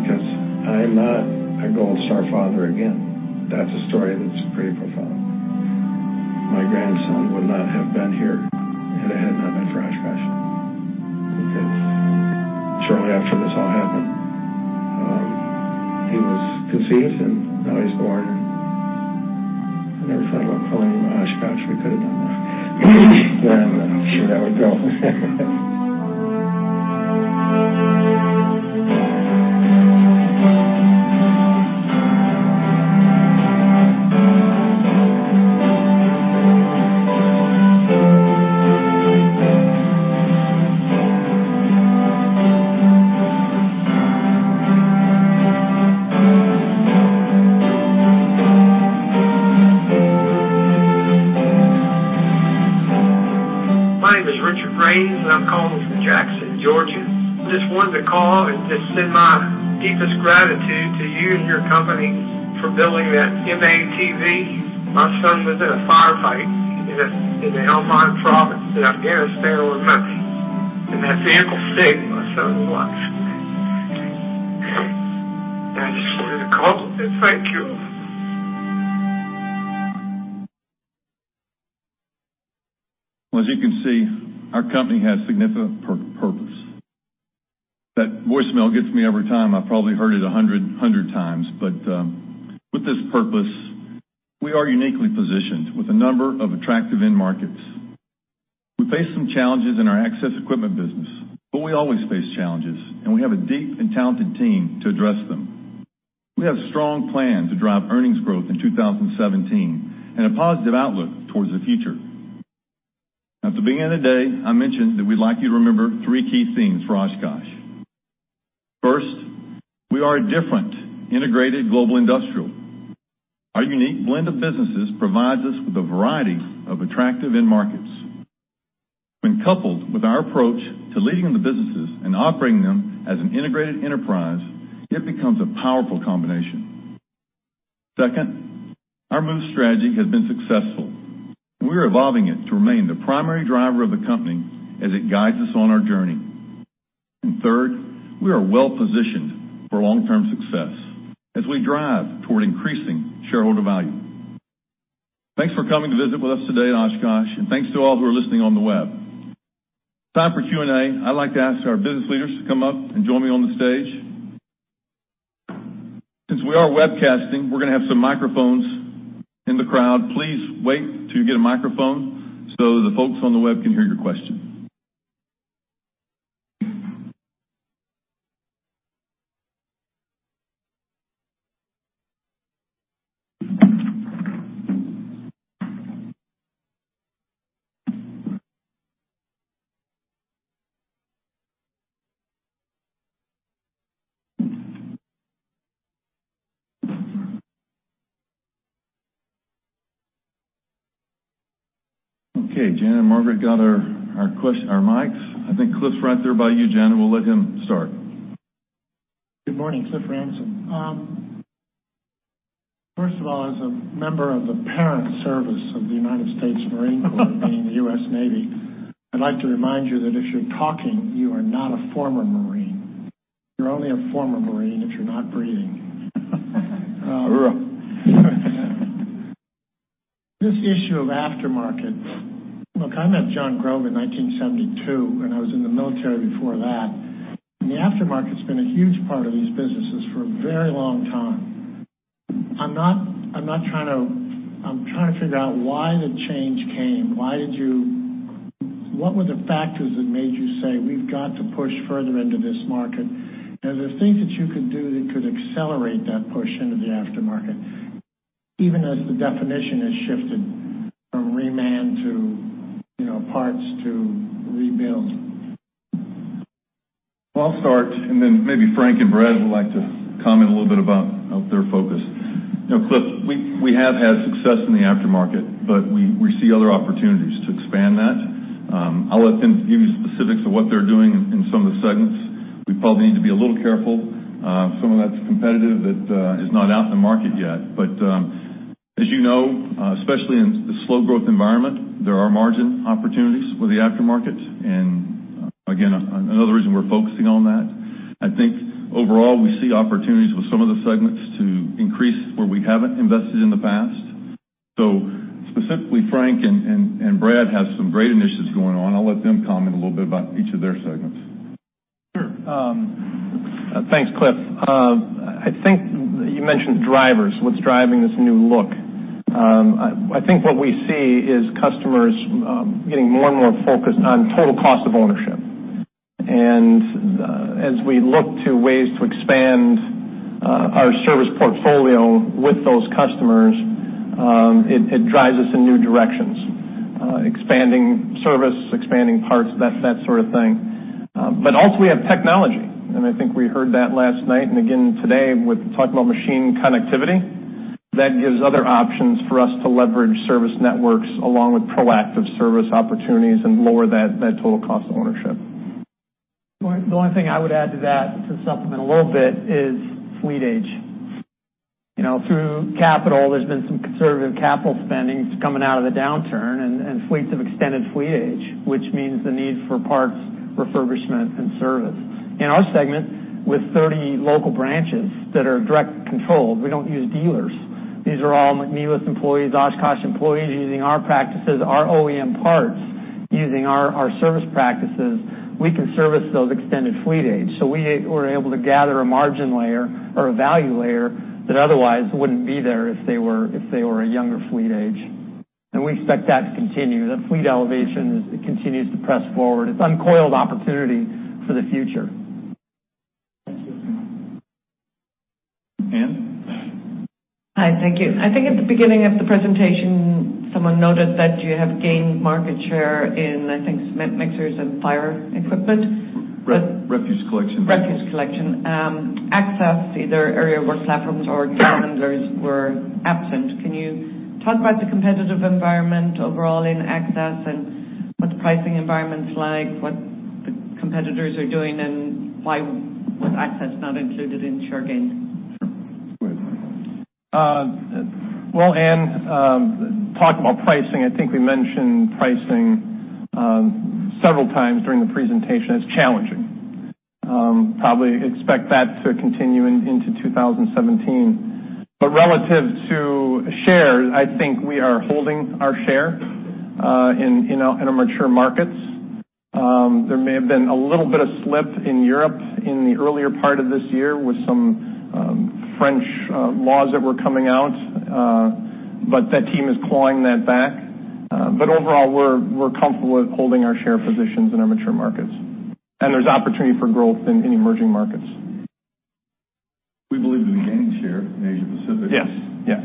Because I'm not a Gold Star father. Again, that's a story that's pretty profound. My grandson would not have been here. It had not been for Oshkosh because shortly after this all happened, he was conceived and now he's born and everything will pull him scratch recovery it on there then. Sure, that would go. My name is Richard Grooms and I'm calling from Jackson, Georgia. Just wanted to call and just send my deepest gratitude to you and your company for building that M-ATV. My son was in a firefight in the Helmand province in Afghanistan on Monday. And that vehicle saved my son. Thank you. As you can see, our company has significant purpose. That voicemail gets me every time. I probably heard it 100, 100 times. But with this purpose, we are uniquely positioned with a number of attractive end markets. We faced some challenges in our access equipment business, but we always face challenges and we have a deep and talented team to address them. We have strong plan to drive earnings growth in 2017 and a positive outlook towards the future. At the beginning of the day, I mentioned that we'd like you to remember three key themes for Oshkosh. First, we are a different integrated global industrial. Our unique blend of businesses provides us with a variety of attractive end markets. When coupled with our approach to leading the businesses and operating them as an integrated enterprise, it becomes a powerful combination. Second, our MOVE Strategy has been successful. We are evolving it to remain the primary driver of the company as it guides us on our journey. And third, we are well positioned for long term success as we drive toward increasing shareholder value. Thanks for coming to visit with us today at Oshkosh and thanks to all who are listening on the web. Time for Q&A. I'd like to ask our business leaders to come up and join me on the stage. Since we are webcasting, we're going to have some microphones in the crowd. Please wait until you get a microphone so the folks on the web can hear your question. Okay, Jan and Margaret got our mics. I think Cliff's right there by you, Janet. We'll let him start. Good morning, Cliff Ransom. First of all, as a member of the parent service of the United States Marine Corps, meaning the U.S. Navy, I'd like to remind you that if you're talking, you are not a former Marine. You're only a former Marine if you're not breathing. This issue of aftermarket. Look, I met John Grove in 1972 and I was in the military before that. The aftermarket has been a huge part of these businesses for a very long time. I'm not trying to. I'm trying to figure out why the change came. Why did you. What were the factors that made you say we've got to push further into this market? Are there things that you could do that could accelerate that push into the aftermarket, even as the definition has shifted from reman to, you know, parts to rebuild? Well, I'll start and then maybe Frank and Brad would like to comment a little bit about their focus. Cliff, we have had success in the aftermarket, but we see other opportunities to expand that. I'll let them give you specifics of what they're doing in some of the segments. We probably need to be a little careful. Some of that's competitive, that is not out in the market yet. But as you know, especially in the slow growth environment, there are margin opportunities with the aftermarket. And again, another reason we're focusing on that, I think overall we see opportunities with some of the segments to increase where we haven't invested in the past. So specifically Frank and Brad has some great initiatives going on. I'll let them comment a little bit about each of their segments. Sure. Thanks. Cliff, I think you mentioned drivers. What's driving this new look? I think what we see is customers getting more and more focused on total cost of ownership. And as we look to ways to expand our service portfolio with those customers, it drives us in new directions. Expanding service, expanding parts, that sort of thing. But also we have technology. And I think we heard that last night and again today with talking about machine connectivity that gives other options for us to leverage service networks along with proactive service opportunities and lower that total cost of ownership. The only thing I would add to that to supplement a little bit is fleet age, you know, through capital. There's been some conservative capital spending coming out of the downturn and fleets of extended fleet age, which means the need for parts refurbishment and service. In our segment with 30 local branches that are direct controlled, we don't use dealers. These are all McNeilis employees, Oshkosh employees. Using our practices, our OEM parts, using our service practices, we can service those extended fleet age. So we were able to gather a margin layer or a value layer that otherwise wouldn't be there if they were a younger fleet age. And we expect that to continue. That fleet elevation continues to press forward. It's uncoiled opportunity for the future. Ann. Hi. Thank you. I think at the beginning of the. Presentation, someone noted that you have gained market share in, I think, cement mixers. Fire equipment, refuse collection. Access, either aerial work platforms or telehandlers were absent. Can you talk about the competitive environment? Overall in access and what the pricing environment's like, what the competitors are doing. Why was Access not included in share gain? Well, Ann, talking about pricing, I think we mentioned pricing several times during the presentation as challenging. Probably expect that to continue into 2017. But relative to shares, I think we are holding our share in our mature markets. There may have been a little bit of slip in Europe in the earlier part of this year with some French laws that were coming out, but that team is clawing that back. But overall, we're comfortable with holding our share positions in our mature markets and there's opportunity for growth in emerging markets. We believe to be gaining share in Asia Pacific. Yes, yes.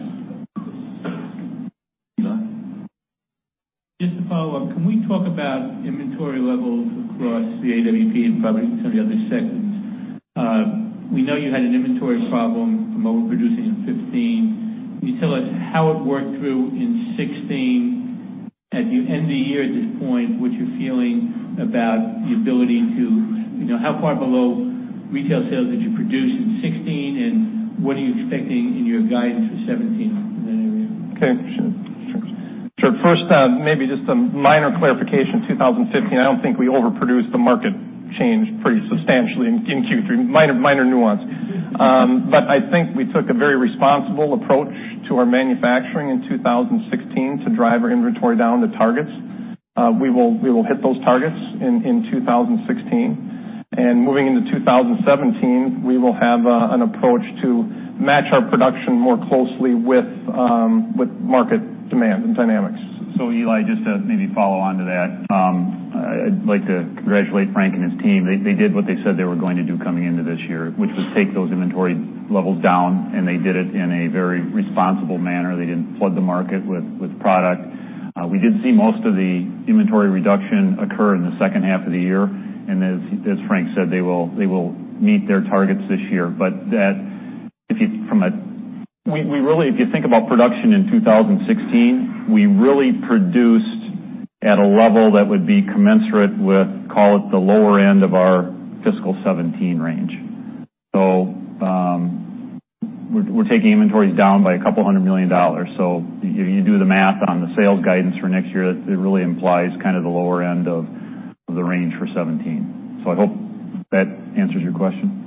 Just to follow up, can we talk about inventory levels across the AWP and probably some of the other segments? We know you had an inventory problem from overproducing in 2015. Can you tell us how it worked through in 2016 as you end the year at this point? What you're feeling about the ability to, you know, how far below retail sales did you produce in 2016 and, and what are you expecting in your guidance for 2017 in that area? Okay, sure. First, maybe just a minor clarification. 2015, I don't think we overproduced. The market changed pretty substantially in Q3. Minor nuance, but I think we took a very responsible approach to our manufacturing in 2016 to drive our inventory down to targets. We will hit those targets in 2016. Moving into 2017, we will have an approach to match our production more closely with market demand and dynamics. So, Eli, just to maybe follow on to that, I'd like to congratulate Frank and his team. They did what they said they were going to do coming into this year, which was take those inventory levels down. And they did it in a very responsible manner. They didn't flood the market with product. We did see most of the inventory reduction occur in the second half of the year. And as Frank said, they will meet their targets this year. But that from a. We really, if you think about production in 2016, we really produced at a level that would be commensurate with, call it the lower end of our fiscal 2017 range. So. We're taking inventories down by $200 million. So you do the math on the sales guidance for next year. It really implies kind of the lower end of the range for 2017. So I hope that answers your question.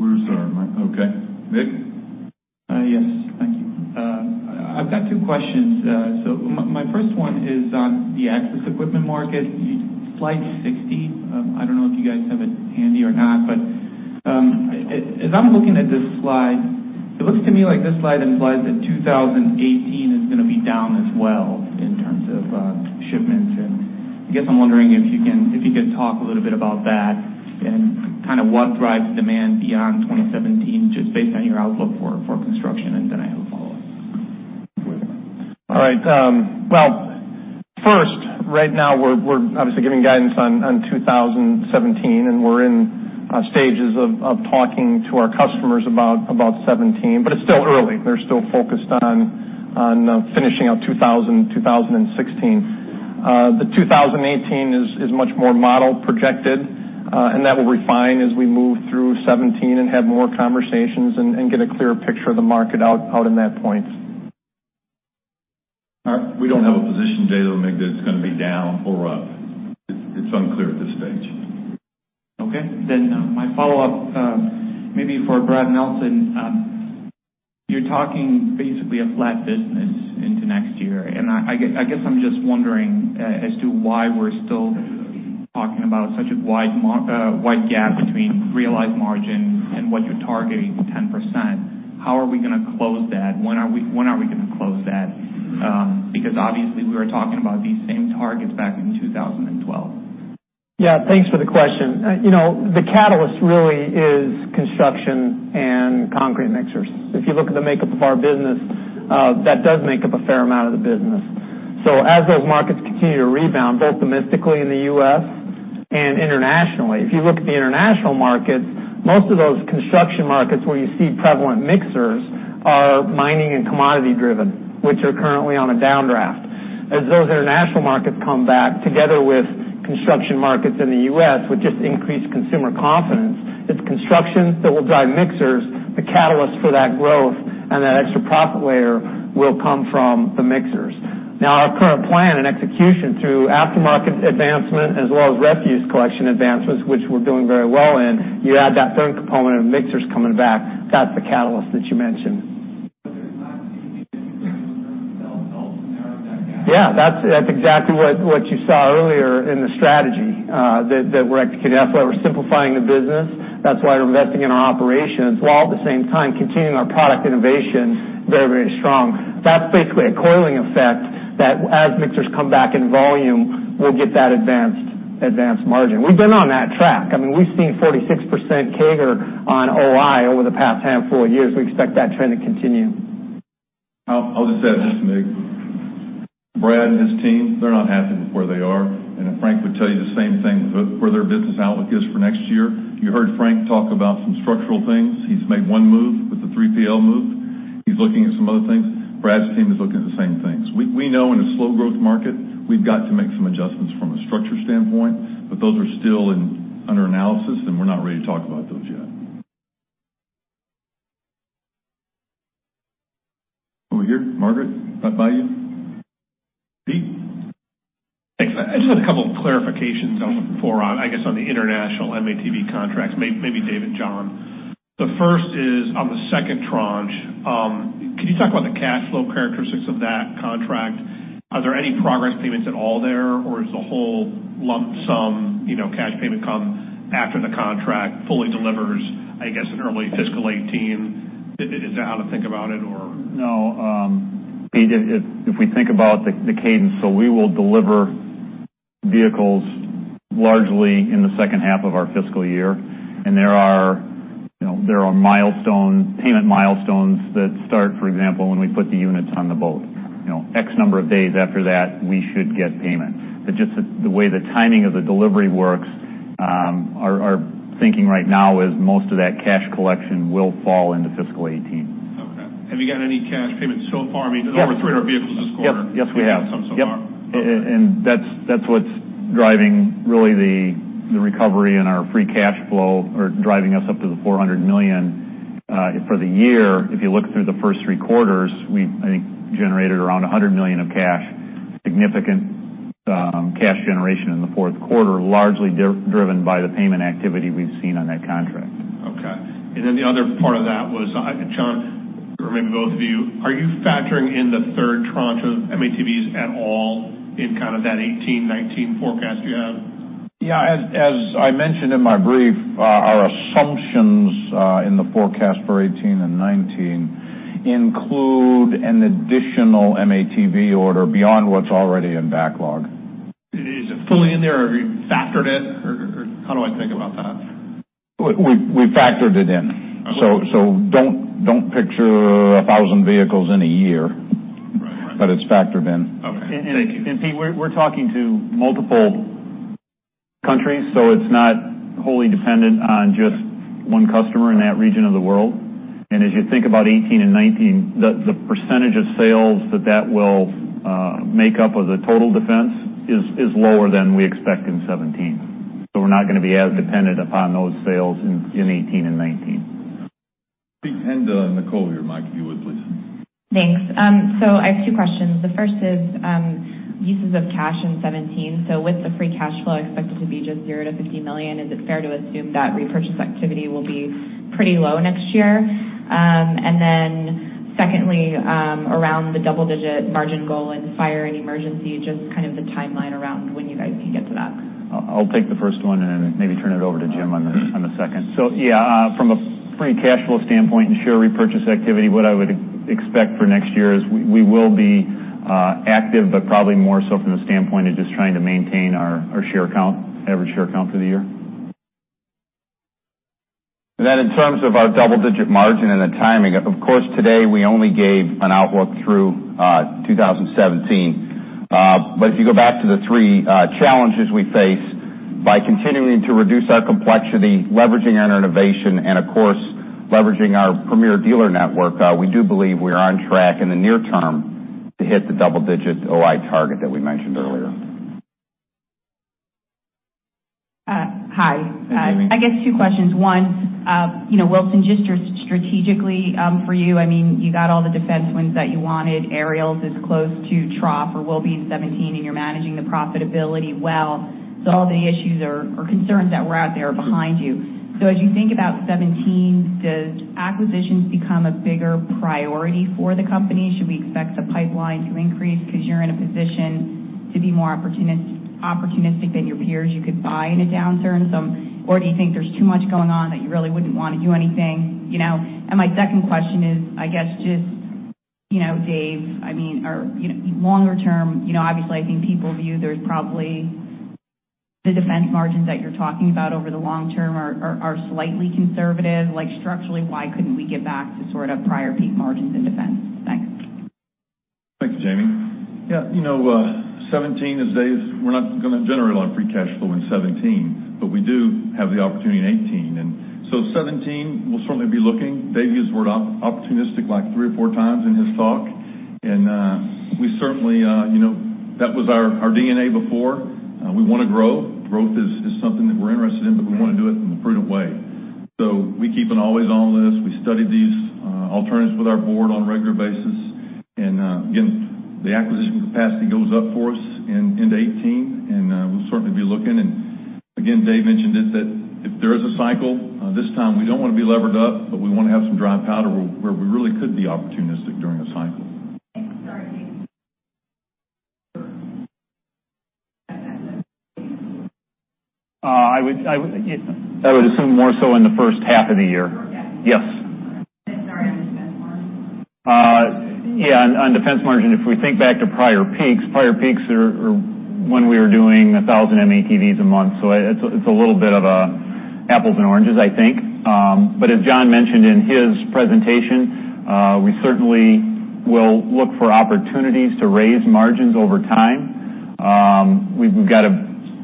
Thanks, Eli. We're sorry. Okay. Mig. Yes, thank you. I've got two questions. So my first one is on the Access Equipment market slide 60. I don't know if you guys have it handy or not, but as I'm looking at this slide, it looks to me like this slide implies that 2018 is going to be down as well in terms of shipments. And I guess I'm wondering if you could talk a little bit about that and kind of what drives demand beyond 2017, just based on your outlook for construction. And then I have a follow up. All right, well first, right now we're obviously giving guidance on 2017 and we're in stages of talking to our customers about 2017, but it's still early. They're still focused on finishing out 2016. The 2018 is much more model projected and that will refine as we move through 2017 and have more conversations and get a clearer picture of the market out in that point. We don't have a position date omig. That's going to be down or up. It's unclear at this stage. Okay, then my follow-up maybe for Brad Nelson. You're talking basically a flat business into next year. I guess I'm just wondering as to why we're still talking about such a wide gap between realized margin and what you're targeting. 10%. How are we going to close that? When are we going to close that? Because obviously we were talking about these same targets back in 2012. Yeah, thanks for the question. You know, the catalyst really is construction and concrete mixers. If you look at the makeup of our business, that does make up a fair amount of the business. So as those markets continue to rebound both domestically in the U.S. and internationally, if you look at the international markets, most of those construction markets where you see prevalent mixers are mining and commodity driven which are currently on a downdraft. As those international markets come back together with construction markets in the U.S. with just increased consumer confidence, it's construction that will drive mixers. The catalyst for that growth and that extra profit layer will come from the mixers. Now our current plan and execution through aftermarket advancement as well as refuse collection advancements which we're doing very well in. You add that component of mixers coming back, that's the catalyst that you mentioned. Yeah, that's exactly what you saw earlier in the strategy that we're executing. At least, we're simplifying the business. That's why we're investing in our operations while at the same time continuing our product innovation. Very, very strong. That's basically a coiling effect that as mixers come back in volume, we'll get that advance, advanced margin. We've been on that track. I mean we've seen 46% CAGR on OI over the past handful of years. We expect that trend to continue. I'll just add this, Mig. Brad and his team, they're not happy with where they are. And Frank would tell you the same thing. Where their business outlook is for next year. You heard Frank talk about some structural things. He's made one move with the 3PL move. He's looking at some other things. Brad's team is looking at the same. We know in a slow growth market we've got to make some adjustments from a structure standpoint, but those are still under analysis and we're not ready to talk about those yet. Over here, Margaret. Thank you, Pete. Thanks. I just had a couple of clarifications. For I guess on the international M-ATV. Contracts, maybe David, John, the first is. On the second tranche. Can you talk about the cash flow characteristics of that contract? Are there any progress payments at all? There is the whole lump sum, you know, cash payment come after the. Contract fully delivers, I guess in early fiscal 2018. Is that how to think about it or no? Pete, if we think about the cadence. We will deliver vehicles largely in the second half of our fiscal year. There are milestone payment milestones that start, for example, when we put the units on the boat X number of days after that we should get payment. But just the way the timing of the delivery works. Our thinking right now is most of that cash collection will fall into fiscal 2018. Have you gotten any cash payments so far? I mean, over 300 vehicles this quarter? Yes, we have. That's what's driving really the recovery in our free cash flow or driving us up to the $400 million for the year. If you look through the first three quarters, we generated around $100 million of cash, significant cash generation in the fourth quarter, largely driven by the payment activity we've seen on that contract. Okay, and then the other part of. That was John, or maybe both of you. Are you factoring in the third tranche? Of M-ATVs at all in kind of. That 1819 forecast you have? Yes, as I mentioned in my brief, our assumptions in the forecast for 2018 and 2019 include an additional M-ATV order beyond what's already in backlog. Is it fully in there? Have you factored it? How do I think about that? We factored it in. So don't picture 1,000 vehicles in a year, but it's factored in. Thank you. And Pete, we're talking to multiple countries. So it's not wholly dependent on just one customer in that region of the world. And as you think about 2018 and 2019, the percentage of sales that that will make up of the total defense is lower than we expect in 2017. So we're not going to be as dependent upon those sales in 2018 and 2019. is Penda Nicole here. Mike, if you would please. Thanks. So I have two questions. The first is uses of cash in 2017. So with the free cash flow expected to be just $0-$50 million, is it fair to assume that repurchase activity will be pretty low next year? And then secondly around the double-digit margin goal in fire and emergency, just kind of the timeline around when you guys can get to that. I'll take the first one and maybe turn it over to Jim on the second. So yeah, from a free cash flow standpoint and share repurchase activity, what I would expect for next year is we will be active, but probably more so. So from the standpoint of just trying to maintain our share count, average share count for the year. In terms of our double-digit margin and the timing, of course today we only gave. An outlook through 2017. But if you go back to the. Three challenges we face by continuing to reduce our complexity, leveraging our innovation and of course leveraging our premier dealer network. We do believe we are on track in the near term to hit. The double-digit OI target that we mentioned earlier. Hi. I guess two questions. One, you know Wilson, just strategically for you, I mean you got all the defense wins that you wanted. Aerials is close to trough or will be in 2017 and you're managing the profitability well. So all the issues or concerns that were out there behind you. So as you think about 2017, does acquisitions become a bigger priority for the company? Should we expect the pipeline to increase because you're in a position to be more opportunistic than your peers? You could buy in a downturn or do you think there's too much going on that you really wouldn't want to do anything? And my second question is, I guess just Dave, longer term, obviously, I think people view there's probably the defense margins that you're talking about over the long term are slightly conservative, like structurally. Why couldn't we get back to sort of prior peak margins in defense? Thanks. Thank you, Jamie. Yeah, you know, 2017 is. Dave, we're not going to generate a lot of free cash flow in 2017, but we do have the opportunity in 2018. And so 2017 we'll certainly be looking. Dave used the word opportunistic like 3 or 4 times in his talk. And we certainly, you know, that was our DNA before. We want to grow. Growth is something that we're interested in, but we want to do it in a prudent way. So we keep an always on this. We study these alternatives with our board on a regular basis and again, the acquisition capacity goes up for us into 2018, and we'll certainly be looking. And again, Dave mentioned it that if there is a cycle this time, we don't want to be levered up, but we want to have some dry powder where we. Where we really could be opportunistic during a cycle. I would assume more so in the first half of the year. Yes. Yeah. On defense margin, if we think back to prior peaks, prior peaks are when we were doing 1,000 M-ATVs a month. So it's a little bit of a apples and oranges, I think. But as John mentioned in his presentation, we certainly will look for opportunities to raise margins over time.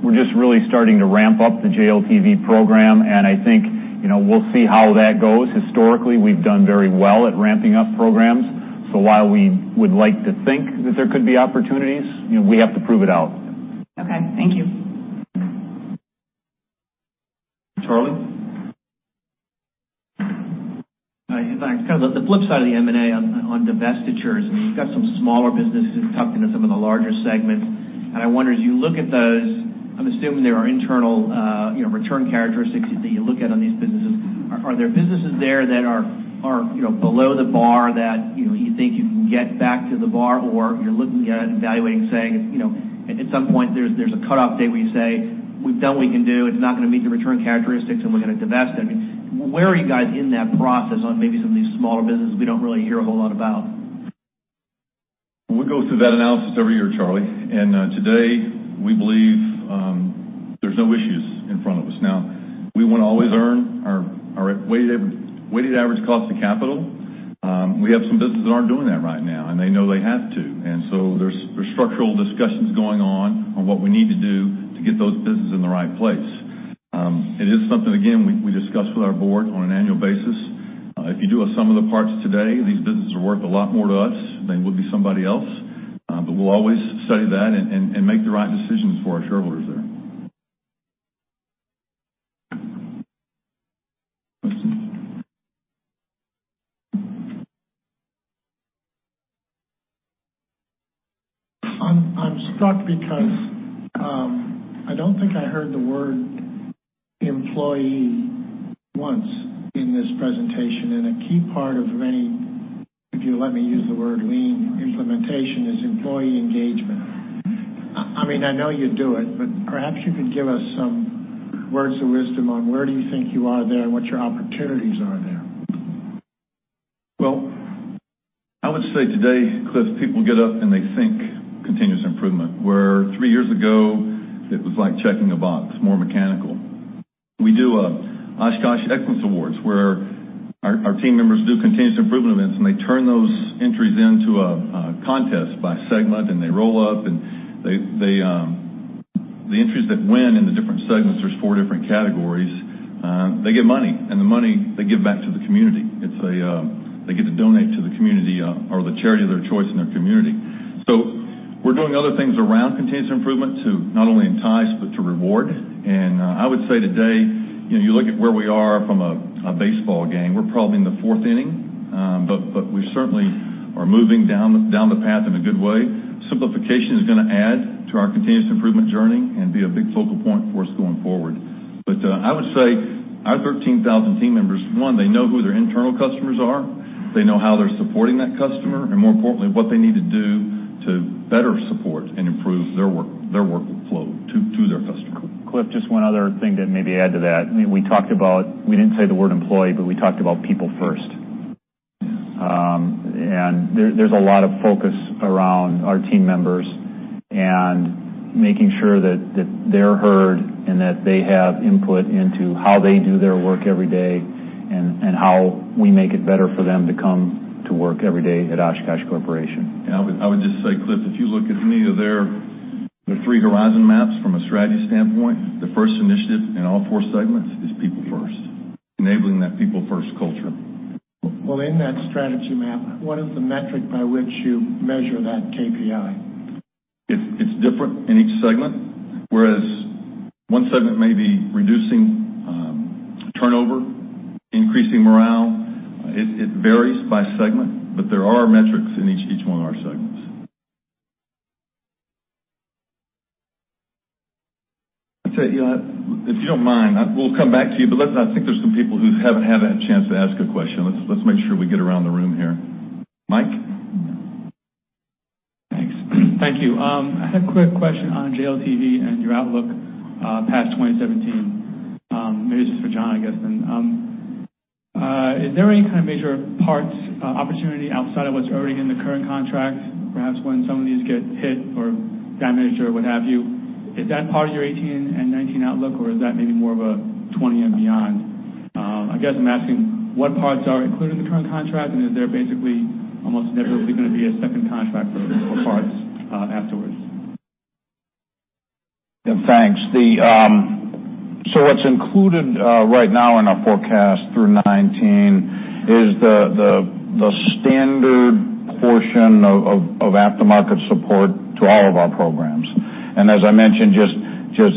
We're just really starting to ramp up the JLTV program, and I think, you know, we'll see how that goes. Historically, we've done very well at ramping up programs. So while we would like to think that there could be opportunities, you know. We have to prove it. Okay, thank you. Charlie. Kind of the flip side of the M&A on divestitures. You've got some smaller businesses tucked into. Some of the larger segments. I wonder, as you look at those, I'm assuming there are internal, you know, return characteristics that you look at on these businesses. Are there businesses there that are, you know, below the bar, that, you know, you think you can get back to the bar, or you're looking at evaluating, saying, you know, at some point there's a cutoff date? We say, we've done what we can do, it's not going to meet the return characteristics, and we're going to divest it. Where are you guys in that process on maybe some of these smaller businesses? We don't really hear a whole lot about. We go through that analysis every year, Charlie, and today we believe there's no issues in front of us. Now, we want to always earn our. Our weighted average cost of capital. We have some businesses that aren't doing that right now, and they know they have to. And so there's structural discussions going on on what we need to do to get those businesses in the right place. It is something, again, we discuss with our board on an annual basis. If you do a sum of the parts today, these businesses are worth a lot more to us than would be somebody else. But we'll always study that and make the right decisions for our shareholders. I'm struck because I don't think I heard the word employee once in this presentation. And a key part of any, if you let me use the word, lean implementation is employee engagement. I mean, I know you do it, but. But perhaps you could give us some words of wisdom on where do you think you are there and what your opportunities are there. Well, I would say today, Cliff, people get up and they think continuous improvement, where three years ago it was like checking a box, more mechanical. We do Oshkosh Excellence Awards where our team members do continuous improvement events and they turn those entries into a contest by segment and they roll up and the entries that win in the different segments, there's four different categories. They get money and the money they give back to the community, they get to donate to the community or the charity of their choice in their community. So we're doing other things around continuous improvement to not only entice but to reward. And I would say today you look at where we are from a baseball game, we're probably in the place first, fourth inning, but we certainly are moving down the path in a good way. Simplification is going to add to our continuous improvement journey and be a big focal point for us going forward. But I would say our 13,000 team members, one, they know who their internal customers are. They know how they're supporting that customer and more importantly, what they need to do to better support and improve their work, their workflow to their customer. Cliff, just one other thing to maybe add to that. We talked about, we didn't say the word employee, but we talked about people first. There's a lot of focus around our team members and making sure that they're heard and that they have input into how they do their work every day and how we make it better for them to come to work every day at Oshkosh Corporation. I would just say, Cliff, if you look at NEO there, there are three horizon maps. From a strategy standpoint, the first initiative in all four segments is People first enabling that People first culture. Well, in that strategy map, what is the metric by which you measure that KPI? It's different in each segment. Whereas one segment may be reducing turnover, increasing morale. It varies by segment, but there are metrics in each one of our segments. If you don't mind, we'll come back to you. But I think there's some people who haven't had a chance to ask a question. Let's make sure we get around the room here. Mike. Thanks. Thank you. I had a quick question on JLTV and your outlook past 2017. Maybe it's just for John. I guess then is there any kind of major parts opportunity outside of what's already in the current contract? Perhaps when some of these get hit or damaged or what have you, is that part of your 2018 and 2019 outlook or is that maybe more of a 2020 and beyond? I guess I'm asking what parts are included in the current contract and is there basically almost inevitably going to be a second contract for parts afterwards? Thanks. So what's included right now in our forecast through 2019 is the standard portion of aftermarket support to all of our programs. And as I mentioned just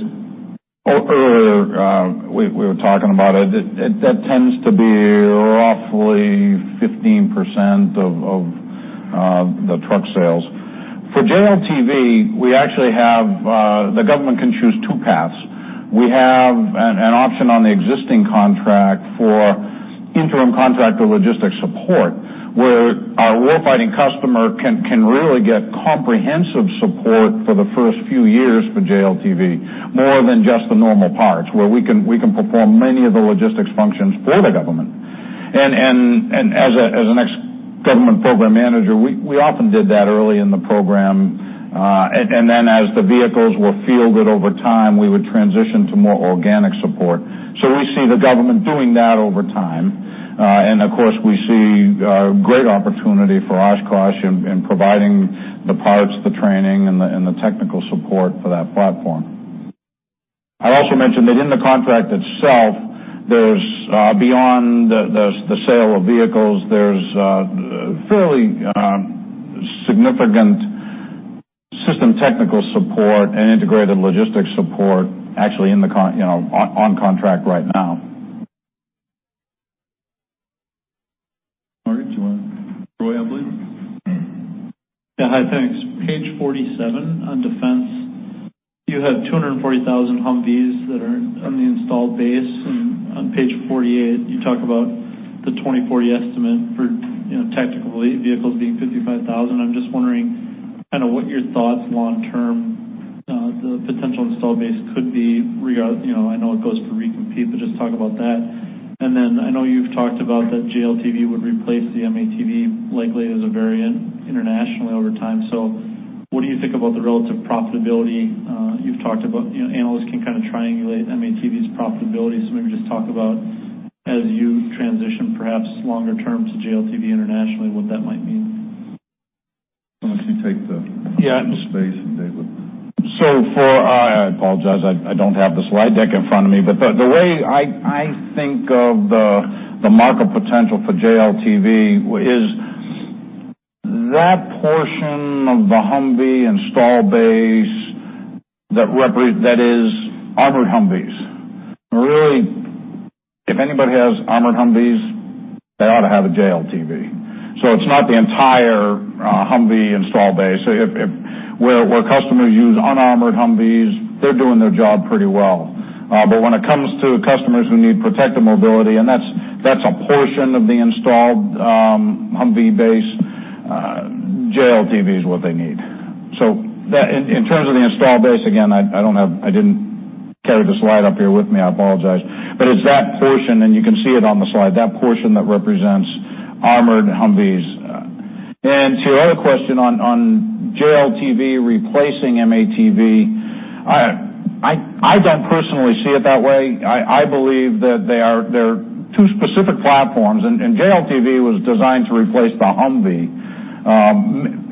earlier we were talking about it, that tends to be roughly 15% of the truck sales for JLTV. We actually have. The government can choose two paths. We have an option on the existing contract for interim contractor logistics support where our warfighting customer can really get comprehensive support for the first few years for JLTV, more than just the normal parts where we can perform many of the logistics functions for the government. And as an ex-government program manager, we often did that early in the program and then as the vehicles were fielded over time we would transition to more organic support. So we see the government doing that over time and of course we see great opportunity for Oshkosh in providing the parts, the training and the technical support for that platform. I also mentioned that in the contract itself there's beyond the sale of vehicles, there's fairly significant system technical support and integrated logistics support actually in the, you know, on contract right now. Margaret, do you want Roy? I believe. Yeah. Hi. Thanks. Page 47 on defense you have 240,000 Humvees that are on the installed base. On page 48 you talk about the 2040 estimate for tactical vehicles being 55,000. I'm just wondering kind of what your thoughts long term the potential installed base could be. I know it goes for recompete, but just talk about that and then I know you've talked about that JLTV would. Replace the M-ATV likely as a variant internationally over time. So what do you think about the? Relative profitability you've talked about? Analysts can kind of try to triangulate M-ATV's profitability. Maybe just talk about, as you transition perhaps longer term to JLTV internationally. What that might mean. Why don't you take the space. So for. I apologize, I don't have the slide deck in front of me. But the way I think of the market potential for JLTV is that portion of the Humvee installed base, that is armored Humvees. Really if anybody has armored Humvees, they ought to have a JLTV. So it's not the entire Humvee installed base. Where customers use unarmored Humvees, they're doing. Their job pretty well. When it comes to customers who need protective mobility, and that's a portion of the installed Humvee base, JLTV is what they need. In terms of the installed base. Again, I don't have. I didn't carry the slide up here with me. I apologize. But it's that portion, and you can see it on the slide, that portion that represents armored Humvees. And to your other question on JLTV replacing M-ATV, I don't personally see it that way. I believe that they are. There are two specific platforms and JLTV was designed to replace the Humvee.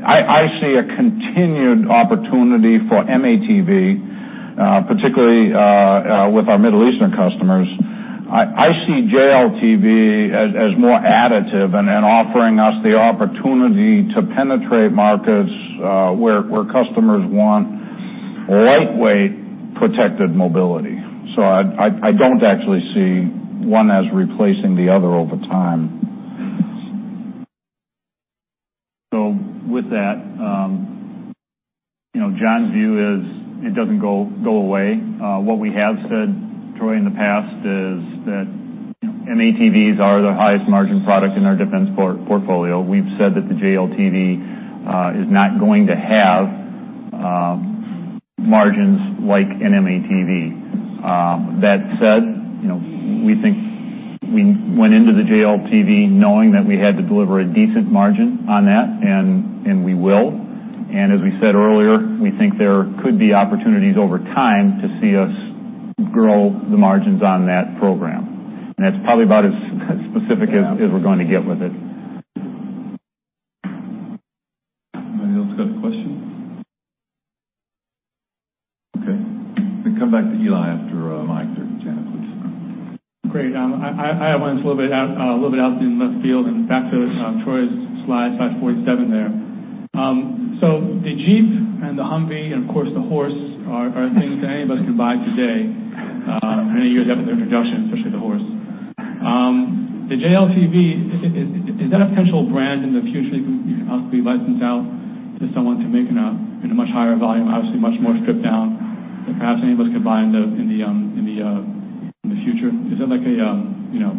I see a continued opportunity for M-ATV, particularly with our Middle Eastern customers. I see JLTV as more additive and offering us the opportunity to penetrate markets where customers want lightweight, protected mobility. So I don't actually see one as replacing the other over time. So with that, you know, John's view is it doesn't go away. What we have said, Troy, in the past is that M-ATVs are the highest margin product in our defense portfolio. We've said that the JLTV is not going to have margins like an M-ATV. That said, we think we went into the JLTV knowing that we had to deliver a decent margin on that, and we will. And as we said earlier, we think there could be opportunities over time to see us grow the margins on that program. And that's probably about as specific as we're going to get with it. Anybody else got a question? Okay, we come back to Eli after Mike or Janet, please. Great. I have mine a little bit out. In the left field. Back to Troy's slide 547 there. The Jeep and the Humvee and of course the horse are things that any of us can buy today. Many years haven't they introduced, especially the horse, the JLTV. Is that a potential brand in the? future you can possibly license out to someone to make in a much higher volume, obviously much more stripped down than perhaps any of us could buy in the future. Is that like a, you know,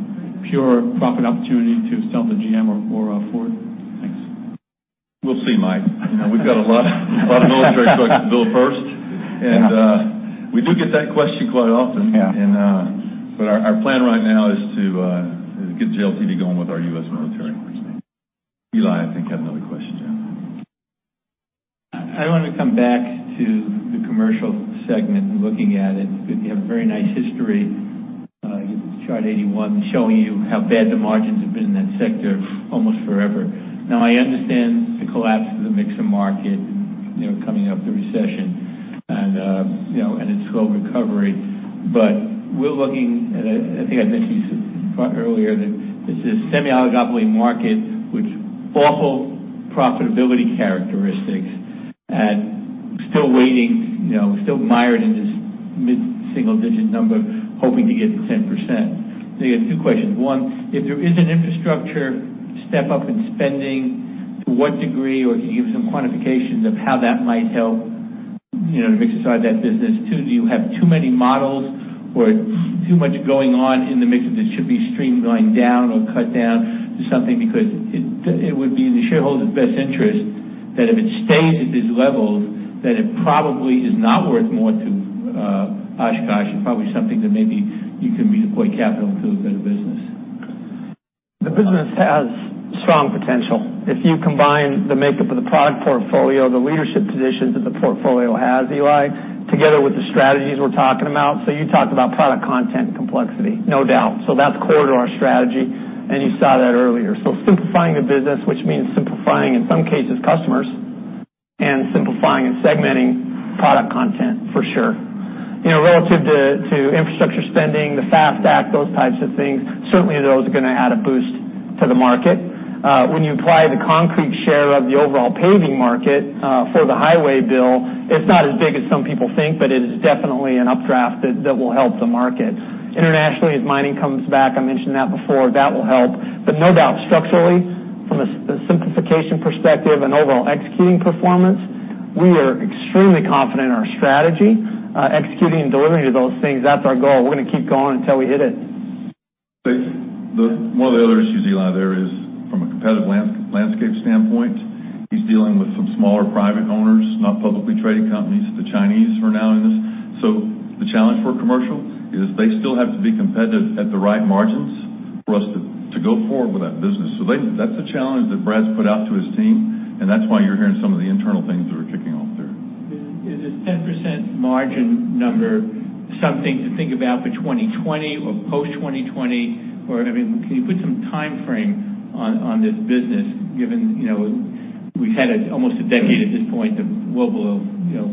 pure profit opportunity to sell to GM or Ford? Thanks. We'll see. Mike, we've got a lot of military trucks to build first and we do get that question quite often. But our plan right now is to get JLTV going with our U.S. Military. Eli, I think had another question. Jeff, I want to come back to the commercial segment and looking at it, you have a very nice historical chart 81 showing you how bad the margins have been in that sector almost forever now. I understand the collapse of the mixer market, you know, coming up to the recession. You know, it's slow recovery. But we're looking. I think I mentioned earlier that this is a semi-oligopoly market with awful profitability characteristics and still waiting, you know, still mired in this mid-single-digit number, hoping to get 10%. They have two questions. One, if there isn't an infrastructure step-up in spending, to what degree? Or can you give some quantifications of how that might help, you know, to exercise that business too? Do you have too many models or too much going on in the mix that should be streamlined down or cut down to something because it would be in the shareholders' best interest that if it stays at these levels that it probably is not worth more to Oshkosh and probably something that maybe you can redeploy capital to a better business. The business has strong potential if you combine the makeup of the product portfolio, the leadership positions that the portfolio has in, together with the strategies we're talking about. So you talked about product content complexity, no doubt. So that's core to our strategy, and you saw that earlier. So simplifying the business, which means simplifying in some cases customers and simplifying and segmenting product content for sure relative to infrastructure spending, the FAST Act, those types of things, certainly those are going to add a boost to the market. When you apply the concrete share of the overall paving market for the highway bill, it's not as big as some people think, but it is definitely an updraft that will help the market. Internationally as mining comes back, I mentioned that before, that will help, but no doubt structurally from a simplification perspective and overall executing performance, we are extremely confident in our strategy executing and delivering to those things. That's our goal. We're going to keep going until we hit it. One of the other issues, Eli, there is from a competitive landscape standpoint he's dealing with some smaller private owners, not publicly traded companies. The Chinese are now in this. So the challenge for commercial is they still have to be competitive at the right margins for us to go forward with that business. So that's a challenge that Brad's put out to his team and that's why you're hearing some of the internal things that are kicking off there is this. 10% margin number something to think about for 2020 or post-2020 or I mean can you put some time frame on this business given you know we've had almost a decade at this point of low, below, you know,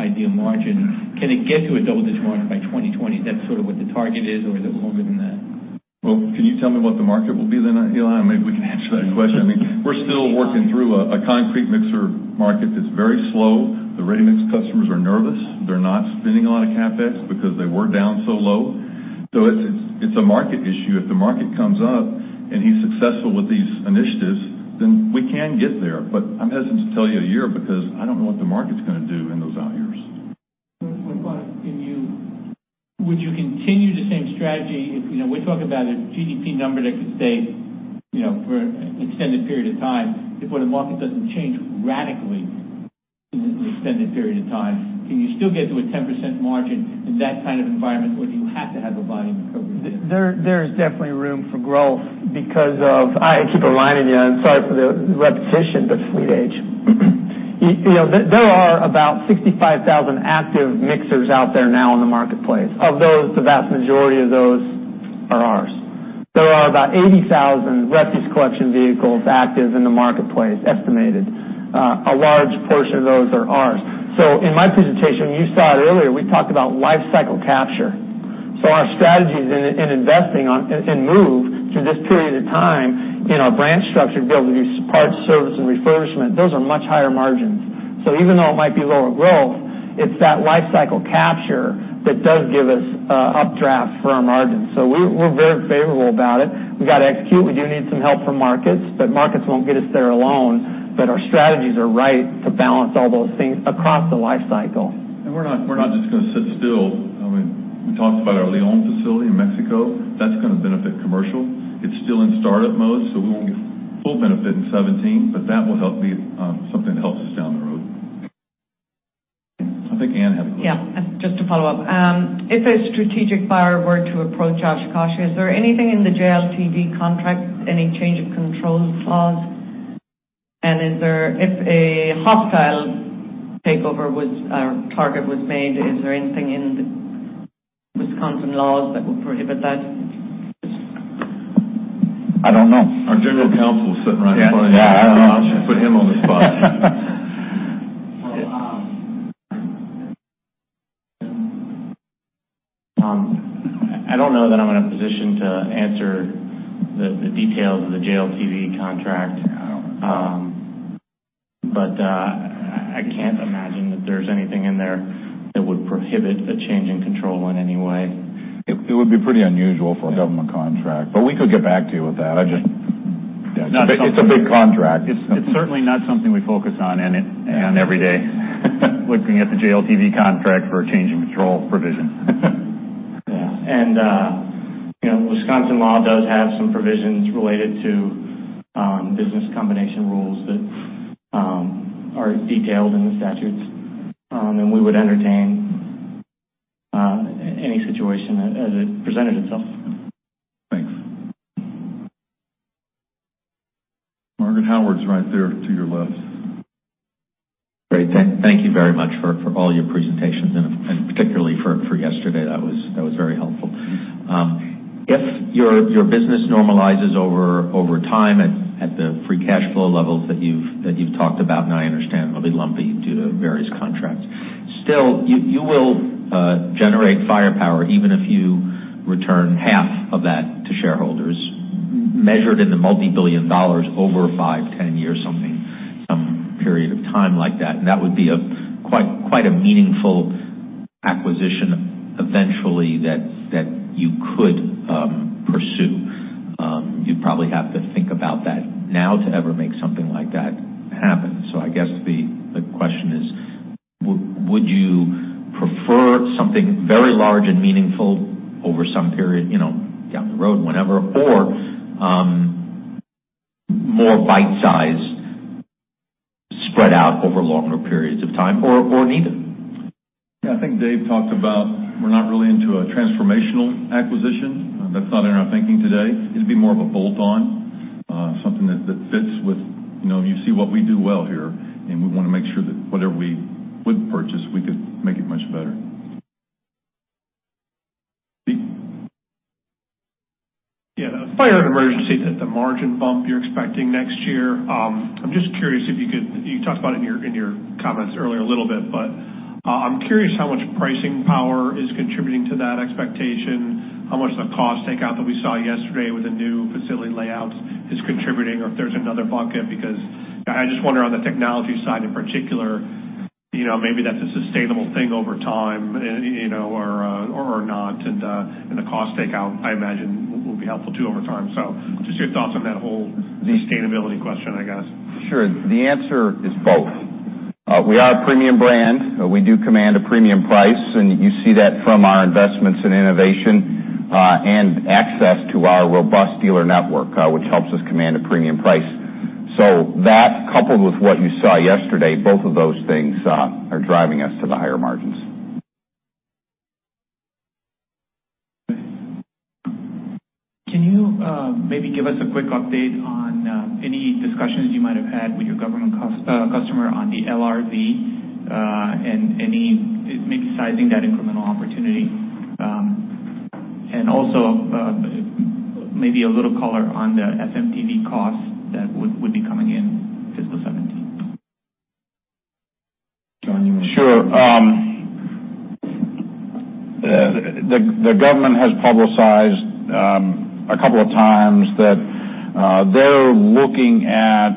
ideal margin. Can it get to a double-digit margin by 2020? Is that sort of what the target is or is it longer than that? Well, can you tell me what the market will be then, Eli? Maybe we can answer that question. We're still working through a concrete mixer market that's very slow. The ready mix customers are nervous. They're not spending a lot of CapEx because they were down so low. So it's a market issue. If the market comes up and he's successful with these initiatives, then we can get there. But I'm hesitant to tell you a year because I don't know what the market's going to do in those out years. Would you continue the same strategy? We're talking about a GDP number that could stay for an extended period of time before the market doesn't change radically in an extended period of time. Can you still get to a 10% margin in that kind of environment or do you have to have a volume of code? There is definitely room for growth because of. I keep reminding you. I'm sorry for the repetition but fleet age. There are about 65,000 active mixers out there now in the marketplace. Of those, the vast majority of those are ours. There are about 80,000 refuse collection vehicles active in the marketplace, estimated a large portion of those are ours. So in my presentation, you saw it earlier, we talked about life cycle capture. Our strategies in investing and move through this period of time in our branch structure to be able to use parts, service, and refurbishment; those are much higher margins. So even though it might be lower growth, it's that life cycle capture that does give us updraft for our margins. So we're very favorable about it. We've got to execute. We do need some help from markets, but markets won't get us there alone. But our strategies are right to balance all those things across the life cycle. We're not just going to sit still. We talked about our León facility in Mexico that's going to benefit commercial. It's still in startup mode so we won't get full benefit in 2017. But that will help be something that helps us down the road. I think Ann had a question. Yeah. Just to follow up. If a strategic buyer were to approach Oshkosh, is there anything in the JLTV contract, any change of control clause, and is there if a hostile takeover was? Our target was made. Is there anything in the Wisconsin laws that would prohibit that? I don't know. Our general counsel sitting right in front of you. Yeah, I should put him on the spot. I don't know that I'm in a position to answer the details of the JLTV contract, but I can't imagine that there's anything in there that would prohibit a change in control in any way. It would be pretty unusual for a government contract. But we could get back to you with that. It's a big contract. It's certainly not something we focus on every day. Looking at the JLTV contract for a. Change-in-control provision and Wisconsin law does have some provisions related to business combination rules that are detailed in the statutes, and we would entertain any situation as it presented itself. Thanks, Margaret. Howard's right there to your left. Great. Thank you very much for all your presentations and particularly for yesterday. That was very helpful. If your business normalizes over time at the free cash flow levels that you've talked about, and I understand they'll be lumpy due to various contracts, you will generate firepower even if you return half of that to shareholders measured in the $ multi-billion over 5, 10 years, something period of time like that. And that would be quite a meaningful acquisition eventually that you could pursue. You'd probably have to think about that now to ever make something like that happen. So I guess the question is would you prefer something very large and meaningful over some period, you know, down the. Road, whenever, or. More bite-sized, spread out over longer periods of time, or neither. I think Dave talked about we're not really into a transformational acquisition that's not in our thinking today. It'd be more of a bolt on something that fits with, you know, you see what we do well here and we want to make sure that whatever we would purchase we could make it much better. Yeah. Fire and Emergency, that the margin bump you're expecting next year. I'm just curious if you could. You talked about it in your comments earlier a little bit. But I'm curious how much pricing power is contributing to that expectation. Expectation? How much the cost takeout that we. Saw yesterday with the new facility layouts. Is contributing or if there's another bucket? Because I just wonder on the technology. Side in particular, you know, maybe that's. A sustainable thing over time, you know, or not. The cost takeout I imagine will. Be helpful too over time. So, just your thoughts on that whole? Sustainability question, I guess. Sure. The answer is both. We are a premium brand. We do command a premium price and. You see that from our investments in. Innovation and access to our robust dealer network which helps us command a premium price. So that coupled with what you saw. Yesterday, both of those things are driving. us to the higher margins. Can you maybe give us a quick update on any discussions you might have had with your government customer on the LRIP and any sizing that incremental opportunity and also maybe a little color on the FMTV costs that would be coming in fiscal 2017? Sure. The government has publicized a couple of times that they're looking at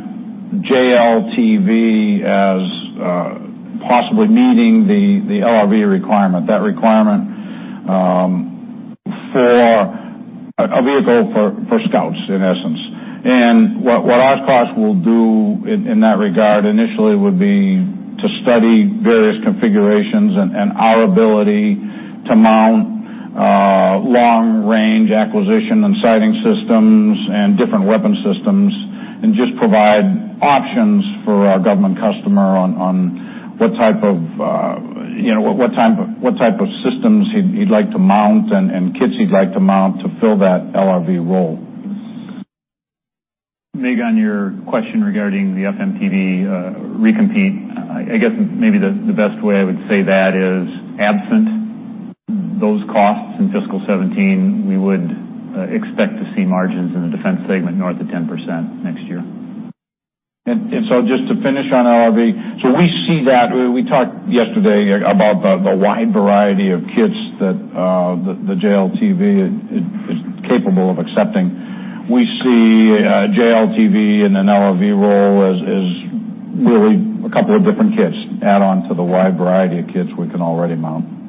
JLTV as possibly meeting the LRV requirement, that requirement for a vehicle for Scouts, in essence. And what Oshkosh will do in that regard initially would be to study various configurations and our ability to mount long range acquisitions and sighting systems and different weapon systems and just provide options for our government customer on what type of, you know, what type of systems he'd like to mount and kits he'd like to mount to fill that LRV role? Meg, on your question regarding the FMTV recompete, I guess maybe the best way I would say that is absent those costs in fiscal 2017, we would expect to see margins in the defense segment north of 10% next year. Just to finish on LRV. We see that we talked yesterday about the wide variety of kits that the JLTV is capable of accepting. We see JLTV in an LRV role as really a couple of different kits. Add on to the wide variety of kits we can already mount.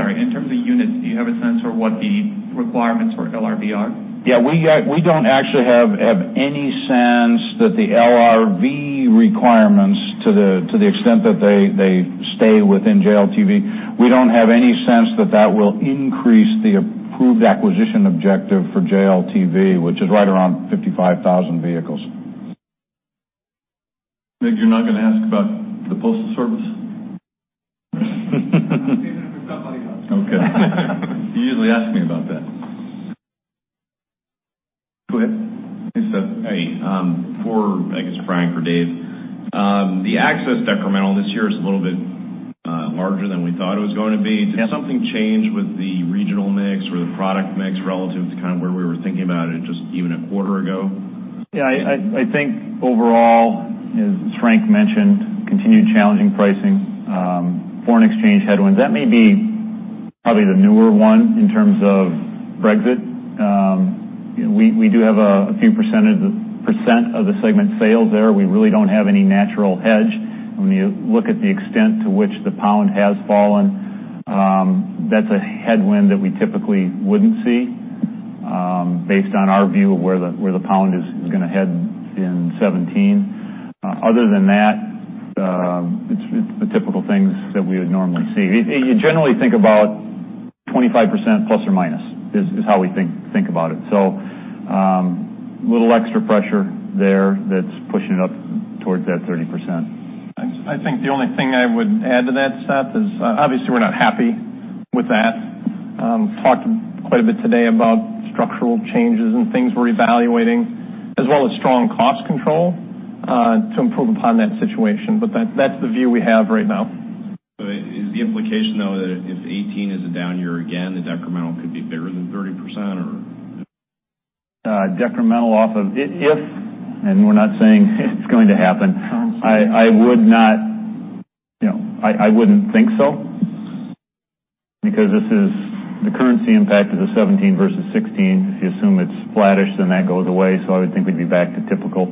I'm sorry, in terms of units, do you have a sense for what the requirements for LRV are? Yeah, we don't actually have any sense that the LRV requirements, to the extent that they stay within JLTV, we don't have any sense that that will increase the acquisition objective for JLTV, which is right around 55,000 vehicles. You're not going to ask about the Postal Service? Okay, you usually ask me about that. Go ahead. Hey, Seth. Hey. For, I guess, Frank or Dave, the. Access decremental this year is a little bit larger than we thought it was going to be. Did something change with the regional mix? Or the product mix relative to kind of where we were thinking about. It just even a quarter ago? Yes. I think overall, as Frank mentioned, continued challenging pricing, foreign exchange headwinds, that may be probably the newer one in terms of Brexit. We do have a few percent of the percent of the segment sales there. We really don't have any natural hedge. When you look at the extent to which the pound has fallen, that's a headwind that we typically wouldn't see. Based on our view of where the pound is going to head in 2017. Other than that, the typical things that we would normally see you generally think about ±25% is how we think about it. So a little extra pressure there that's pushing it up towards that 2017. I think the only thing I would add to that, Seth, is obviously we're not happy with that. Talked quite a bit today about structural changes and things we're evaluating as well as strong cost control to improve upon that situation. But that's the view we have right now. Is the implication though that if 2018 is a down year again, the decremental? Could be bigger than 30% or decremental off of if. We're not saying it's going to happen. I would not, you know, I wouldn't. Think so because this is the US dollar. Impact is a 17 versus 16. If you assume it's flattish, then that goes away. So I would think we'd be back to typical.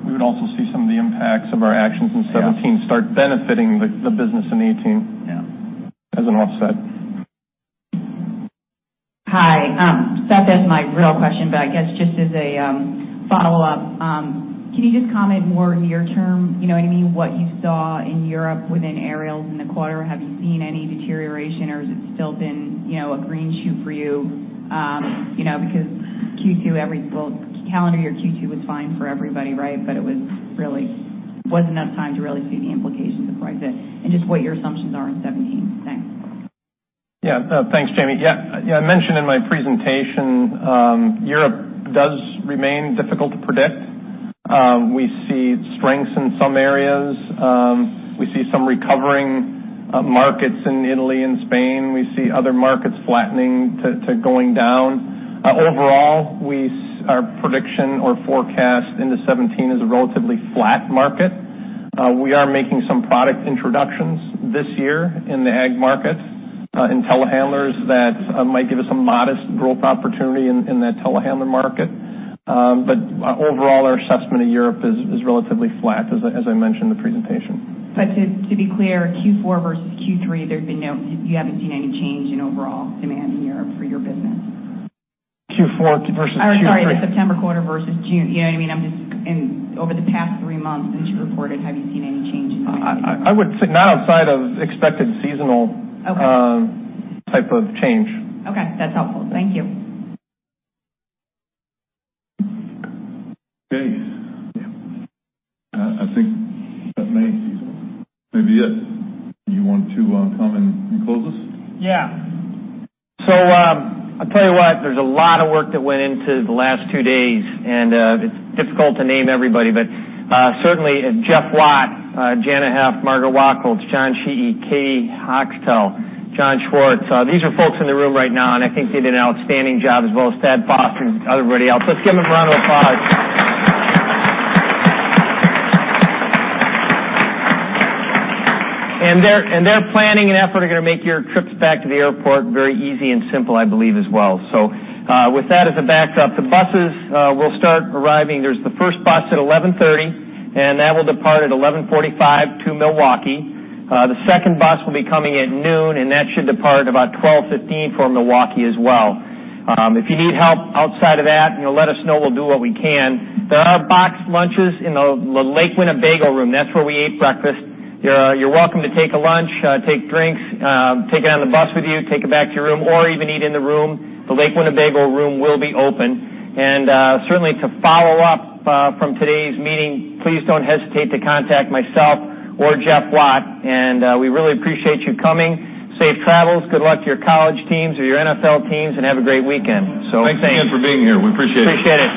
We would also see some of the impacts of our actions in 2017 start benefiting the business in 2018 as an offset. Hi Seth, is my real question, but I guess just as a follow up, can you just comment more near term? You know what I mean? What you saw in Europe within aerials in the quarter, have you seen any deterioration or has it still been, you know, a green shoot for you? You know, because Q2 every. Well, calendar year, Q2 was fine for everybody. Right. But it was really was enough time to really see the implications of Brexit and just what your assumptions are in 2017. Thanks. Yeah, thanks Jamie. Yeah. I mentioned in my presentation Europe does remain difficult to predict. We see strength in some areas. We see some recovering markets in Italy and Spain. We see other markets flattening to going down. Overall, our prediction or forecast into 2017 is a relatively flat market. We are making some product introductions this year in the AG market, intelligent handlers that might give us a modest growth opportunity in that telehandler market. But overall our assessment of Europe is relatively flat, as I mentioned in the presentation. But to be clear, Q4 versus Q3, there's been no. You haven't seen any change in overall demand in Europe for your business? Q4 versus September quarter versus June. You know what I mean? I'm just. Over the past three months since you reported, have you seen any changes? I would not, outside of expected seasonal type of change. Okay, that's helpful, thank you. Okay. I think that maybe it's it. You want to come and close us. Yeah. So I'll tell you what. There's a lot of work that went into the last two days, and it's difficult to name everybody, but certainly Jeff Watt, Janet Heft, Margaret Wacholz, John Sheehy, Katie Hoxtel, John Schwartz. These are folks in the room right now, and I think they did an outstanding job as well as Thad Foster and everybody else. Let's give them a round of applause. And their planning and effort are going to make your trips back to the airport very easy and simple, I believe, as well. So with that as a backdrop, the buses will start arriving. There's the first bus at 11:30A.M., and that will depart at 11:45A.M. to Milwaukee. The second bus will be coming at noon and that should depart about 12:15 P.M. for Milwaukee as well. If you need help outside of that, let us know. We'll do what we can. There are box lunches in the Lake Winnebago Room. That's where we ate breakfast. You're welcome to take a lunch, take drinks, take it on the bus with you, take it back to your room or even eat in the room. The Lake Winnebago Room will be open. Certainly to follow up from today's meeting, please don't hesitate to contact myself or Jeff Watt. We really appreciate you coming. Safe travels. Good luck to your college teams or your NFL teams and have a great weekend. Thanks again for being here. We appreciate it. Appreciate it.